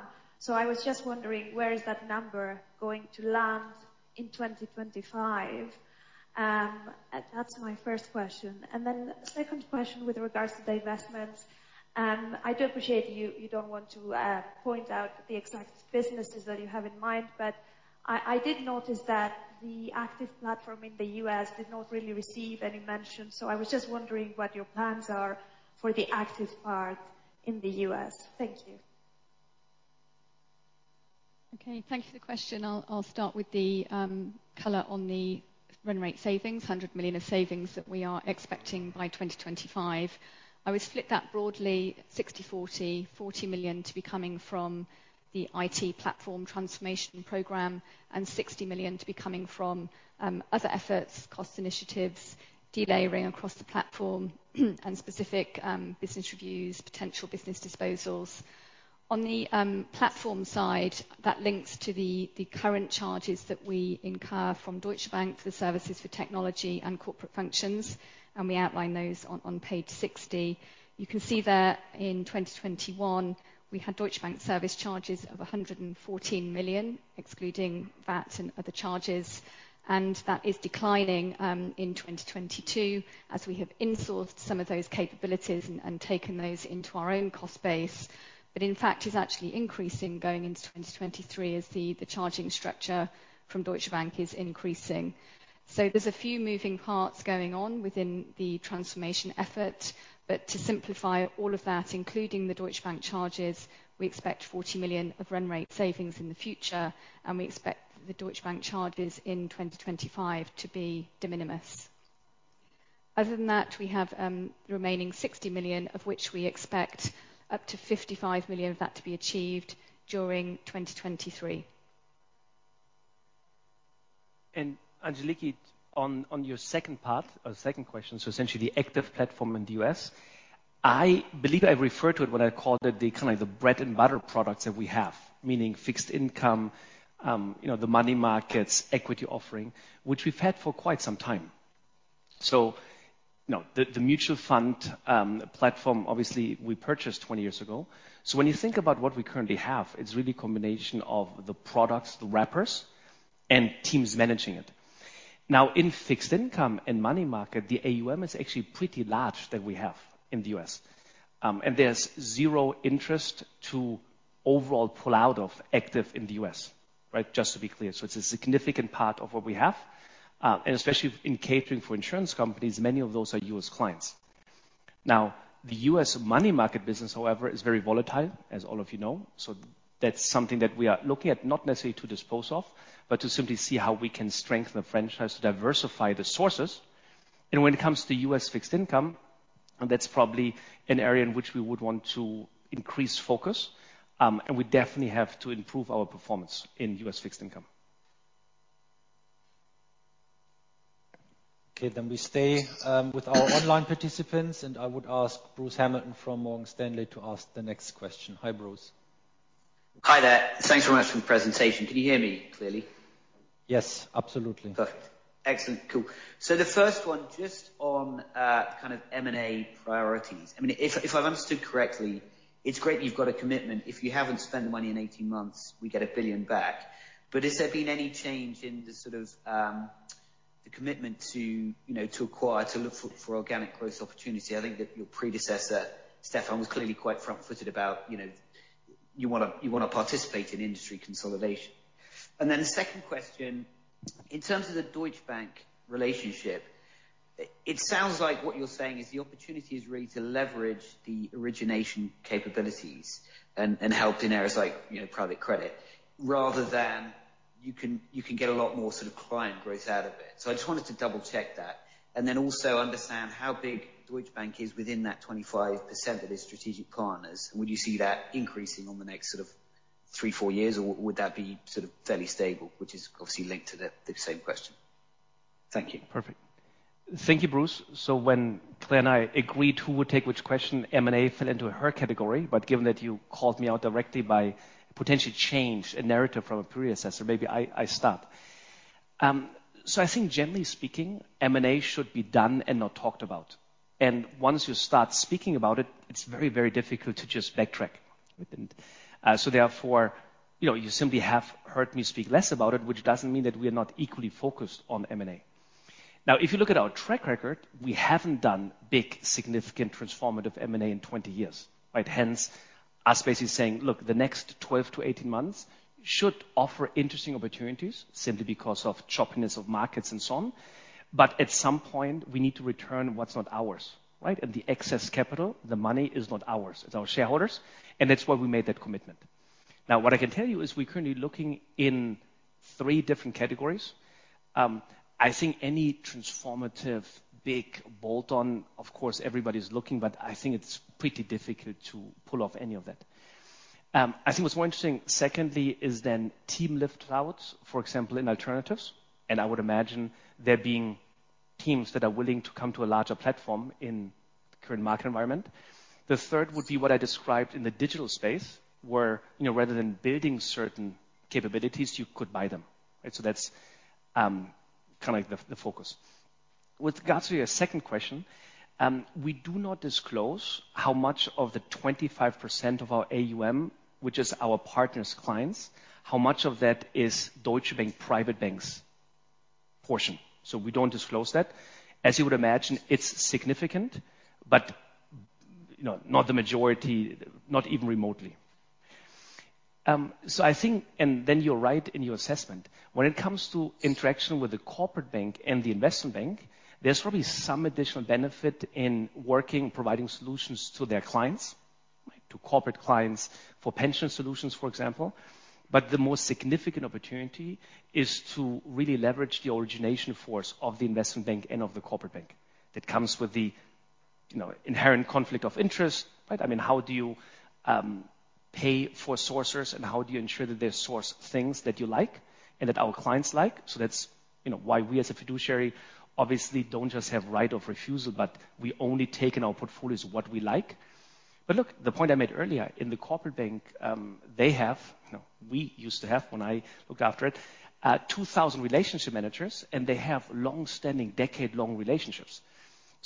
I was just wondering, where is that number going to land in 2025? That's my first question. Second question with regards to the investments, I do appreciate you don't want to point out the exact businesses that you have in mind, but I did notice that the active platform in the U.S. did not really receive any mention. I was just wondering what your plans are for the active part in the U.S.. Thank you. Okay. Thank you for the question. I'll start with the color on the run rate savings, 100 million of savings that we are expecting by 2025. I would split that broadly 60/40. 40 million to be coming from the IT platform transformation program and 60 million to be coming from other efforts, cost initiatives, delayering across the platform, and specific business reviews, potential business disposals. On the platform side, that links to the current charges that we incur from Deutsche Bank for services for technology and corporate functions, and we outline those on page 60. You can see there in 2021, we had Deutsche Bank service charges of 114 million, excluding VAT and other charges. That is declining in 2022 as we have insourced some of those capabilities and taken those into our own cost base. In fact, is actually increasing going into 2023 as the charging structure from Deutsche Bank is increasing. There's a few moving parts going on within the transformation effort. To simplify all of that, including the Deutsche Bank charges, we expect 40 million of run rate savings in the future, and we expect the Deutsche Bank charges in 2025 to be de minimis. Other than that, we have the remaining 60 million of which we expect up to 55 million of that to be achieved during 2023. Angeliki, on your second part or second question, essentially the active platform in the U.S. I believe I referred to it when I called it the kind of the bread and butter products that we have. Meaning fixed income, you know, the money markets, equity offering, which we've had for quite some time. You know, the mutual fund platform, obviously we purchased 20 years ago. When you think about what we currently have, it's really combination of the products, the wrappers and teams managing it. Now, in fixed income and money market, the AUM is actually pretty large than we have in the U.S, and there's zero interest to overall pull out of active in the U.S., right? Just to be clear. It's a significant part of what we have, and especially in catering for insurance companies, many of those are U.S. clients. The U.S. money market business, however, is very volatile, as all of you know. That's something that we are looking at, not necessarily to dispose of, but to simply see how we can strengthen the franchise, diversify the sources. When it comes to U.S. fixed income, that's probably an area in which we would want to increase focus, and we definitely have to improve our performance in U.S. fixed income. Okay. We stay with our online participants, and I would ask Bruce Hamilton from Morgan Stanley to ask the next question. Hi, Bruce. Hi there. Thanks very much for the presentation. Can you hear me clearly? Yes, absolutely. Perfect. Excellent. Cool. The first one, just on, kind of M&A priorities. I mean, if I've understood correctly, it's great that you've got a commitment. If you haven't spent the money in 18 months, we get 1 billion back. Has there been any change in the sort of, the commitment to, you know, to acquire, to look for organic growth opportunity? I think that your predecessor, Stefan, was clearly quite front-footed about, you know. You wanna participate in industry consolidation. Second question, in terms of the Deutsche Bank relationship, it sounds like what you're saying is the opportunity is really to leverage the origination capabilities and help in areas like, you know, private credit, rather than you can get a lot more sort of client growth out of it. I just wanted to double check that. Also understand how big Deutsche Bank is within that 25% of the strategic partners. Would you see that increasing on the next sort of three, four years, or would that be sort of fairly stable, which is obviously linked to the same question. Thank you. Perfect. Thank you, Bruce. When Claire and I agreed who would take which question, M&A fell into her category, but given that you called me out directly by potentially change a narrative from a predecessor, maybe I start. I think generally speaking, M&A should be done and not talked about. Once you start speaking about it's very, very difficult to just backtrack. Therefore, you know, you simply have heard me speak less about it, which doesn't mean that we are not equally focused on M&A. If you look at our track record, we haven't done big, significant transformative M&A in 20 years, right? Hence us basically saying, "Look, the next 12 to 18 months should offer interesting opportunities simply because of choppiness of markets and so on. At some point, we need to return what's not ours, right? The excess capital, the money is not ours, it's our shareholders. That's why we made that commitment. What I can tell you is we're currently looking in three different categories. I think any transformative big bolt-on, of course everybody's looking, but I think it's pretty difficult to pull off any of that. I think what's more interesting secondly is then team lift outs, for example, in Alternatives, and I would imagine there being teams that are willing to come to a larger platform in current market environment. The third would be what I described in the digital space, where, you know, rather than building certain capabilities, you could buy them. Right? That's, kinda the focus. With regards to your second question, we do not disclose how much of the 25% of our AUM, which is our partners' clients, how much of that is Deutsche Bank private banks portion. We don't disclose that. As you would imagine, it's significant, but, you know, not the majority, not even remotely. You're right in your assessment, when it comes to interaction with the corporate bank and the investment bank, there's probably some additional benefit in working, providing solutions to their clients, to corporate clients for pension solutions, for example. The most significant opportunity is to really leverage the origination force of the investment bank and of the corporate bank that comes with the, you know, inherent conflict of interest, right? I mean, how do you pay for sourcers, and how do you ensure that they source things that you like and that our clients like? That's, you know, why we as a fiduciary obviously don't just have right of refusal, but we only take in our portfolios what we like. Look, the point I made earlier, in the corporate bank, we used to have when I looked after it, 2,000 relationship managers, and they have long-standing decade-long relationships.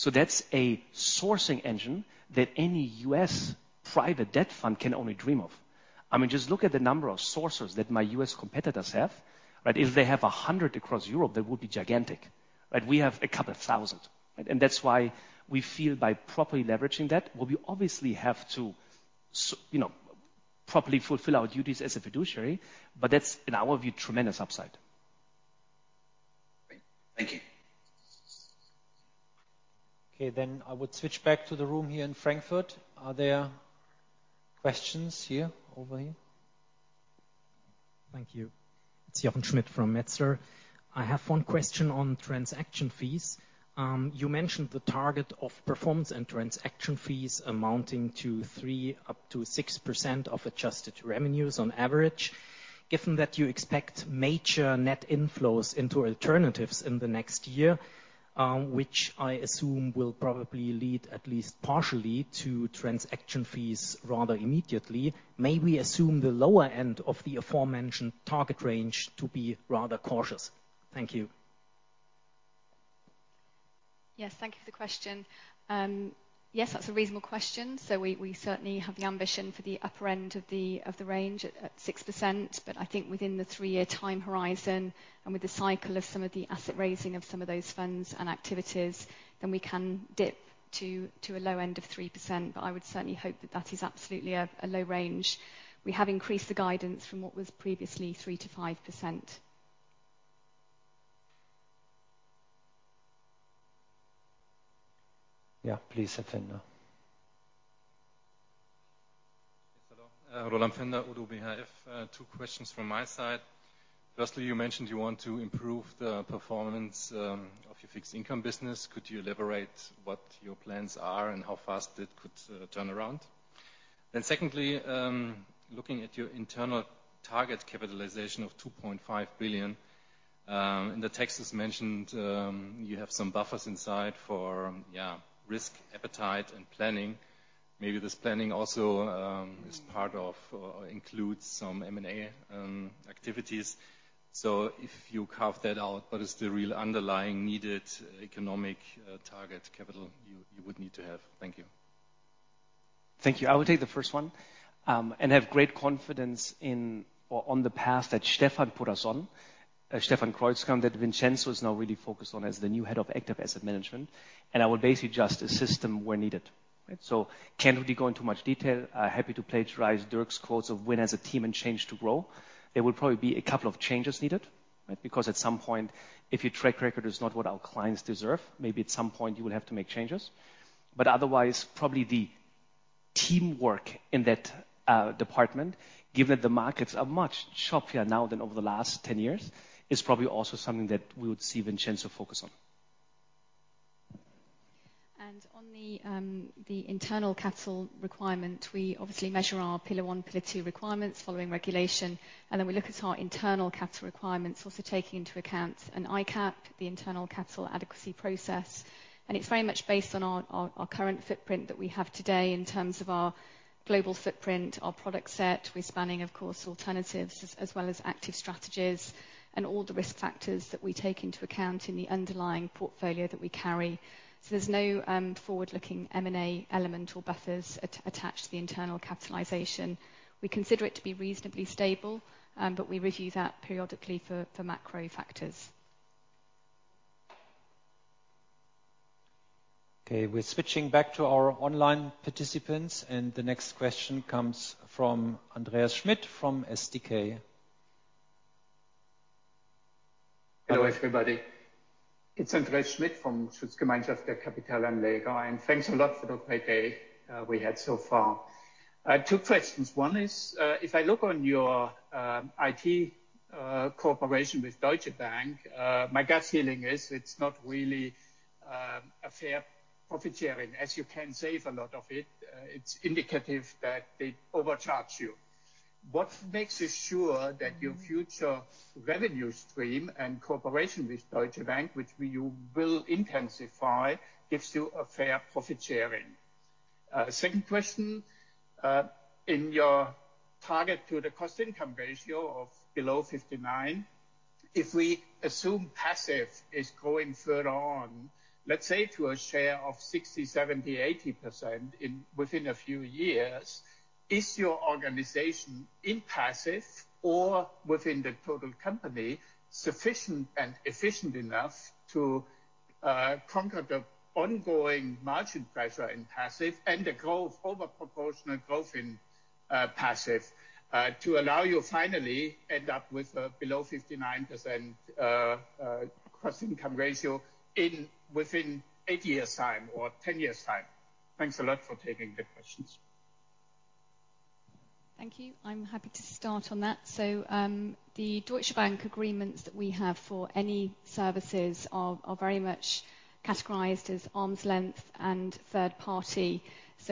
That's a sourcing engine that any U.S. private debt fund can only dream of. I mean, just look at the number of sourcers that my U.S. competitors have, right? If they have 100 across Europe, that would be gigantic, right? We have 2,000, right? That's why we feel by properly leveraging that, well, we obviously have to you know, properly fulfill our duties as a fiduciary, but that's, in our view, tremendous upside. Great. Thank you. Okay. I would switch back to the room here in Frankfurt. Are there questions here? Over here. Thank you. It's Jochen Schmitt from Metzler. I have one question on transaction fees. You mentioned the target of performance and transaction fees amounting to 3%-6% of adjusted revenues on average. Given that you expect major net inflows into alternatives in the next year, which I assume will probably lead at least partially to transaction fees rather immediately, may we assume the lower end of the aforementioned target range to be rather cautious? Thank you. Yes. Thank you for the question. Yes, that's a reasonable question. We certainly have the ambition for the upper end of the range at 6%. I think within the three-year time horizon and with the cycle of some of the asset raising of some of those funds and activities, we can dip to a low end of 3%. I would certainly hope that that is absolutely a low range. We have increased the guidance from what was previously 3%-5%. Yeah. Please, Herr Pfaender. Yes. Hello. Roland Pfaender, Oddo BHF. Two questions from my side. Firstly, you mentioned you want to improve the performance of your fixed income business. Could you elaborate what your plans are and how fast it could turn around? Secondly, looking at your internal target capitalization of 2.5 billion, in the text it's mentioned, you have some buffers inside for, yeah, risk appetite and planning. Maybe this planning also is part of or includes some M&A activities. If you carve that out, what is the real underlying needed economic target capital you would need to have? Thank you. Thank you. I will take the first one, and have great confidence in or on the path that Stefan put us on Stefan Kreuzkamp that Vincenzo is now really focused on as the new head of active asset management, and I will basically just assist him where needed. Can't really go into much detail. Happy to plagiarize Dirk's quotes of win as a team and change to grow. There will probably be a couple of changes needed, because at some point, if your track record is not what our clients deserve, maybe at some point you will have to make changes. Otherwise, probably the teamwork in that department, given that the markets are much choppier now than over the last 10 years, is probably also something that we would see Vincenzo focus on. On the internal capital requirement, we obviously measure our Pillar I, Pillar II requirements following regulation, then we look at our internal capital requirements, also taking into account an ICAP, the internal capital adequacy process. It's very much based on our current footprint that we have today in terms of our global footprint, our product set. We're spanning, of course, alternatives as well as active strategies and all the risk factors that we take into account in the underlying portfolio that we carry. There's no forward-looking M&A element or buffers attached to the internal capitalization. We consider it to be reasonably stable, but we review that periodically for macro factors. Okay, we're switching back to our online participants, and the next question comes from Andreas Schmidt from SDK. Hello, everybody. It's Andreas Schmidt from Schutzgemeinschaft der Kapitalanleger, thanks a lot for the great day we had so far. Two questions. One is, if I look on your IT cooperation with Deutsche Bank, my gut feeling is it's not really a fair profit sharing. You can save a lot of it's indicative that they overcharge you. What makes you sure that your future revenue stream and cooperation with Deutsche Bank, which you will intensify, gives you a fair profit sharing? Second question. In your target to the cost income ratio of below 59, if we assume passive is going further on, let's say to a share of 60%, 70%, 80% within a few years. Is your organization in passive or within the total company sufficient and efficient enough to conquer the ongoing margin pressure in passive and the over proportional growth in passive to allow you finally end up with below 59% cost income ratio in, within eight years time or 10 years time? Thanks a lot for taking the questions. Thank you. I'm happy to start on that. The Deutsche Bank agreements that we have for any services are very much categorized as arm's length and third party.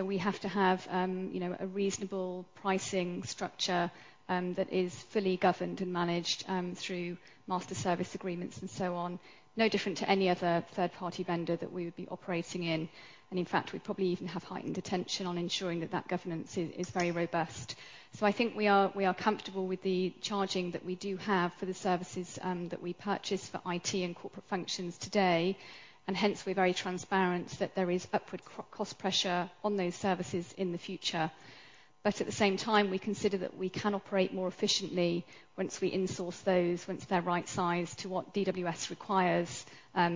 We have to have, you know, a reasonable pricing structure that is fully governed and managed through master service agreements and so on. No different to any other third-party vendor that we would be operating in. In fact, we probably even have heightened attention on ensuring that governance is very robust. I think we are comfortable with the charging that we do have for the services that we purchase for IT and corporate functions today, and hence we're very transparent that there is upward cost pressure on those services in the future. At the same time, we consider that we can operate more efficiently once we insource those, once they're right sized to what DWS requires,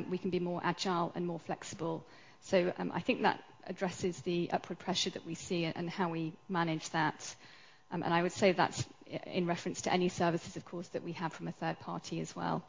we can be more agile and more flexible. I think that addresses the upward pressure that we see and how we manage that. I would say that's in reference to any services, of course, that we have from a third party as well.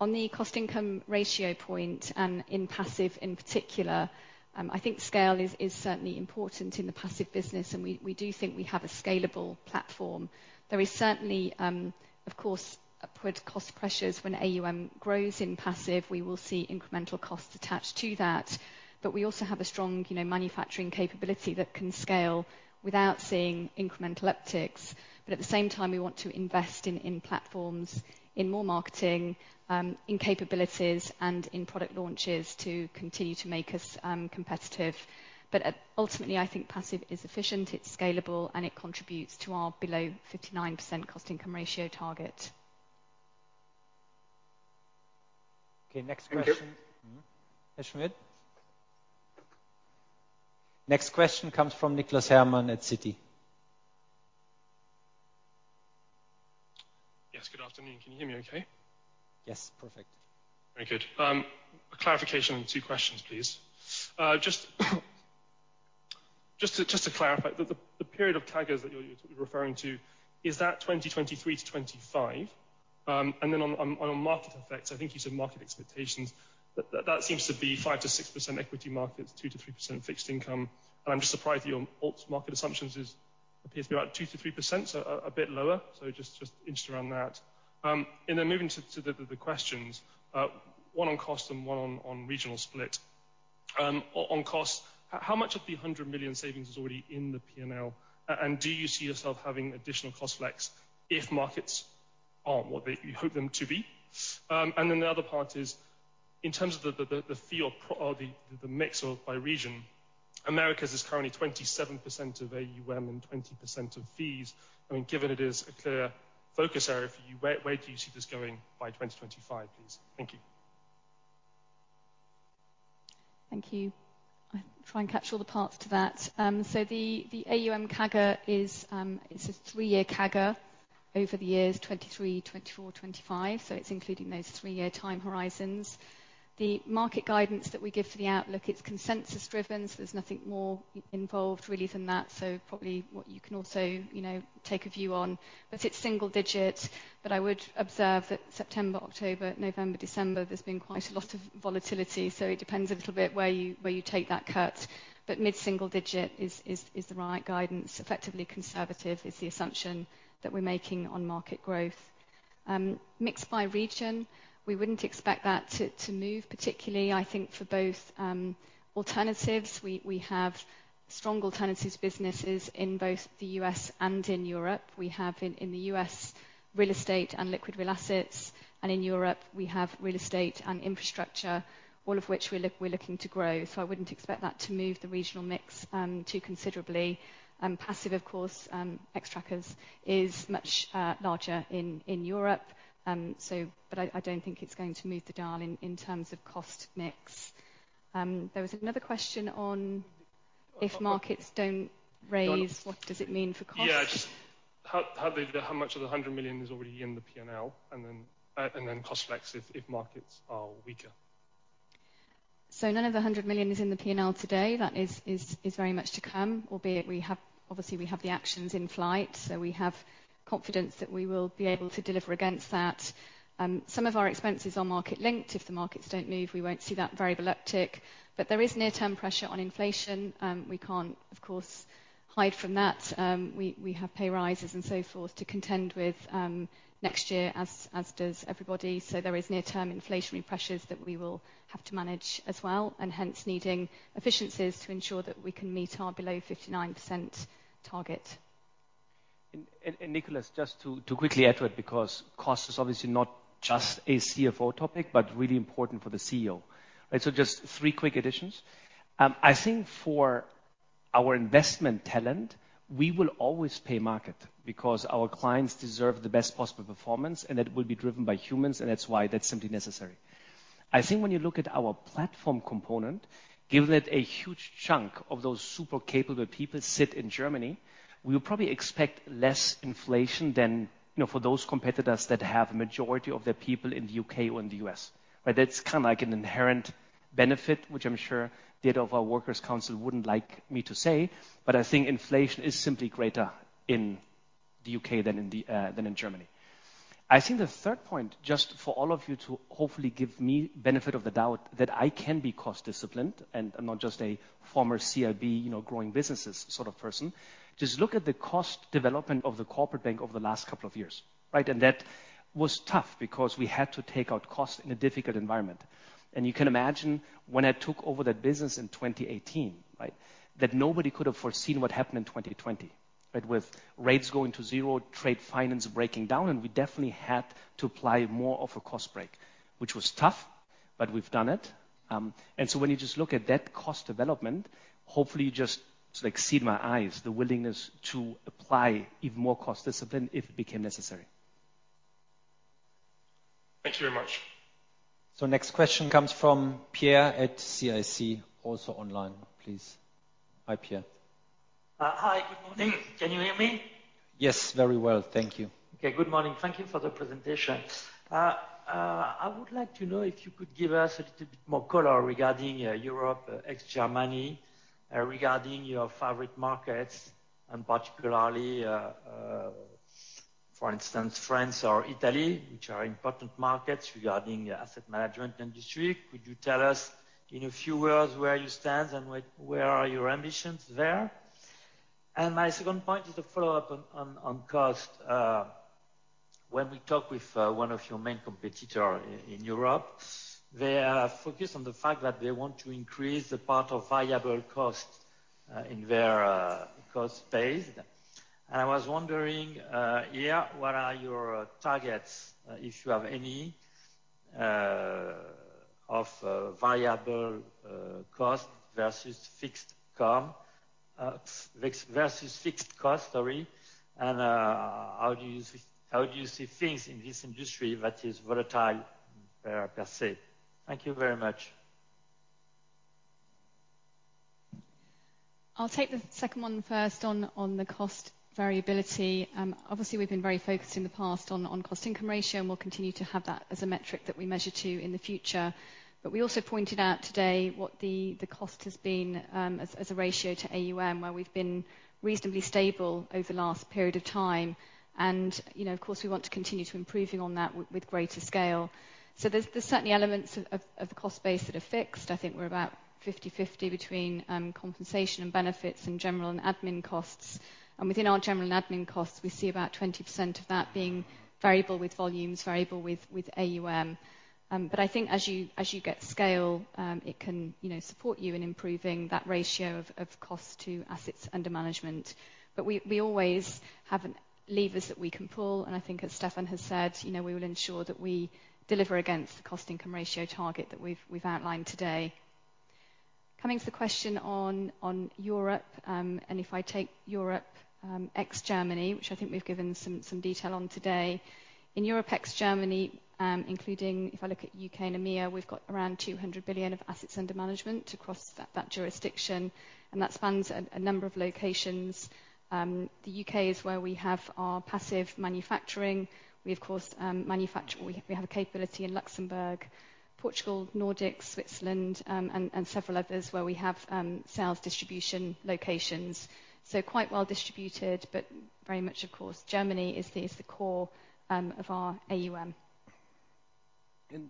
On the cost income ratio point, and in passive in particular, I think scale is certainly important in the passive business, and we do think we have a scalable platform. There is certainly, of course, upward cost pressures when AUM grows in passive. We will see incremental costs attached to that. We also have a strong, you know, manufacturing capability that can scale without seeing incremental upticks. At the same time, we want to invest in platforms, in more marketing, in capabilities and in product launches to continue to make us competitive. Ultimately, I think passive is efficient, it's scalable, and it contributes to our below 59% cost income ratio target. Okay, next question. Thank you. Christoph Schmidt. Next question comes from Nicholas Herman at Citi. Yes. Good afternoon. Can you hear me okay? Yes. Perfect. Very good. A clarification on two questions, please. Just to clarify, the period of targets that you're referring to, is that 2023-2025? On market effects, I think you said market expectations. That seems to be 5%-6% equity markets, 2%-3% fixed income. I'm just surprised your alts market assumptions appears to be about 2%-3%, so a bit lower. Just interested around that. Moving to the questions, one on cost and one on regional split. On cost, how much of the 100 million savings is already in the P&L? Do you see yourself having additional cost flex if markets aren't what you hope them to be? The other part is in terms of the fee or the mix of by region, Americas is currently 27% of AUM and 20% of fees. I mean, given it is a clear focus area for you, where do you see this going by 2025, please? Thank you. Thank you. I'll try and catch all the parts to that. The AUM CAGR is a three-year CAGR over the years 23, 24, 25. It's including those three-year time horizons. The market guidance that we give for the outlook, it's consensus driven, so there's nothing more involved really than that. Probably what you can also, you know, take a view on, but it's single-digit. I would observe that September, October, November, December, there's been quite a lot of volatility, so it depends a little bit where you take that cut. Mid-single-digit is the right guidance. Effectively conservative is the assumption that we're making on market growth. Mixed by region, we wouldn't expect that to move, particularly I think for both alternatives. We have strong alternatives businesses in both the U.S. and in Europe. We have in the U.S. real estate and liquid real assets, and in Europe we have real estate and infrastructure, all of which we're looking to grow. I wouldn't expect that to move the regional mix too considerably. Passive, of course, Xtrackers is much larger in Europe. I don't think it's going to move the dial in terms of cost mix. There was another question on if markets don't raise, what does it mean for costs? Yeah. How much of the 100 million is already in the P&L? Then, and then cost mix if markets are weaker. None of the 100 million is in the P&L today. That is very much to come, albeit we have. Obviously, we have the actions in flight, we have confidence that we will be able to deliver against that. Some of our expenses are market linked. If the markets don't move, we won't see that variable uptick. There is near-term pressure on inflation, we can't of course hide from that. We have pay rises and so forth to contend with next year as does everybody. There is near-term inflationary pressures that we will have to manage as well, and hence needing efficiencies to ensure that we can meet our below 59% target. Nicholas, just to quickly add to it, because cost is obviously not just a CFO topic, but really important for the CEO, right? Just three quick additions. For our investment talent, we will always pay market because our clients deserve the best possible performance, and that will be driven by humans and that's why that's simply necessary. When you look at our platform component, given that a huge chunk of those super capable people sit in Germany, we'll probably expect less inflation than, you know, for those competitors that have a majority of their people in the U.K. or in the U.S.. Right? That's kind of like an inherent benefit, which I'm sure the head of our workers council wouldn't like me to say. I think inflation is simply greater in the U.K. than in Germany. I think the third point, just for all of you to hopefully give me benefit of the doubt that I can be cost disciplined and not just a former CIB, you know, growing businesses sort of person, just look at the cost development of the corporate bank over the last couple of years, right? That was tough because we had to take out costs in a difficult environment. You can imagine when I took over that business in 2018, right, that nobody could have foreseen what happened in 2020, right? With rates going to zero, trade finance breaking down, and we definitely had to apply more of a cost break, which was tough, but we've done it. When you just look at that cost development, hopefully you just, like, see in my eyes the willingness to apply even more cost discipline if it became necessary. Thank you very much. Next question comes from Pierre at CIC, also online, please. Hi, Pierre. Hi. Good morning. Can you hear me? Yes, very well. Thank you. Okay. Good morning. Thank you for the presentation. I would like to know if you could give us a little bit more color regarding Europe, ex-Germany, regarding your favorite markets and particularly for instance, France or Italy, which are important markets regarding asset management industry. Could you tell us in a few words where you stand and what... where are your ambitions there? My second point is a follow-up on cost. When we talk with one of your main competitor in Europe, they are focused on the fact that they want to increase the part of variable cost in their cost base. I was wondering here, what are your targets, if you have any, of variable cost versus fixed cost, sorry. How do you see things in this industry that is volatile per se? Thank you very much. I'll take the second one first on the cost variability. Obviously we've been very focused in the past on cost income ratio, and we'll continue to have that as a metric that we measure to in the future. We also pointed out today what the cost has been, as a ratio to AUM, where we've been reasonably stable over the last period of time, and, you know, of course, we want to continue to improving on that with greater scale. So there's certainly elements of the cost base that are fixed. I think we're about 50/50 between compensation and benefits and general and admin costs. Within our general and admin costs, we see about 20% of that being variable with volumes, variable with AUM. I think as you, as you get scale, it can, you know, support you in improving that ratio of cost to assets under management. We, we always have levers that we can pull and I think as Stefan has said, you know, we will ensure that we deliver against the cost income ratio target that we've outlined today. Coming to the question on Europe, and if I take Europe ex-Germany, which I think we've given some detail on today. In Europe ex-Germany, including if I look at U.K. and EMEA, we've got around 200 billion of assets under management across that jurisdiction, and that spans a number of locations. The U.K. is where we have our passive manufacturing. We, of course, we have a capability in Luxembourg, Portugal, Nordics, Switzerland, and several others where we have sales distribution locations. Quite well distributed, but very much, of course, Germany is the core of our AUM.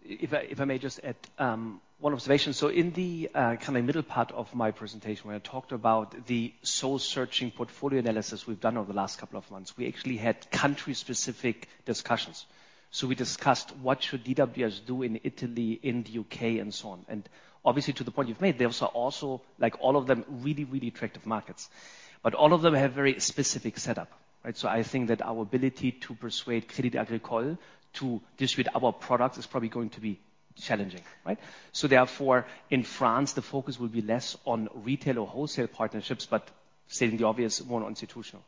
If I may just add 1 observation. In the kind of middle part of my presentation, when I talked about the soul-searching portfolio analysis we've done over the last two months, we actually had country-specific discussions. We discussed what should DWS do in Italy, in the U.K. and so on. Obviously, to the point you've made, those are also, like all of them, really attractive markets, but all of them have very specific setup, right? I think that our ability to persuade Crédit Agricole to distribute our products is probably going to be challenging, right? Therefore, in France, the focus will be less on retail or wholesale partnerships, but stating the obvious, more on institutional.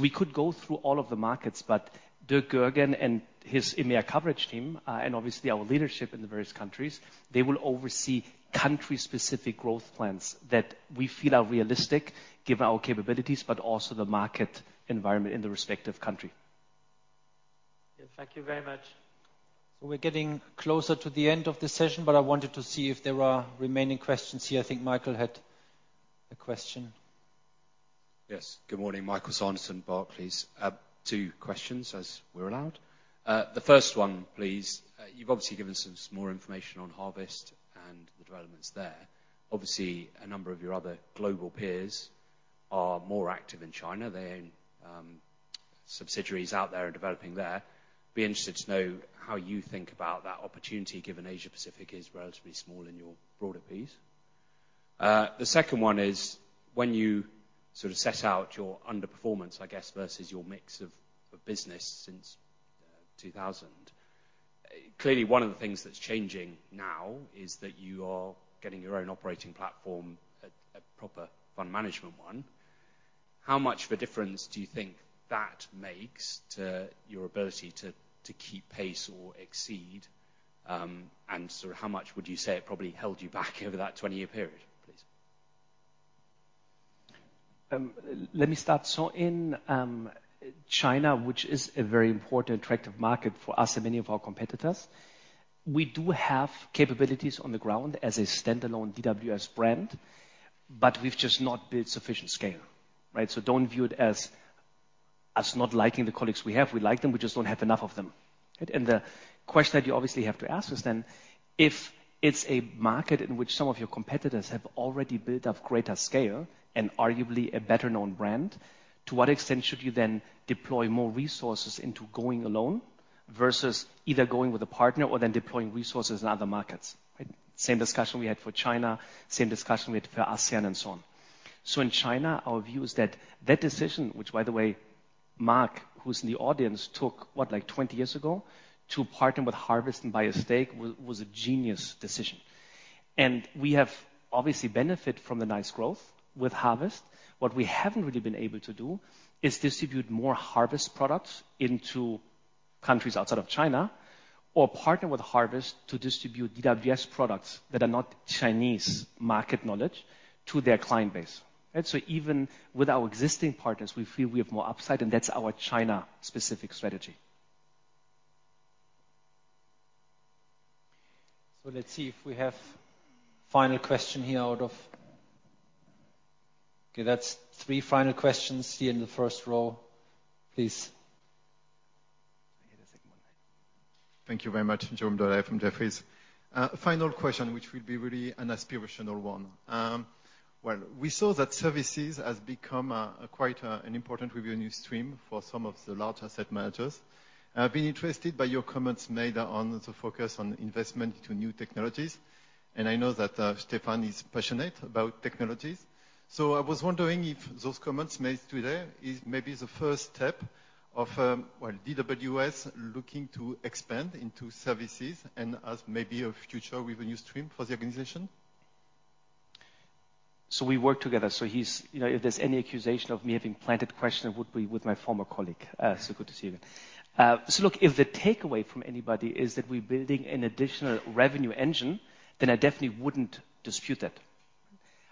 We could go through all of the markets, but Dirk Goergen and his EMEA coverage team, and obviously, our leadership in the various countries, they will oversee country-specific growth plans that we feel are realistic given our capabilities, but also the market environment in the respective country. Yeah. Thank you very much. We're getting closer to the end of the session, but I wanted to see if there are remaining questions here. I think Michael had a question. Yes. Good morning. Michael Sanderson, Barclays. I have two questions as we're allowed. The 1st one, please. You've obviously given some more information on Harvest and the developments there. Obviously, a number of your other global peers are more active in China. They own subsidiaries out there and developing there. Be interested to know how you think about that opportunity, given Asia-Pacific is relatively small in your broader piece. The 2nd one is, when you sort of set out your underperformance, I guess, versus your mix of business since 2000, clearly, one of the things that's changing now is that you are getting your own operating platform, a proper fund management one. How much of a difference do you think that makes to your ability to keep pace or exceed? Sort of how much would you say it probably held you back over that 20-year period, please? Let me start. In China, which is a very important attractive market for us and many of our competitors, we do have capabilities on the ground as a standalone DWS brand, but we've just not built sufficient scale, right? Don't view it as us not liking the colleagues we have. We like them, we just don't have enough of them. The question that you obviously have to ask is then, if it's a market in which some of your competitors have already built up greater scale and arguably a better known brand, to what extent should you then deploy more resources into going alone versus either going with a partner or then deploying resources in other markets, right? Same discussion we had for China, same discussion we had for ASEAN and so on. In China, our view is that that decision, which by the way, Mark, who's in the audience, took, what? Like 20 years ago, to partner with Harvest and buy a stake was a genius decision. We have obviously benefited from the nice growth with Harvest. What we haven't really been able to do is distribute more Harvest products into countries outside of China or partner with Harvest to distribute DWS products that are not Chinese market knowledge to their client base. Even with our existing partners, we feel we have more upside, and that's our China-specific strategy. Let's see if we have final question here. Okay, that's three final questions here in the first row, please. Thank you very much. Jerome Doyle from Jefferies. Final question, which will be really an aspirational one. Well, we saw that services has become quite an important revenue stream for some of the large asset managers. I've been interested by your comments made on the focus on investment to new technologies, and I know that Stefan is passionate about technologies. I was wondering if those comments made today is maybe the first step of, well, DWS looking to expand into services and as maybe a future revenue stream for the organization. We work together. He's, you know, if there's any accusation of me having planted question, it would be with my former colleague. Good to see you again. Look, if the takeaway from anybody is that we're building an additional revenue engine, then I definitely wouldn't dispute that.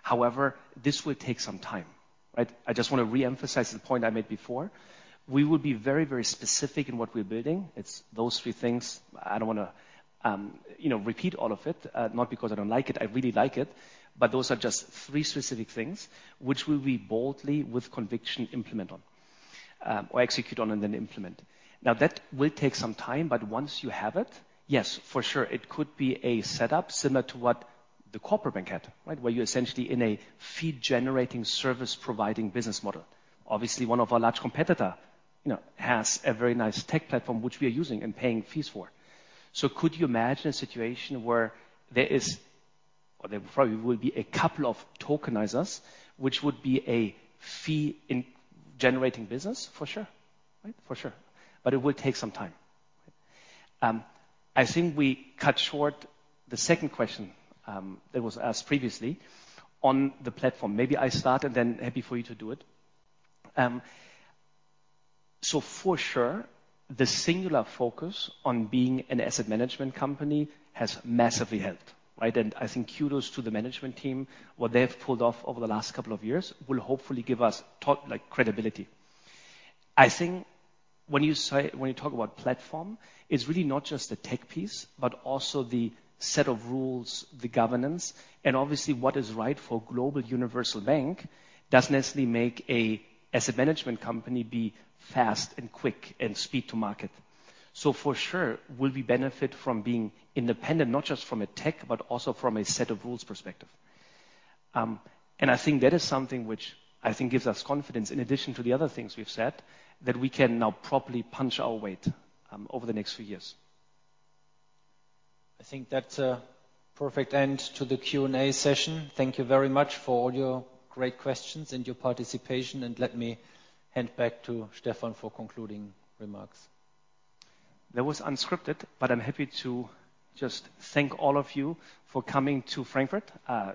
However, this will take some time, right? I just wanna reemphasize the point I made before. We will be very, very specific in what we're building. It's those three things. I don't wanna, you know, repeat all of it, not because I don't like it. I really like it. Those are just three specific things which we'll be boldly with conviction implement on, or execute on and then implement. That will take some time, but once you have it, yes, for sure it could be a setup similar to what the corporate bank had, right? Where you're essentially in a fee-generating service providing business model. Obviously, one of our large competitor, you know, has a very nice tech platform, which we are using and paying fees for. Could you imagine a situation where there is or there probably will be a couple of tokenizers, which would be a fee in generating business? For sure. Right? For sure. It will take some time. I think we cut short the second question that was asked previously on the platform. Maybe I start and then happy for you to do it. For sure, the singular focus on being an asset management company has massively helped, right? I think kudos to the management team. What they have pulled off over the last couple of years will hopefully give us like credibility. I think when you talk about platform, it's really not just the tech piece, but also the set of rules, the governance. Obviously, what is right for global universal bank doesn't necessarily make a asset management company be fast and quick and speed to market. For sure will we benefit from being independent, not just from a tech, but also from a set of rules perspective. I think that is something which I think gives us confidence in addition to the other things we've said that we can now properly punch our weight over the next few years. I think that's a perfect end to the Q&A session. Thank you very much for all your great questions and your participation. Let me hand back to Stefan for concluding remarks. That was unscripted, I'm happy to just thank all of you for coming to Frankfurt.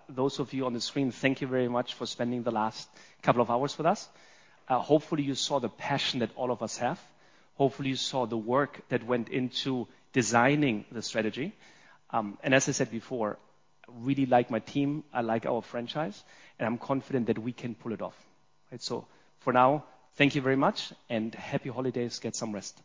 Those of you on the screen, thank you very much for spending the last couple of hours with us. Hopefully, you saw the passion that all of us have. Hopefully, you saw the work that went into designing the strategy. As I said before, I really like my team, I like our franchise, and I'm confident that we can pull it off. Right. For now, thank you very much and happy holidays. Get some rest.